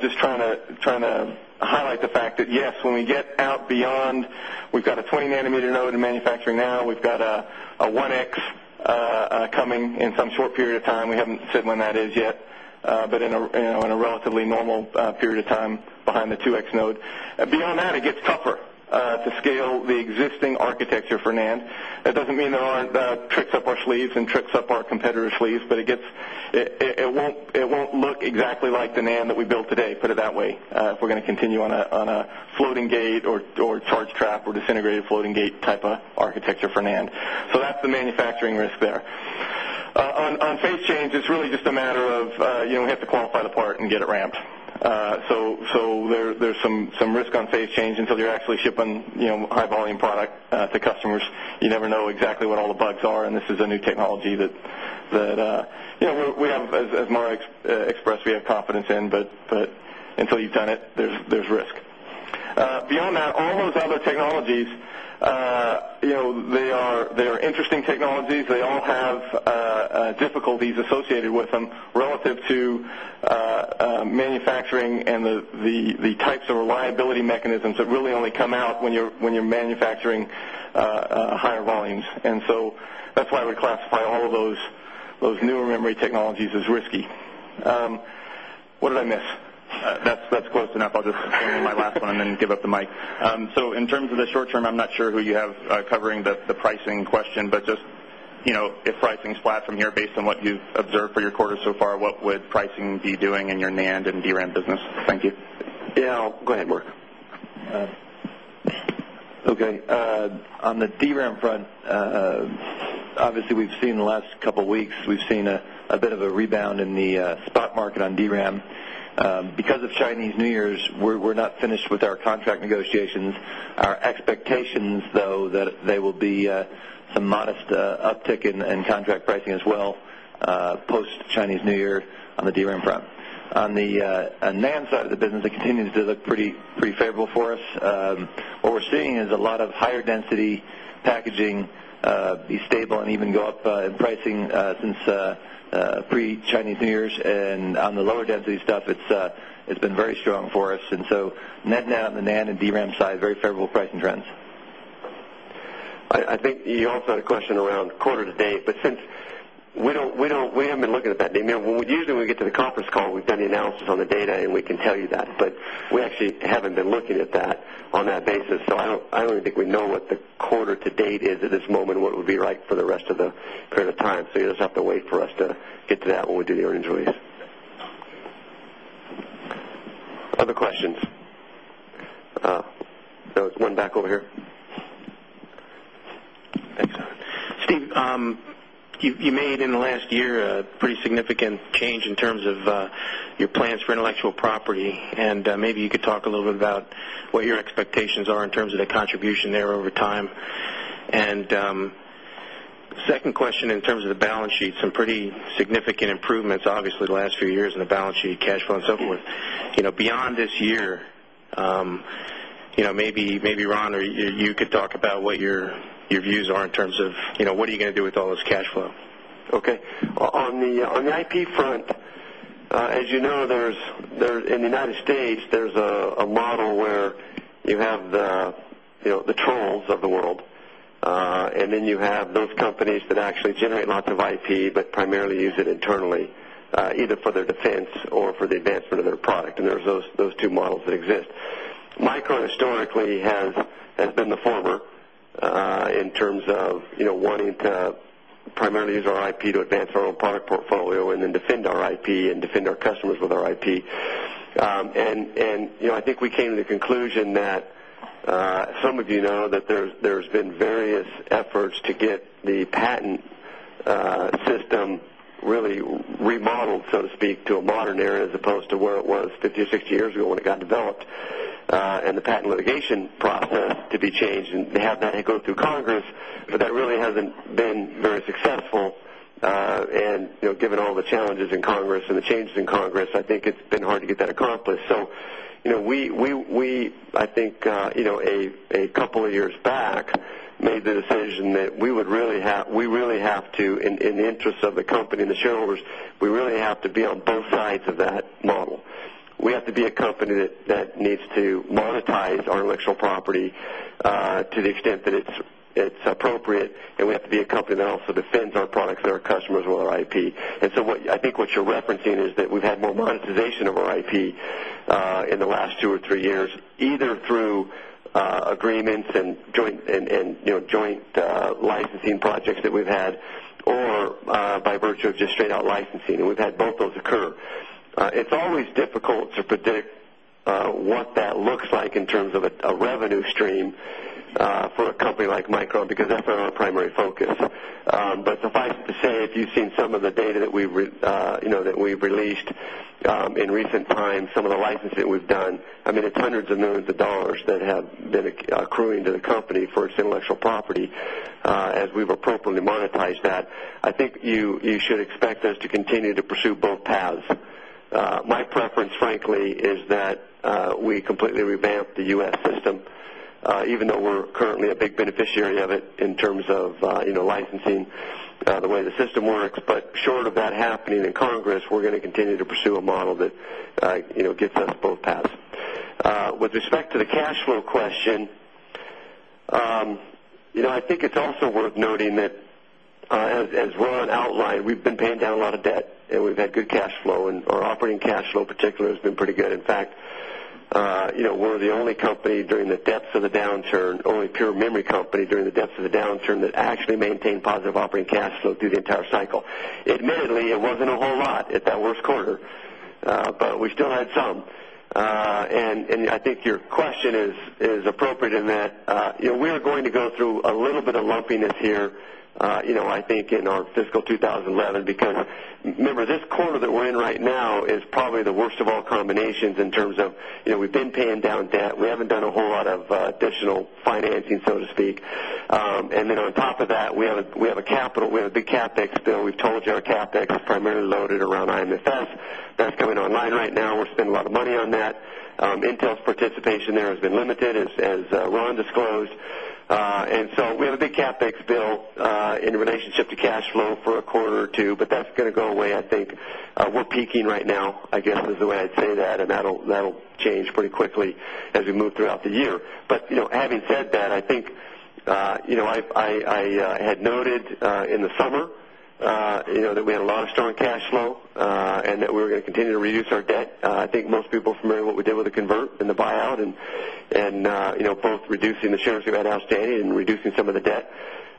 just trying to, trying to highlight the fact that, yes, when we get out beyond fund. We've got a 20 nanometer node in manufacturing now. We've got a 1x, coming in some short period of time. I haven't said when that is yet, but in a, you know, in a relatively normal period of time behind the 2 X node. Beyond that, it gets tougher. To scale the existing architecture for NAND. That doesn't mean there aren't tricks up our sleeves and tricks up our competitor's sleeves, but it gets, it won't look exactly like the NAND that we built today, put it that way. If we're going to continue on a, on a floating gate or, or charge trap or disintegrated floating gate type of architecture for NAND, So that's the manufacturing risk there. On, on face change, it's really just a matter of, you know, we have to qualify the part and get it so, so there's some, some risk on phase change until you're actually shipping, you know, high volume product to customers. Never know exactly what all the bugs are, and this is a new technology that, that, you know, we have, as Mara expressed, we have confidence in, but, but until you've done it, there's risk. Beyond that, all those other technologies, you know, they are, they are interesting technologies. They all have, difficulties associated with them relative to, manufacturing and the types that are live mechanisms that really only come out when you're, when you're manufacturing, higher volumes. And so that's why we classify all of those, those newer memory technologies is risky. What did I miss? That's close enough. I'll just put my last one and then give up the mic. So in terms of the short I'm not sure who you have covering the pricing question, but just, you know, if pricing is flat from here based on what you've observed for your quarter so far, what would pricing be doing in your and DRAM business? Thank you. Yes. I'll go ahead, Mark. Okay. On the DRAM front, obviously, we've seen the last couple of weeks. We've seen a bit of a rebound in the spot market on DRAM because of Chinese New Year's, we're, we're not finished with our contract negotiations. Our expectations, though, that they will be, some modest uptick and contract pricing as well, post Chinese New Year on the DRAM front. On the, NAND side of the business, it continues to look pretty, pretty favorable for us. What we're seeing is a lot of higher density packaging, be stable and even go up in pricing, since pre Chinese New Year's. And on the lower density stuff, it's, it's been very strong for us. And so net net on the NAND and DRAM side very favorable pricing trends? I think you also had a question around quarter to date, but since we don't, we don't, we haven't been looking at that call, we've done the analysis on the data and we can tell you that, but we actually haven't been looking at that on that basis. So, I don't I don't think we know what the quarter to date at this moment what would be right for the rest of the period of time. So you just have to wait for us to get to that when we do the earnings release. Other questions. There was one back over here. Steve, you made in the last year a pretty significant change in terms of, your plans for intellectual property. And maybe you could talk a little bit about what your expectations are in terms of the contribution there over time. And, second question in terms of balance sheet, some pretty significant improvements, obviously, the last few years in the balance sheet, cash flow and so forth. Beyond this year, maybe, maybe or you could talk about what your views are in terms of, you know, what are you going to do with all those cash flow? Okay. On the, on the IP front, as you know, there's in the United States, there's a model where you have the trolls of the world, and then you have those companies that actually generate lots of IP, but primarily use it internally, either for their defense or for the advancement of their product and their those 2 models that exist. Micron historically has been the former in terms of wanting primarily use our IP to advance our own product portfolio and then defend our IP and defend our customers with our IP. And I think we came to the conclusion that, some of you know that there's been various efforts to get the patent system really remodeled, so to speak, to a modern era as opposed to where it was 50 or 60 years ago when it got developed, and the patent litigation process to changed and have that hit go through Congress, but that really hasn't been very successful, and given all the challenges in Congress and the changes in Congress, I think it's been to get that accomplished. So, you know, we, we, we, I think, a couple of years back made the decision that we would really have we really have to in the interest of the company and the shareholders, we really have to be on both sides of that model. We have to be a company that needs to monetize our intellectual property, to the extent that it's appropriate, and we have to be a company that also defends our their customers or their IP. And so what, I think what you're referencing is that we've had more monetization of our IP, in the last 2 or 3 years, either through agreements and joint joint licensing projects that we've had or by virtue of just straight out licensing. And we've had both those occur. It's always difficult to predict what that looks like in terms of a revenue stream, for a company like micro, because that's primary focus. But suffice it to say if you've seen some of the data that we, you know, that we released, in in time some of the license it was done. I mean, it's 100 of those, the dollars that have been accruing to the company for its intellectual property, we've appropriately monetized that, I think you should expect us to continue to pursue both frankly is that we completely revamped the U. S. System, even though we're currently a big beneficiary of it in terms of licensing, the the system works, but short of that happening in Congress, we're going to continue to pursue a model that, gets us both passed. With respect to a cash flow question. I think it's also worth noting that, as Ron outlined, we've been paying down a lot of and we've had good cash flow and our operating cash flow, particularly, has been pretty good. In fact, we're the only company during the depths of the down only pure memory company during the depths of the downturn that actually maintained positive operating cash flow through the entire cycle. Admittedly, it wasn't a whole lot at that worst quarter, but we still had some. And I think your question is, is appropriate in that. We are going to go through a little bit of lumpiness here. Think in our fiscal 2011, because remember, this quarter that we're in right now is probably the worst of all combinations in terms of, you know, we've been and down debt. We haven't done a whole lot of additional financing, so to speak. And then on top of that, we have a capital, we have CapEx. We've told you our CapEx primarily loaded around IMSF. That's coming online right now. We're spending a lot of money on that. Intel's participation there has been limited as Ron disclosed. And so, we have a big CapEx bill in relationship to cash flow for a quarter or 2, but that's going to go away. I think we're peaking right now, I guess is the way I'd say that and that'll change pretty quickly as we move throughout the year. But having said that, I think, I had noted in the summer that we had a lot of strong cash flow and that we were going to continue to reduce our debt. I think most people familiar with what we did with the convert buyout and, and, both reducing the shares of that outstanding and reducing some of the debt.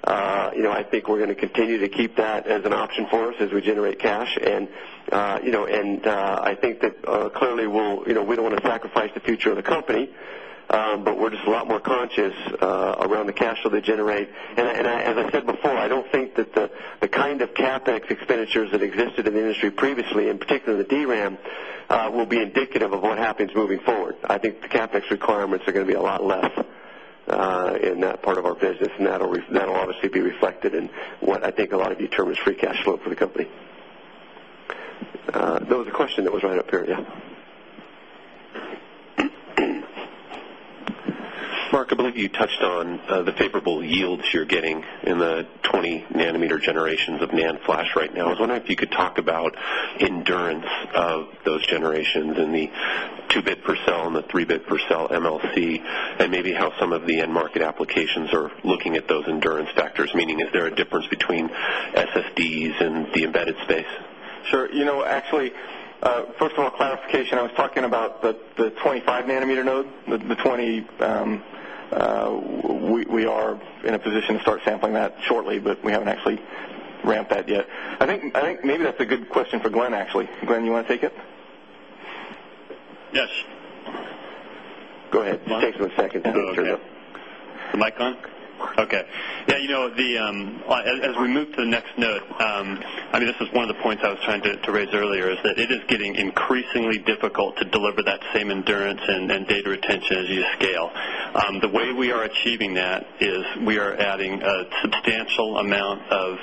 I think we're going to continue to keep that as an option for us as we generate cash. And, and, I think that, clearly, we don't want to sacrifice the future of the company, but we're just a lot more conscious around the cash flow to generate. And as I said before, I don't think that the kind of CapEx expenditures that existed in the industry previously in of the DRAM, will be indicative of what happens moving forward. I think the CapEx requirements are going to be a lot less, in that part of our business, and that'll obviously be reflected in what I think a lot of you term is free cash flow for the company. That was a question that was right up here. Yeah. Mark, I believe you touched on, the favorable yields you're getting in the 20 nanometer generations of NAND flash right now. I was wondering if you could talk about endurance of those generations in the 2 bit per cell and the 3 bit per cell MLC and maybe how some of the end market applications or looking at those endurance factors, meaning is there a difference between SSDs and the embedded space? Sure. You know, actually, first of all, clarification, I talking about the 25 nanometer node, the 20, we, we are in a position to start sampling that shortly, but we have actually ramp that yet. I think, I think maybe that's a good question for Glenn, actually. Glenn, you want to take it? Go ahead. It takes me a second to go through. Yeah. Michael? Okay. Yeah. You know, the, as we move to the next note, I mean, this is one of the points I was trying to raise earlier is that it is getting increasingly difficult to deliver that same endurance and data retention as you scale. The way we are achieving that is we are adding a substantial amount of,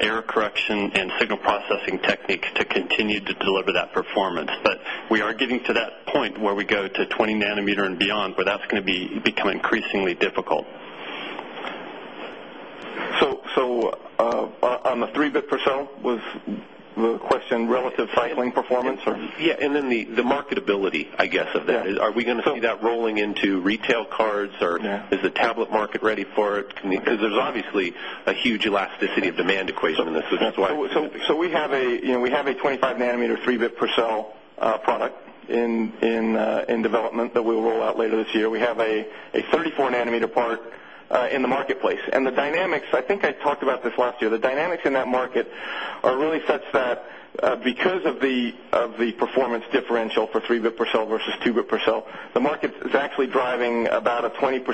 error correction and signal processing techniques to continue to deliver and beyond, but that's going to be become increasingly difficult. So, so, on the 3 bit So, was the question relative cycling performance? Or Yeah. And then the marketability, I guess, of that. Are we going to see that rolling into retail cards or is the market ready for it because there's obviously a huge elasticity of demand equation. So, we have a 25 nanometer 3 bit per cell product. In, in, in development that we'll roll out later this year. We have a 34 nanometer park, in the marketplace. And the dynamics, I think I talked about this last year. The dynamics that market are really such that, because of the, of the performance differential for 3 bips per cell versus 2 bips per cell, the market actually driving about a 20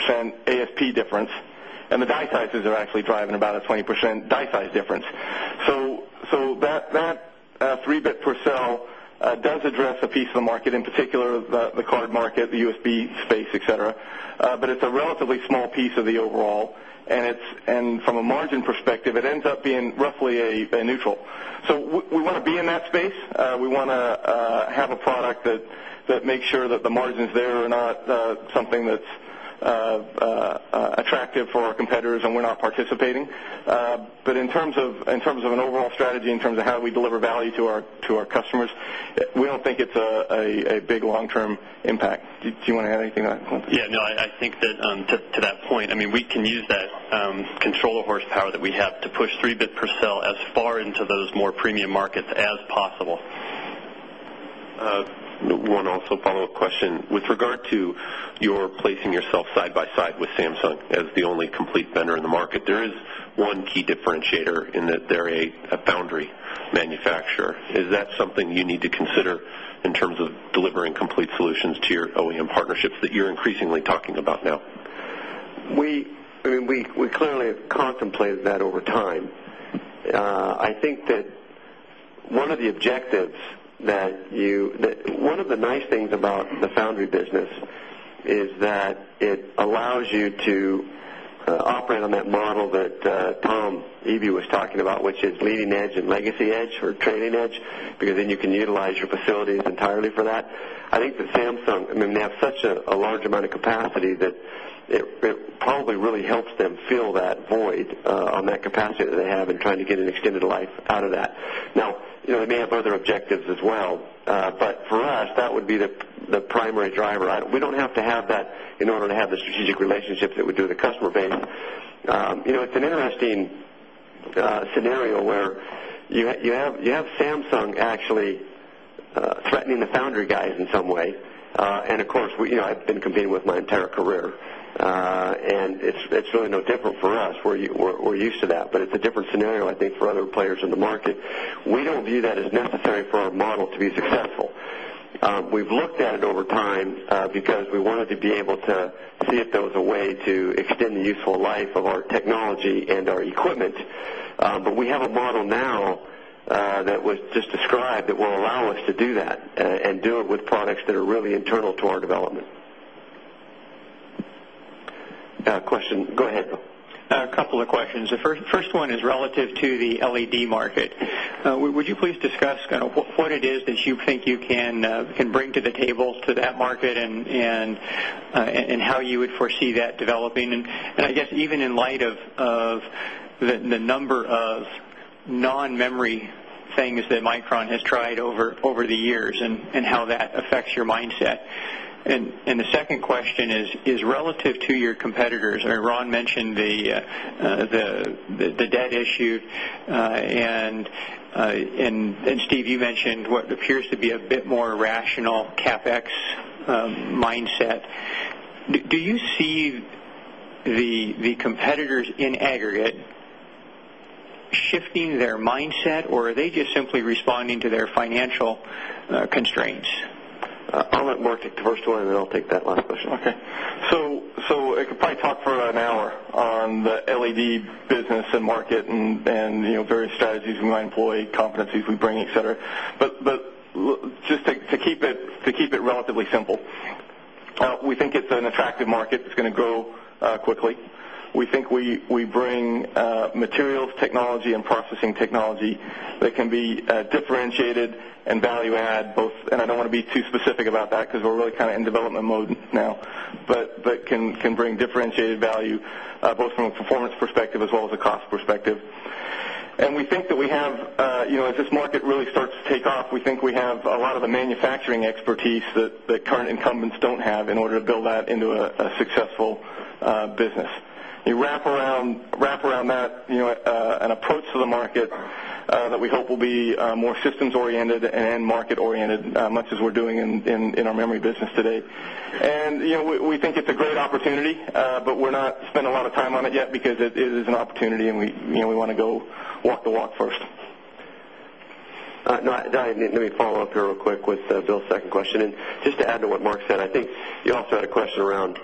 So, so that, that 3 bit per cell does address a piece of the market, in particular, the card market, the USB space, etcetera. But it's a relatively small piece of the overall. And it's, and from a margin perspective, it ends up being roughly a neutral. So we want to be in that space. We want to, have a product that, that makes sure that the margins there are not, something that's, attract for our competitors and we're not participating. But in terms of an overall strategy, in terms of how we deliver value to our customers, we don't think it's a, a, a big long term impact. Do you want to add anything on? Yeah. No, I think that, to that point, I mean, we can use that controller horsepower that we have to push 3 bit per cell as far into those more premium markets as possible. One also follow-up question. With regard to your placing yourself side by side with Samsung as the only complete vendor in the market, there is one key differentiator in that they're a foundry manufacturer. Is that something you need to consider in terms of delivering complete to your OEM partnerships that you're increasingly talking about now? We I mean, we clearly have contemplated that over time. I think that one of the objectives that you that one of the nice things about the foundry business is that it allows you to operate on that model that, Tom Eby was talking about, which is leading edge and legacy edge or training edge because then you can utilize your facilities entirely for that. I think that Samsung I mean, they have such a large amount of capacity that it probably really helps feel that void on that capacity that they have in trying to get an extended life out of that. Now, it may have further objectives as well, but for us, that would be the primary driver item. We don't have to have that in order to have the strategic relationships that we do in the customer base. It's an interesting scenario where you have Samsung actually threatening the foundry guys in some way. And of course, competing with my entire career. And it's really no different for us. We're used to that, but it's a different scenario, I think, for other players in the market. We don't view that as necessary for our model to be successful. We've looked at it over time because we wanted to be able to see if there was a way to extend the useful life our technology and our equipment. But we have a model now, that was just described that will allow us to do that and do it with products that are really internal to our development. Question, go ahead, Bill. A couple of questions. The first one is relative to the LED market. Would you please discuss, kind of, what it is that you think you can, can bring to the tables to that market and, and, and how you would foresee that developing. And, and I guess even in light of, of the, the number of non things that Micron has tried over over the years and and how that affects your mindset. And and the second question is, is relative to your competitors or Ron mentioned the, the, the, the debt issued, and, and, and, Steve, you mentioned what appears to be a bit more rational all CapEx, mindset. Do you see the, the competitors in aggregate shifting mindset, or are they just simply responding to their financial, constraints? I'll let Mark talk to her story, then I'll that last question. Okay. So, so I could probably talk for an hour on the LAD business and market and, and, you know, very from my employee, competencies we bring, etcetera. But just to keep it relatively simple, we think it's an attractive market. It's going to go quickly. We think we bring, materials, technology, and processing technology that can be differentiated value add both, and I don't want to be too specific about that because we're really kind of in development mode now, but can bring differentiated value both from a performance perspective, as well as a cost perspective. And we think that we have, you know, as this market really starts to take off, we think we have a lot of the manufacturing expertise that the current incumbents don't have in order to build that into a successful business. You wrap around, wrap around that, you know, an approach to the market, that we hope will be more systems oriented and end market oriented, as we're doing in our memory business today. And, you know, we think it's a great opportunity, but we're not spending a lot of time on it yet. As it is an opportunity and we, you know, we want to go walk the walk first. No, Diane, let me follow-up here real quick with, second question. And just to add to what Mark said, I think you also had a question around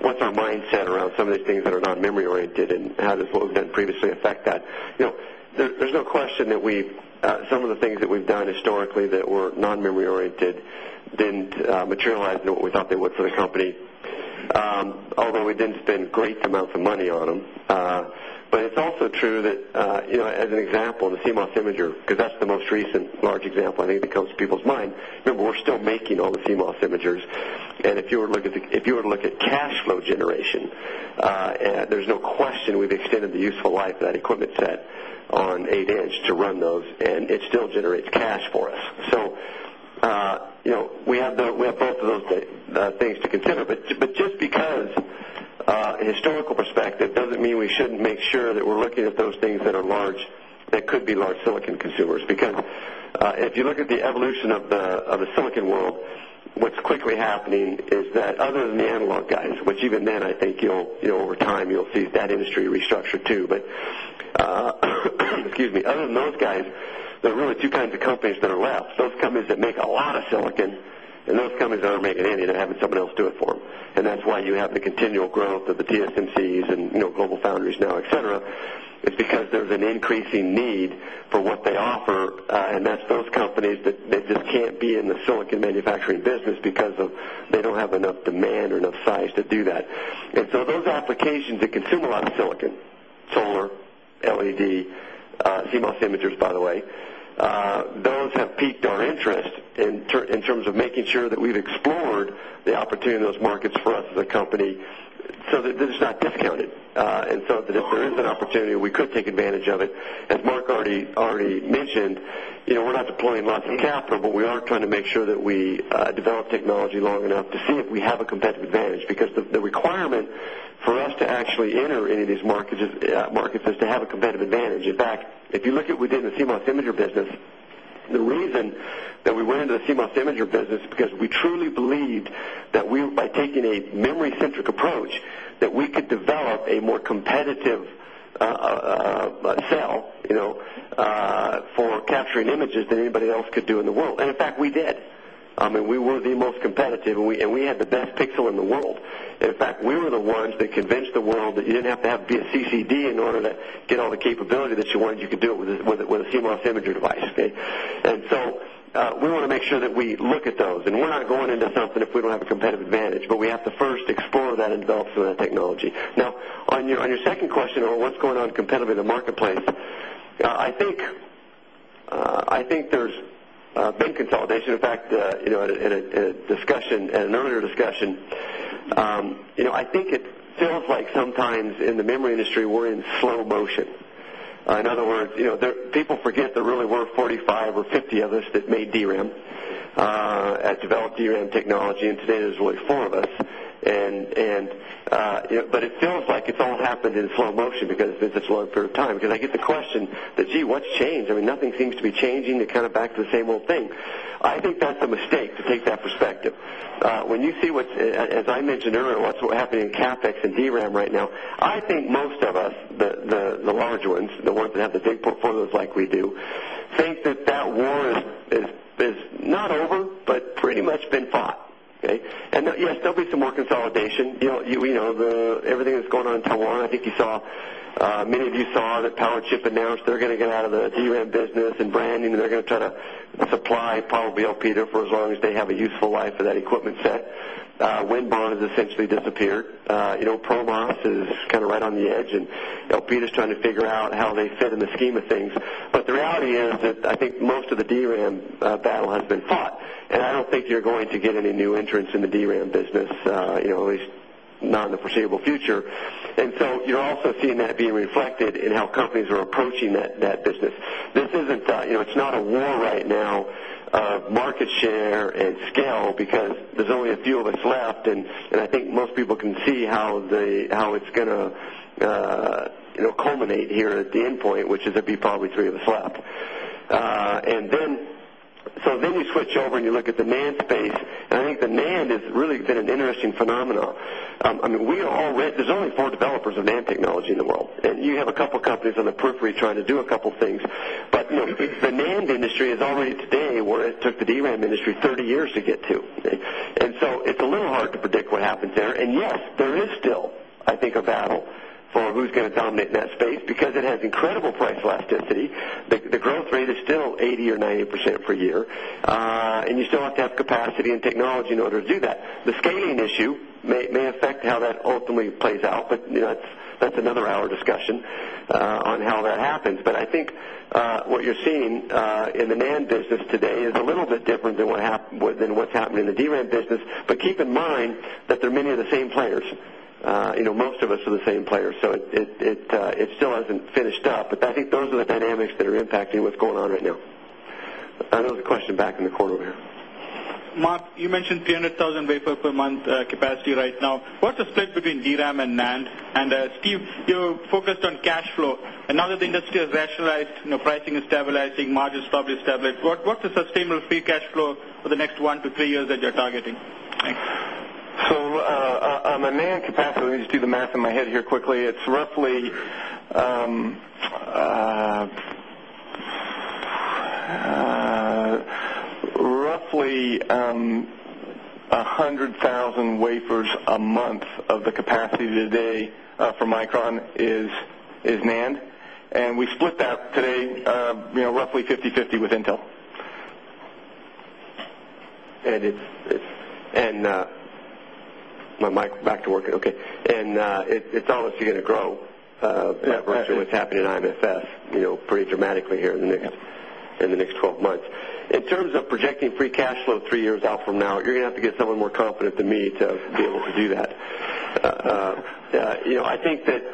what's our mindset around some of these things that are non memory oriented and how this will have been previously affect there's no question that we some of the things that we've done historically that were non memory oriented, then materialize what we thought they would for the company, although we didn't spend great amounts of money on them. But it's also true that, as an example, the CMOS imager, because that's the most recent, large example, I think, that comes to people's mind. Remember, we're still making all the CMOS imager. And if you were to look at cash flow generation. There's no question we've extended the useful life of that equipment set on 8 edge to on those, and it still generates cash for us. So, you know, we have the, we have both of those things to consider, but just because historical perspective doesn't mean we shouldn't make sure that we're looking at those things that are large, that could be large silicon consumers because, if you look the evolution of the of the Silicon World, what's quickly happening is that other than the analog guys, which even then, I think, over time, you'll see industry restructure too, but, excuse me, other than those guys, there are really 2 kinds of companies that are left. Those companies that make a lot of silicon and those companies are an ante that having somebody else do it for them. And that's why you have the continual growth of the TSMCs and no global founders now, etcetera. It's because there's an increasing need what they offer, and that's those companies that, they just can't be in the Silicon Manufacturing business because of they don't have enough demand or enough size to do that. And so, those to consume a lot of silicon, solar, LED, CMOSimeters, by the way, those have peaked our interest in in terms of making sure that we've explored the opportunity in those markets for us as a company so that this is not discounted, in so if there is an opportunity, we could take advantage of it. As Mark already mentioned, we're not deploying lots of capital, but we are trying make sure that we develop technology long enough to see if we have a competitive advantage because the requirement for us to actually enter any of these market markets is to have a competitive advantage. In fact, if you look at what we did in the CMOS imager business, the reason that we went into the CMOS imager business as we truly believed that we, by taking a memory centric approach, that we could develop a more competitive, sell, for capturing images that anybody else could do in the world. And in fact, we did. I mean, we were the most competitive and we had the best pixel in the world. And in fact, we were the ones that convinced the world that you didn't have to have CCD in order to get all the capability that you wanted, you could do it with a CMOS imagery device, okay? And so, we want to make sure that we look at those. And we're not going into something if we don't have a competitive advantage, but we have to first explore that in development and technology. Now, on your your second question or what's going on competitive in the marketplace? I think there's consolidation, in fact, in a discussion and an owner discussion, I think it feels like some in the memory industry were in slow motion. In other words, people forget there really were 45 or 50 of us that made DRAM. Has developed DRAM technology and today there's really 4 of us. And but it feels like it's all happened in slow motion because it's a slow period of time because I get question that, gee, what's changed? I mean, nothing seems to be changing to cut it back to the same old thing. I think that's a mistake to take that perspective. When you see what, as I mentioned earlier, what's happening in CapEx and DRAM right now, I think most of us, the large ones, the ones that have to take portfolios like we do. So think that that warrant is not over, but pretty much been fought, okay? And yes, there'll be some more consolidation. Everything that's going on to warrant think you saw, many of you saw that Powerchip and ARRIS, they're going to get out of the DRAM business and branding, and they're going to try to supply probably LP there for as they have a useful life of that equipment set. When bonds essentially disappeared, you know, ProMOS is kind of right on the edge help beat us trying to figure out how they fit in the scheme of things. But the reality is that I think most of the DRAM battle has been lot. And I don't think you're going to get any new entrants in the DRAM business, at least not in the foreseeable future. And so you're also seeing that being affected in how companies are approaching that, that business. This isn't, you know, it's not a war right now, market share and scale because there's only a few of us left. And I think most people can see how they how it's going to culminate here at the end point, which is it'd be probably 3 of a slap. And then, so then you switch over and you look at the NAND space and think that NAND has really been an interesting phenomena. I mean, we are all red. There's only 4 developers of NAND Technology in the world. And you have a couple of companies on the periphery trying to do a things. But the NAND industry is already today where it took the DRAM industry 30 years to get to. And so it's a little hard to predict what happens there. And yes, there is still, I think, a battle for who's going to dominate that space because it has incredible price elasticity. The growth rate is still 80% or 90% per year. And you have to have capacity and technology in order to do that. The scaling issue may affect how that ultimately plays out, but that's another hour discussion. On how that happens. But I think, what you're seeing in the NAND business today is a little bit different than what's happened in the DRAM business. But keep in mind that there are many of the same players, most of us are the same players. So it still hasn't up, but I think those are the dynamics that are impacting what's going on right now. Another question back in the quarter here. Mark, you mentioned 300,000 wafer per month capacity right now. What's the split between DRAM and NAND? And, Steve, you're focused on cash flow. Another industry is rationalized, you know, pricing is advertising margins published, tablets, what's the sustainable free cash flow for the next 1 to 3 years that you're targeting? Thanks. On my man capacity, let me just do the math in my head here quickly. It's roughly, Roughly, 100,000 wafers a month of the capacity today, for Micron is NAND. And we split that today, roughly fiftyfifty with Intel. And it's, and, my mic, back to working. Okay. And, it's almost you're going to grow, gradually happening in IFS pretty dramatically here in the next 12 months. In terms of projecting free cash flow 3 years out from now, you're going to have to get someone but at the meet to be able to do that. I think that,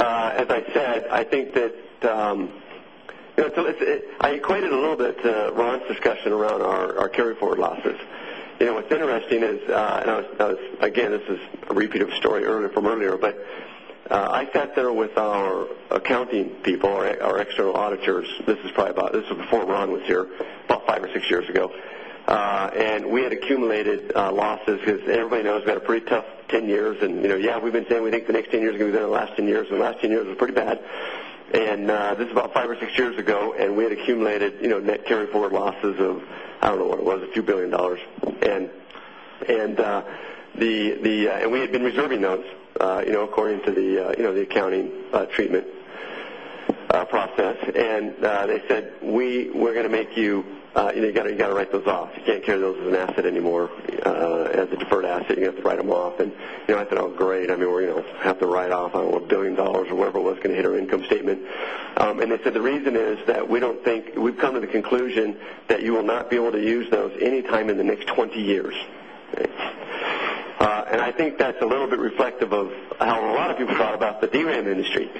as I said, I think that, So it's I equated a little bit to Ron's discussion around our carryforward losses. What's interesting is, and again, this is feet of story earlier from earlier, but, I sat there with our accounting people, our external auditors, this is probably about this is before Ron was here, but or 6 years ago. And we had accumulated losses because everybody knows we had a pretty tough 10 years. And, yeah, we've been saying we think the next 10 years is going to be there in the last 10 years. The last was pretty bad. And, this is about 5 or 6 years ago, and we had accumulated net carry forward losses of, I don't know, what it was, a few 1,000,000,000 dollars. And, the and we had been reserving those according to the accounting treatment. Process. And, they said we, we're going to make you, you know, you've got to write those off. You can't carry those as an asset anymore. As a deferred asset. You have to write them off. And, you know, I said, oh, great. I mean, we're gonna have to write off, I don't know, a $1,000,000,000 or whatever it was can hit our income statement. And then the reason is that we don't think we've come to the conclusion that you will not be able to use those anytime in the next 20 years. And I think that's a little bit reflective of how a lot of people thought about the DRAM industry,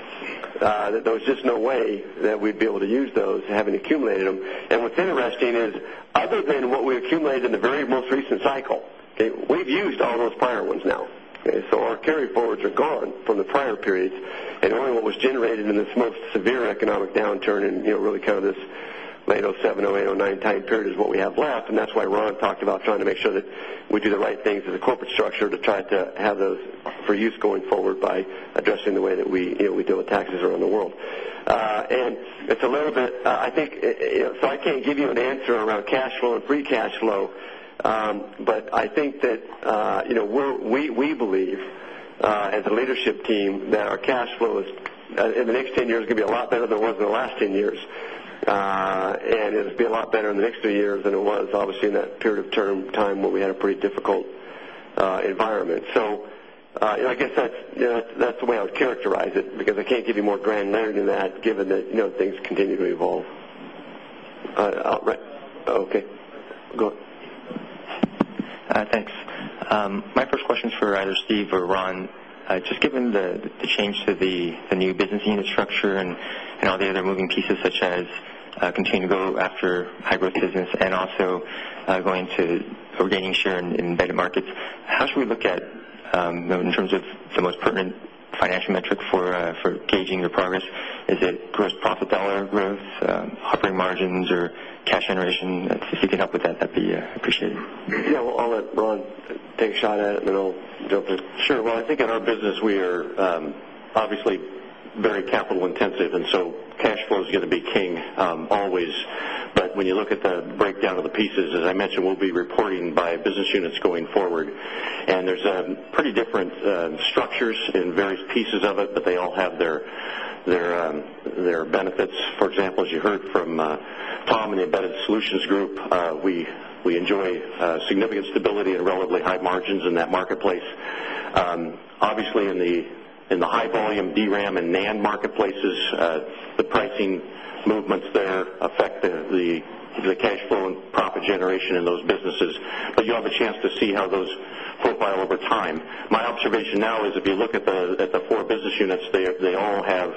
that there was just no way that we'd be able to use those having accumulated them. And what's interesting is other than what we accumulated in the very most recent cycle, okay, we've used all of those prior ones now. Okay. So our carry forward gone from the prior periods and only what was generated in this month's severe economic downturn and really kind of this late 'seventy eightnine period is what we have left. And that's why Ron talked about trying to make sure that we do the right things as a corporate structure to try to have those for use going forward by addressing the way that we deal with taxes around the world. And it's a little bit I think so I can't give you an answer around cash flow and free cash flow But I think that, we believe, as a leadership team, that our cash flow is in the next 10 years a lot better than it was in the last 10 years. And it'll be a lot better in the next 3 years than it was, obviously, in that period of term time when we had a pretty difficult environment. So, I guess, that's the way I would characterize it because I can't give you more granularity in that given that continue to evolve. Outright. Okay. Go ahead. Thanks. My first question is either Steve or Ron, just given the change to the new business unit structure and all the other moving pieces such as, continue to go after high business and also going to regaining share in embedded markets. How should we look at, in terms of the most pertinent financial metric for gauging your progress, is it gross profit dollar rev, operating margins or cash generation, if you can help with that, that'd be, Yeah. Well, I'll let Ron take a shot at it, and then I'll jump in. Sure. Well, I think in our business, we are, obviously very intensive. And so cash flow is going to be king, always. But when you look at the breakdown of the pieces, as I mentioned, we'll be reporting by business units going forward. And there's a pretty different structures and various pieces of it, but they all have their, their, their benefits. For example, as you heard from, Tom and embedded solutions group, we, we enjoy a significant stability at relatively high margins in that marketplace. Obviously in the, in the high volume DRAM and NAND marketplaces, the pricing movements there affect the, the cash flow and profit generation in those business but you have a chance to see how those profile over time. My observation now is if you look at the, at the 4 business units, they are, they have,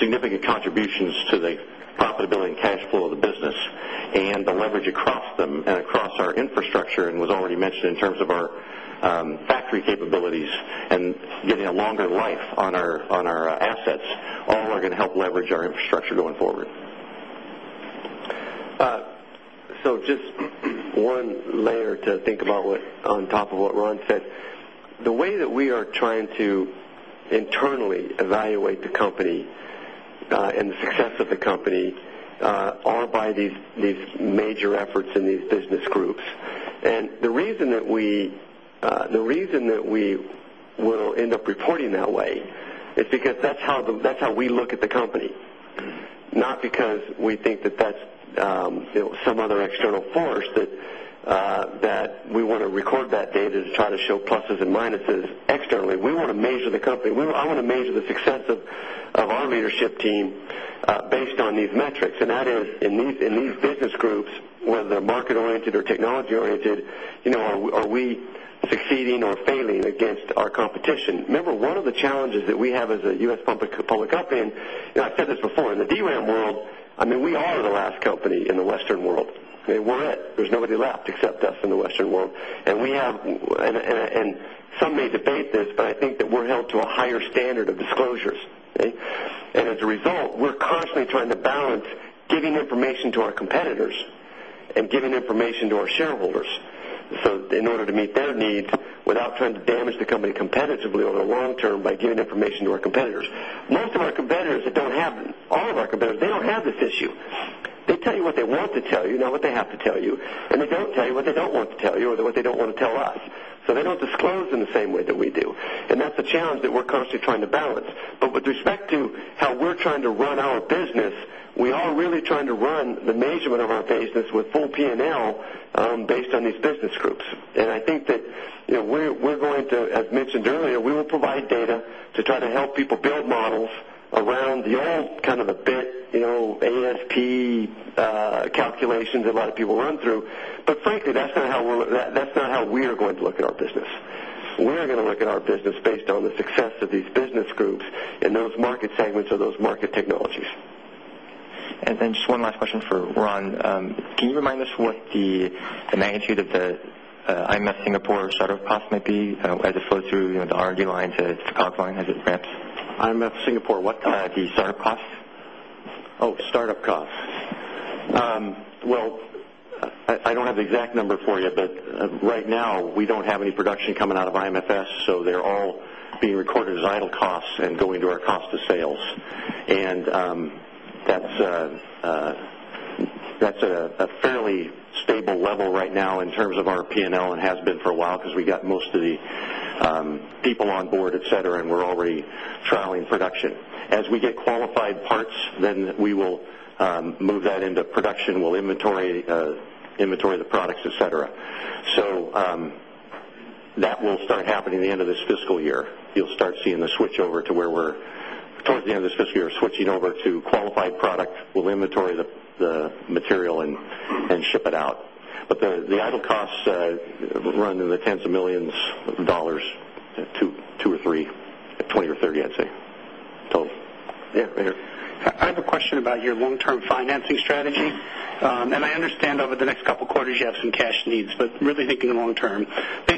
significant contributions to the profitability and cash flow of the business and the leverage across them and across our infrastructure and was already mentioned in terms of our, factory capabilities and getting a longer life on our, on our assets, all are going to help leverage our structure going forward. So just one layer to think about what on top of what Ron said. Way that we are by these major efforts in these business groups. And the reason that we, the reason that we will end up reporting that way is because that's how the that's how we look at the company, not because we think that that's, some other external force that, that we want to record that data to try to show pluses and minuses externally. We want to measure the company. I want to measure the success of army ship team, based on these metrics. And that is, in these, in these business groups, whether they're market oriented or technology oriented, are we succeeding or against our competition. Remember, one of the challenges that we have as a U. S. Public public up in, I've said this before in the DRAM world, I mean, we are last company in the Western world. I mean, we're it. There's nobody left except us in the Western world. And we have and some may this, but I think that we're held to a higher standard of disclosures. And as a result, we're constantly trying to balance giving information to our competitors. And giving information to our shareholders so that in order to meet their needs without trying to damage the company competitively over the long term by giving information to our Most of our competitors that don't have them, all of our competitors, they don't have this issue. They tell you what they want to tell you, not what they have to tell you, and they don't tell you what they don't want to tell you, or what they don't tell us. So they don't disclose in the same way that we do. And that's a challenge that we're constantly trying to balance. But with respect to how we're trying to run our business, we all really try to run the measurement of our business with full P and L based on these business groups. And I think that we're going to, as mentioned earlier, we will provide data to try to help people build models around the all kind of a bit, you know, ASP, calculations a lot of people run through. But frankly, that's not how we're that's not how we are going to look at our business. We're going to look at our business based on the success of these business groups in those market segments those market technologies. And then just one last question for Ron. Can you remind us what the magnitude of the, I'm missing a course cost might be, as it flows through, you know, the R and D lines, it's outgoing. Has it ramps? I'm at Singapore. What time do you start up costs? Oh, start up costs. Well, I don't have the exact number for you, but right now, we don't have any production coming out of IMS, so they're all recorded as idle costs and going to our cost of sales. And, that's, that's a a fairly stable level right now in terms of our P and L and has been for a while because we got most of the, people on board, etcetera, and we're all trialing production. As we get qualified parts, then we will, move that into production. We'll the products, etcetera. So, that will start happening at the end of this fiscal year. You'll start seeing the switch to where we're towards the end of this fiscal year, switching over to qualified product, we'll inventory the material and ship it out. But the idle costs, run-in the tens of 1,000,000 of dollars, 2, 2 or 3, 20 or 30, I'd say. I have a question about your long term financing strategy. And I understand over the next couple of quarters, you have some cash needs, but really thinking the long term,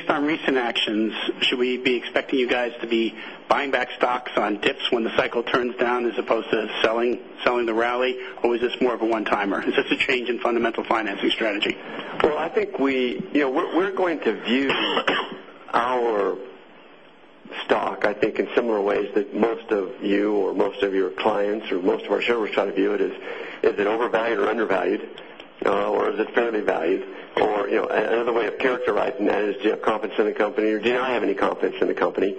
the on recent actions, should we be expecting you guys to be buying back stocks on dips when the cycle turns down as opposed to selling, selling the rally, or is this more of a one timer? A change in fundamental financing strategy? Well, I think we we're going to view our talk. I think in similar ways that most of you or most of your clients or most of our shareholders try to view it as, is it overvalued or undervalued, or is it fair value or another way of character writing that is do you have confidence in the company or do you not have any confidence in the company?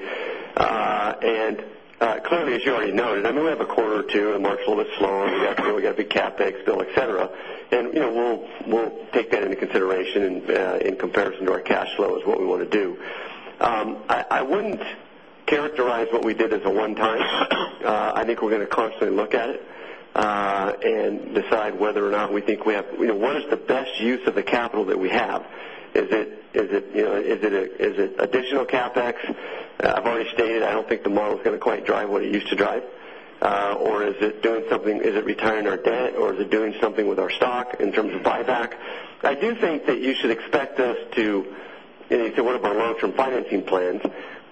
And clearly, noted. I mean, we have a quarter or 2 in March a little bit slower. We got we got big CapEx bill, etcetera. And we'll take that into consideration in into our cash flow is what we want to do. I wouldn't characterize what we did as a one time. I think we're going to and look at it and decide whether or not we think we have what is the best use of the capital that we have? Is is it additional CapEx? I've already stated, I don't think the model is going to quite drive what it used to drive, or is it doing something is it retiring our debt, or is it doing something with our stock in terms of buyback? I do think that you should expect us to in either one of our long term financing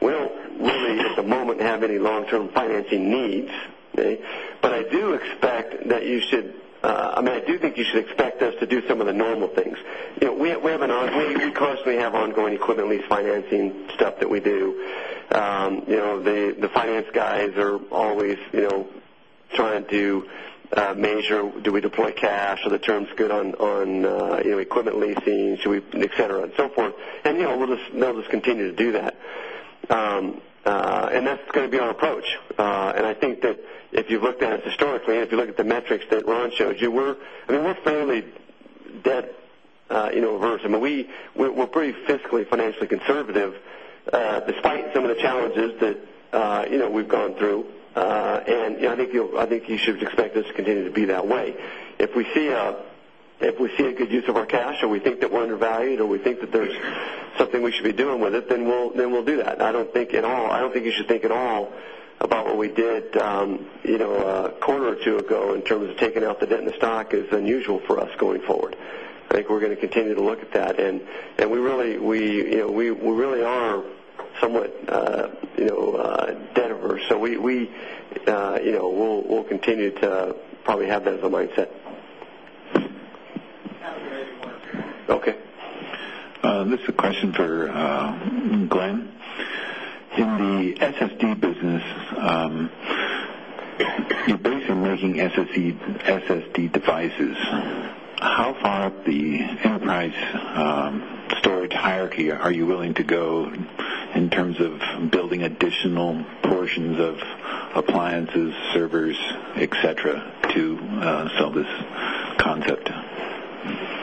will really, at the moment, have any long term financing needs, right? But I do expect that you should mean, I do think you should expect us to do some of the normal things. We have an ongoing, we constantly have ongoing equipment lease financing stuff that we do. The finance guys are always trying to do, measure, do we deploy cash or the term's good on equipment leasing, etcetera, and so forth. And, you know, we'll just we'll just continue to do that. And that's going to be our approach. And I think that if you looked at it historically and if you look at the metrics that Ron showed you, we're I mean, we're fairly debt, in order to move. We're pretty financially conservative, despite some of the challenges that we've gone through. And I think should expect us to continue to be that way. If we see a good use of our cash or we think that we're undervalued or we think that there's something we should be doing with it, then we'll, then we'll do that. Think at all I don't think you should think at all about what we did, a quarter or 2 ago in terms of taking out the debt in the stock is unusual for us going forward. I think we're continue to look at that. And we really we really are somewhat, debtors. So we you know, we'll continue to probably have that as a mindset. Okay. This is a question for Glenn. In the SSD business, the equation making SSD SSD devices, how far the enterprise, storage hierarchy are you willing to go in terms of building additional portions of appliances, servers, etcetera, to sell this concept?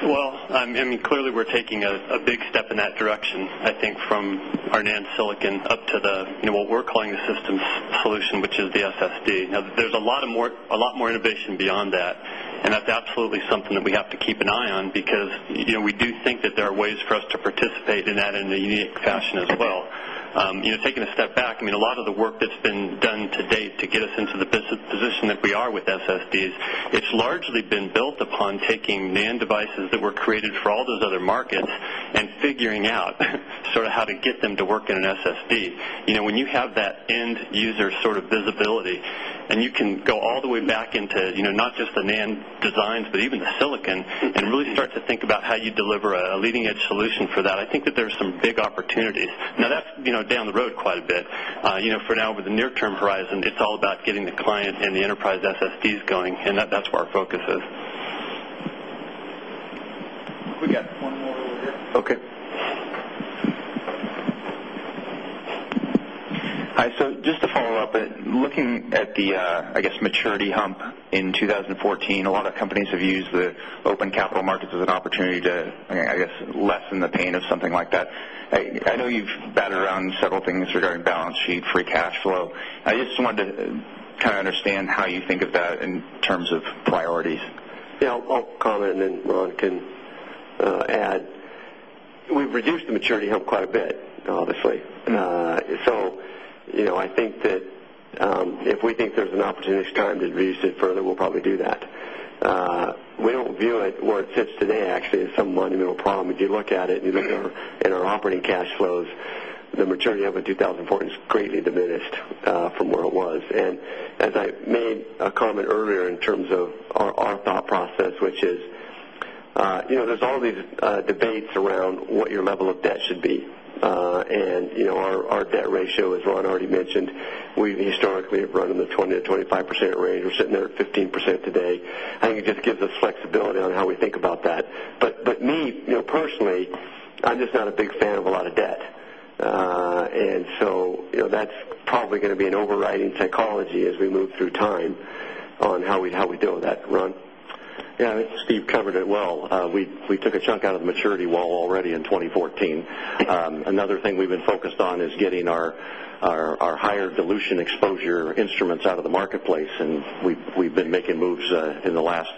Well, I mean, clearly we're taking a big step in that direction, I think, from our NAND Silicon up to the, you know, what we're calling the systems solution, which is the SSD. Now, there's a lot of more, a lot more innovation beyond that, and that's absolutely something that have to keep an eye on because, you know, we do think that there are ways for us to participate in that in the unique fashion as well. You know, taking a step back, lot of the work that's been done today to get us into the position that we are with SSDs, it's largely been built upon take NAND devices that were created for all those other markets and figuring out sort of how to get them to work in an SSD. You know, when you have that end user sort of visibility. And you can go all the way back into, you know, not just the NAND designs, but even the silicon and really start to about how you deliver a leading edge solution for that. I think that there's some big opportunities. Now, that's down the road quite a bit, for with the near term horizon, it's all about getting the client and the enterprise SSDs going. And that, that's where our focus is. Okay. Hi. So just to follow-up, looking at the, I guess, maturity hump in 2014, a lot of companies have used the open capital markets as an opportunity to, less than the pain of something like that. I know you've batted around several things regarding balance sheet free cash flow. I just wanted to kind of understand how you about in terms of priorities? Yeah. I'll comment and then Ron can add. We've reduced the maturity hump quite a bit, So, I think that, if we think there's an opportunistic time to reuse it further, we'll probably do that. We don't view it where it sits today, actually, in some monumental problem. If you look at it and you look at our in our operating cash flows, the maturity over 20 is greatly diminished from where it was. And as I made a comment earlier in terms of our thought process, which is, there's all these debates around what your level of debt should be. And our debt ratio, as Ron already mentioned, we've historically have run-in the 20% to 25% rate or sitting there at 15% today. I think it just gives us flexibility on how we think about that. But me, personally, just not a big fan of a lot of debt. And so that's probably going to be an overriding psychology as we move through time on how we how we do that, Ron. Yeah, I think Steve covered it well. We took a chunk out of the maturity wall already in 2014 Another thing we've been focused on is getting our higher dilution exposure instruments out of the marketplace. And we've been making moves in the last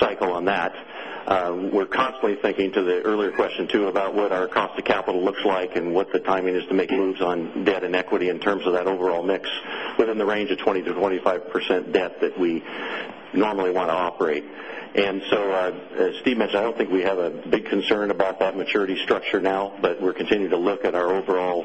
cycle on that. We're constantly thinking to the earlier question too about what our cost of capital looks like and what the timing is to make moves on debt and equity in terms of overall mix within the range of 20 to 25 percent debt that we normally want to operate. And so, as Steve mentioned, I don't think we have a big concern about that much 30 structure now, but we're continuing to look at our overall,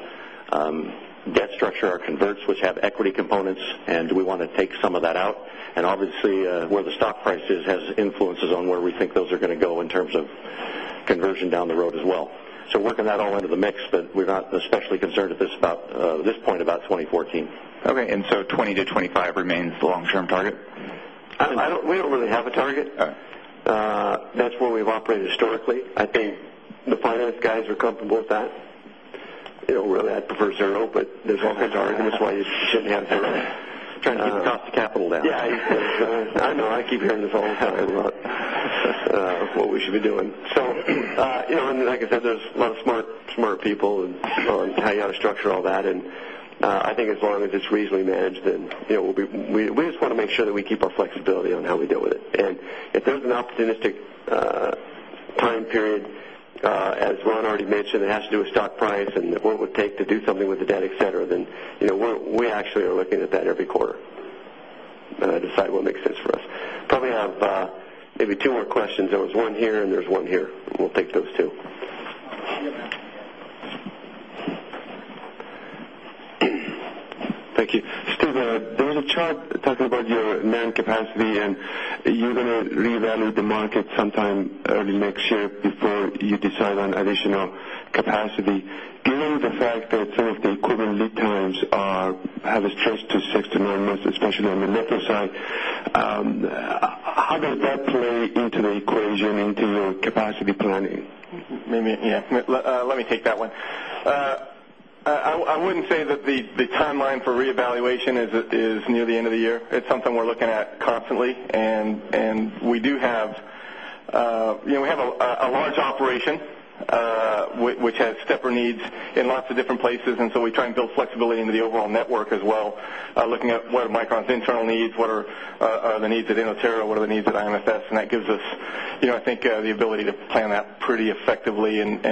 debt structure, our converts, which have equity components, and we want to take some of that out. And obviously, the stock price is has influences on where we think those are going to go in terms of conversion down the road as well. So working that all into the mix, but actually concerned at this point about 2014. Okay. And so 20 to 25 remains the long term target? I don't, we don't really have a target. That's where we've operated historically. I think the finance guys are comfortable with that. It'll really add personnel, but there's as hard. And that's why you shouldn't have to run. Trying to keep the cost of capital down. Yeah. I know. I keep hearing this all the time. What we should be doing. So, and like I said, there's a lot of smart, smart people and tell you how to structure all that and think as long as it's reasonably managed, then we'll be we just want to make sure that we keep our flexibility on how we deal with it. And if there's an opportunistic time period, as Ron already mentioned, it has to do with stock price and what it would take to do something with the debt, etcetera, then, we actually are looking at that every quarter, decide what makes sense us. Probably have, maybe 2 more questions. There was one here and there's one here. We'll take those 2. Thank you. Still, there was a chart talking about your NAND capacity and you're going to revalue the market sometime early next year before you decide on additional capacity, given the fact that some of the equivalent lead times are, have this choice to 6 to 9 months, especially on the nickel side. How does that play into the region into your capacity planning? Let me take that one. I wouldn't say that the time line for reevaluation is near the end of the year. It's something we're looking at constantly. And we do have, we have a large operation, which has stepper needs in lots of different places. And so we try and build flexibility into the overall network as well, look up what Micron's internal needs, what are, the needs at Innoterra, what are the needs at IMSF. And that gives us, you know, I think, the ability to plan that pretty effectively and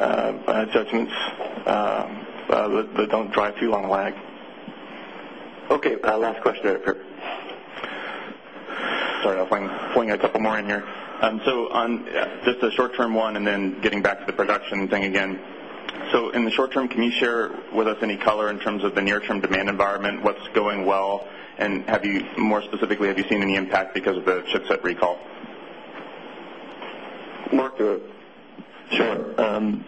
attachments, but don't drive too long lag. Okay. Last question. Sorry, I'm pulling a couple more in here. So on, just a short term one and then getting back to the production thing again. So in the short term, can you share us any color in terms of the near term demand environment? What's going well? And have you, more specifically, have you seen any impact because of the chipset recall? Mark, sure.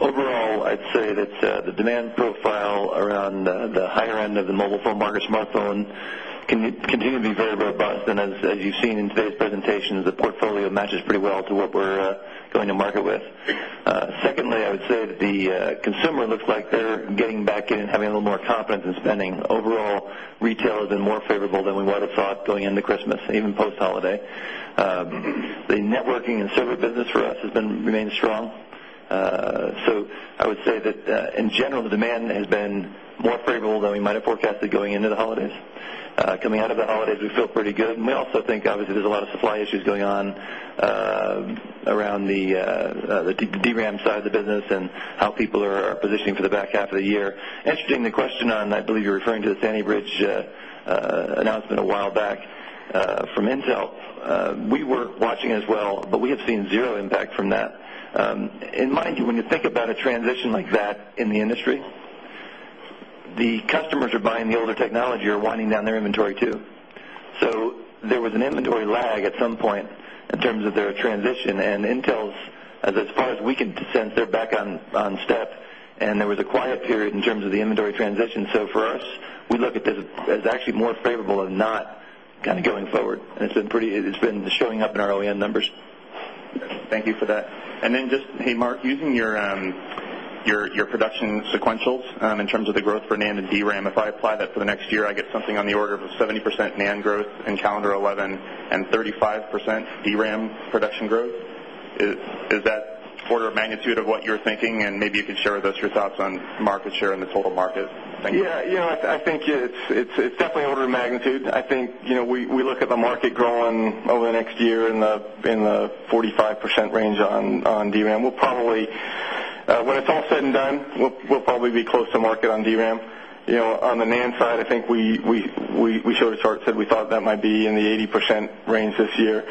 Overall, I'd say that, the demand profile around the higher end of the mobile phone, Marcus Smartphone, continue to be very robust. And as you've seen in today's presentation, the portfolio matches pretty well to what we're, going to market with. Secondly, I would say that the consumer looks like they're getting back in having a little more confidence in spending. Overall, retail has been more favorable weather thought going into Christmas, even post holiday. The networking and server business for us has been remained strong. So I would say that, in general, the demand has been more favorable than we might have forecasted going into the holidays. Coming out of the holidays, we feel pretty good. And we also think obviously there's supply issues going on, around the DRAM side of the business and how people are positioning for the back half of the year. And the question on, I believe you're referring to the Sandy Bridge announcement a while back, from Intel. We were watching as well, but we have seen zero impact from that. In mind, when you think about a transition like that in the industry, the customer buying the older technology or winding down their inventory too. So there was an inventory lag at some point in terms of their transition and intels as far as we can sense, they're back on, on step and there was a quiet period in terms of the inventory transition. So, for us, we look as actually more favorable as not kind of going forward. And it's been pretty, it's been showing up in our OEM numbers. Thank you for that. And then just, hey, Mark, using your, your production sequentials, in terms of the growth for NAND and DRAM, if I apply that for the next year, I get something on the order of 70% NAND growth and 11 35 percent DRAM production growth. Is that order of magnitude of what you're thinking and maybe you can share with us your thoughts on market share in the total market? Thank you. Yes, I think it's definitely order of magnitude. I think we at the market growing over the next year in the, in the 45% range on DRAM. We'll probably, when it's all said and done, we'll probably be close market on DRAM. You know, on the NAND side, I think we, we, we, we showed a chart that we thought that might be in the 80% range this year.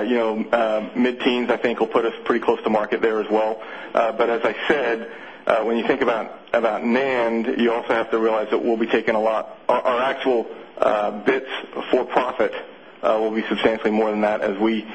You know, mid teens, I think, will us pretty close to market there as well. But as I said, when you think about NAND, you also have to realize that we'll be taking a lot our actual for profit, will be substantially more than that as we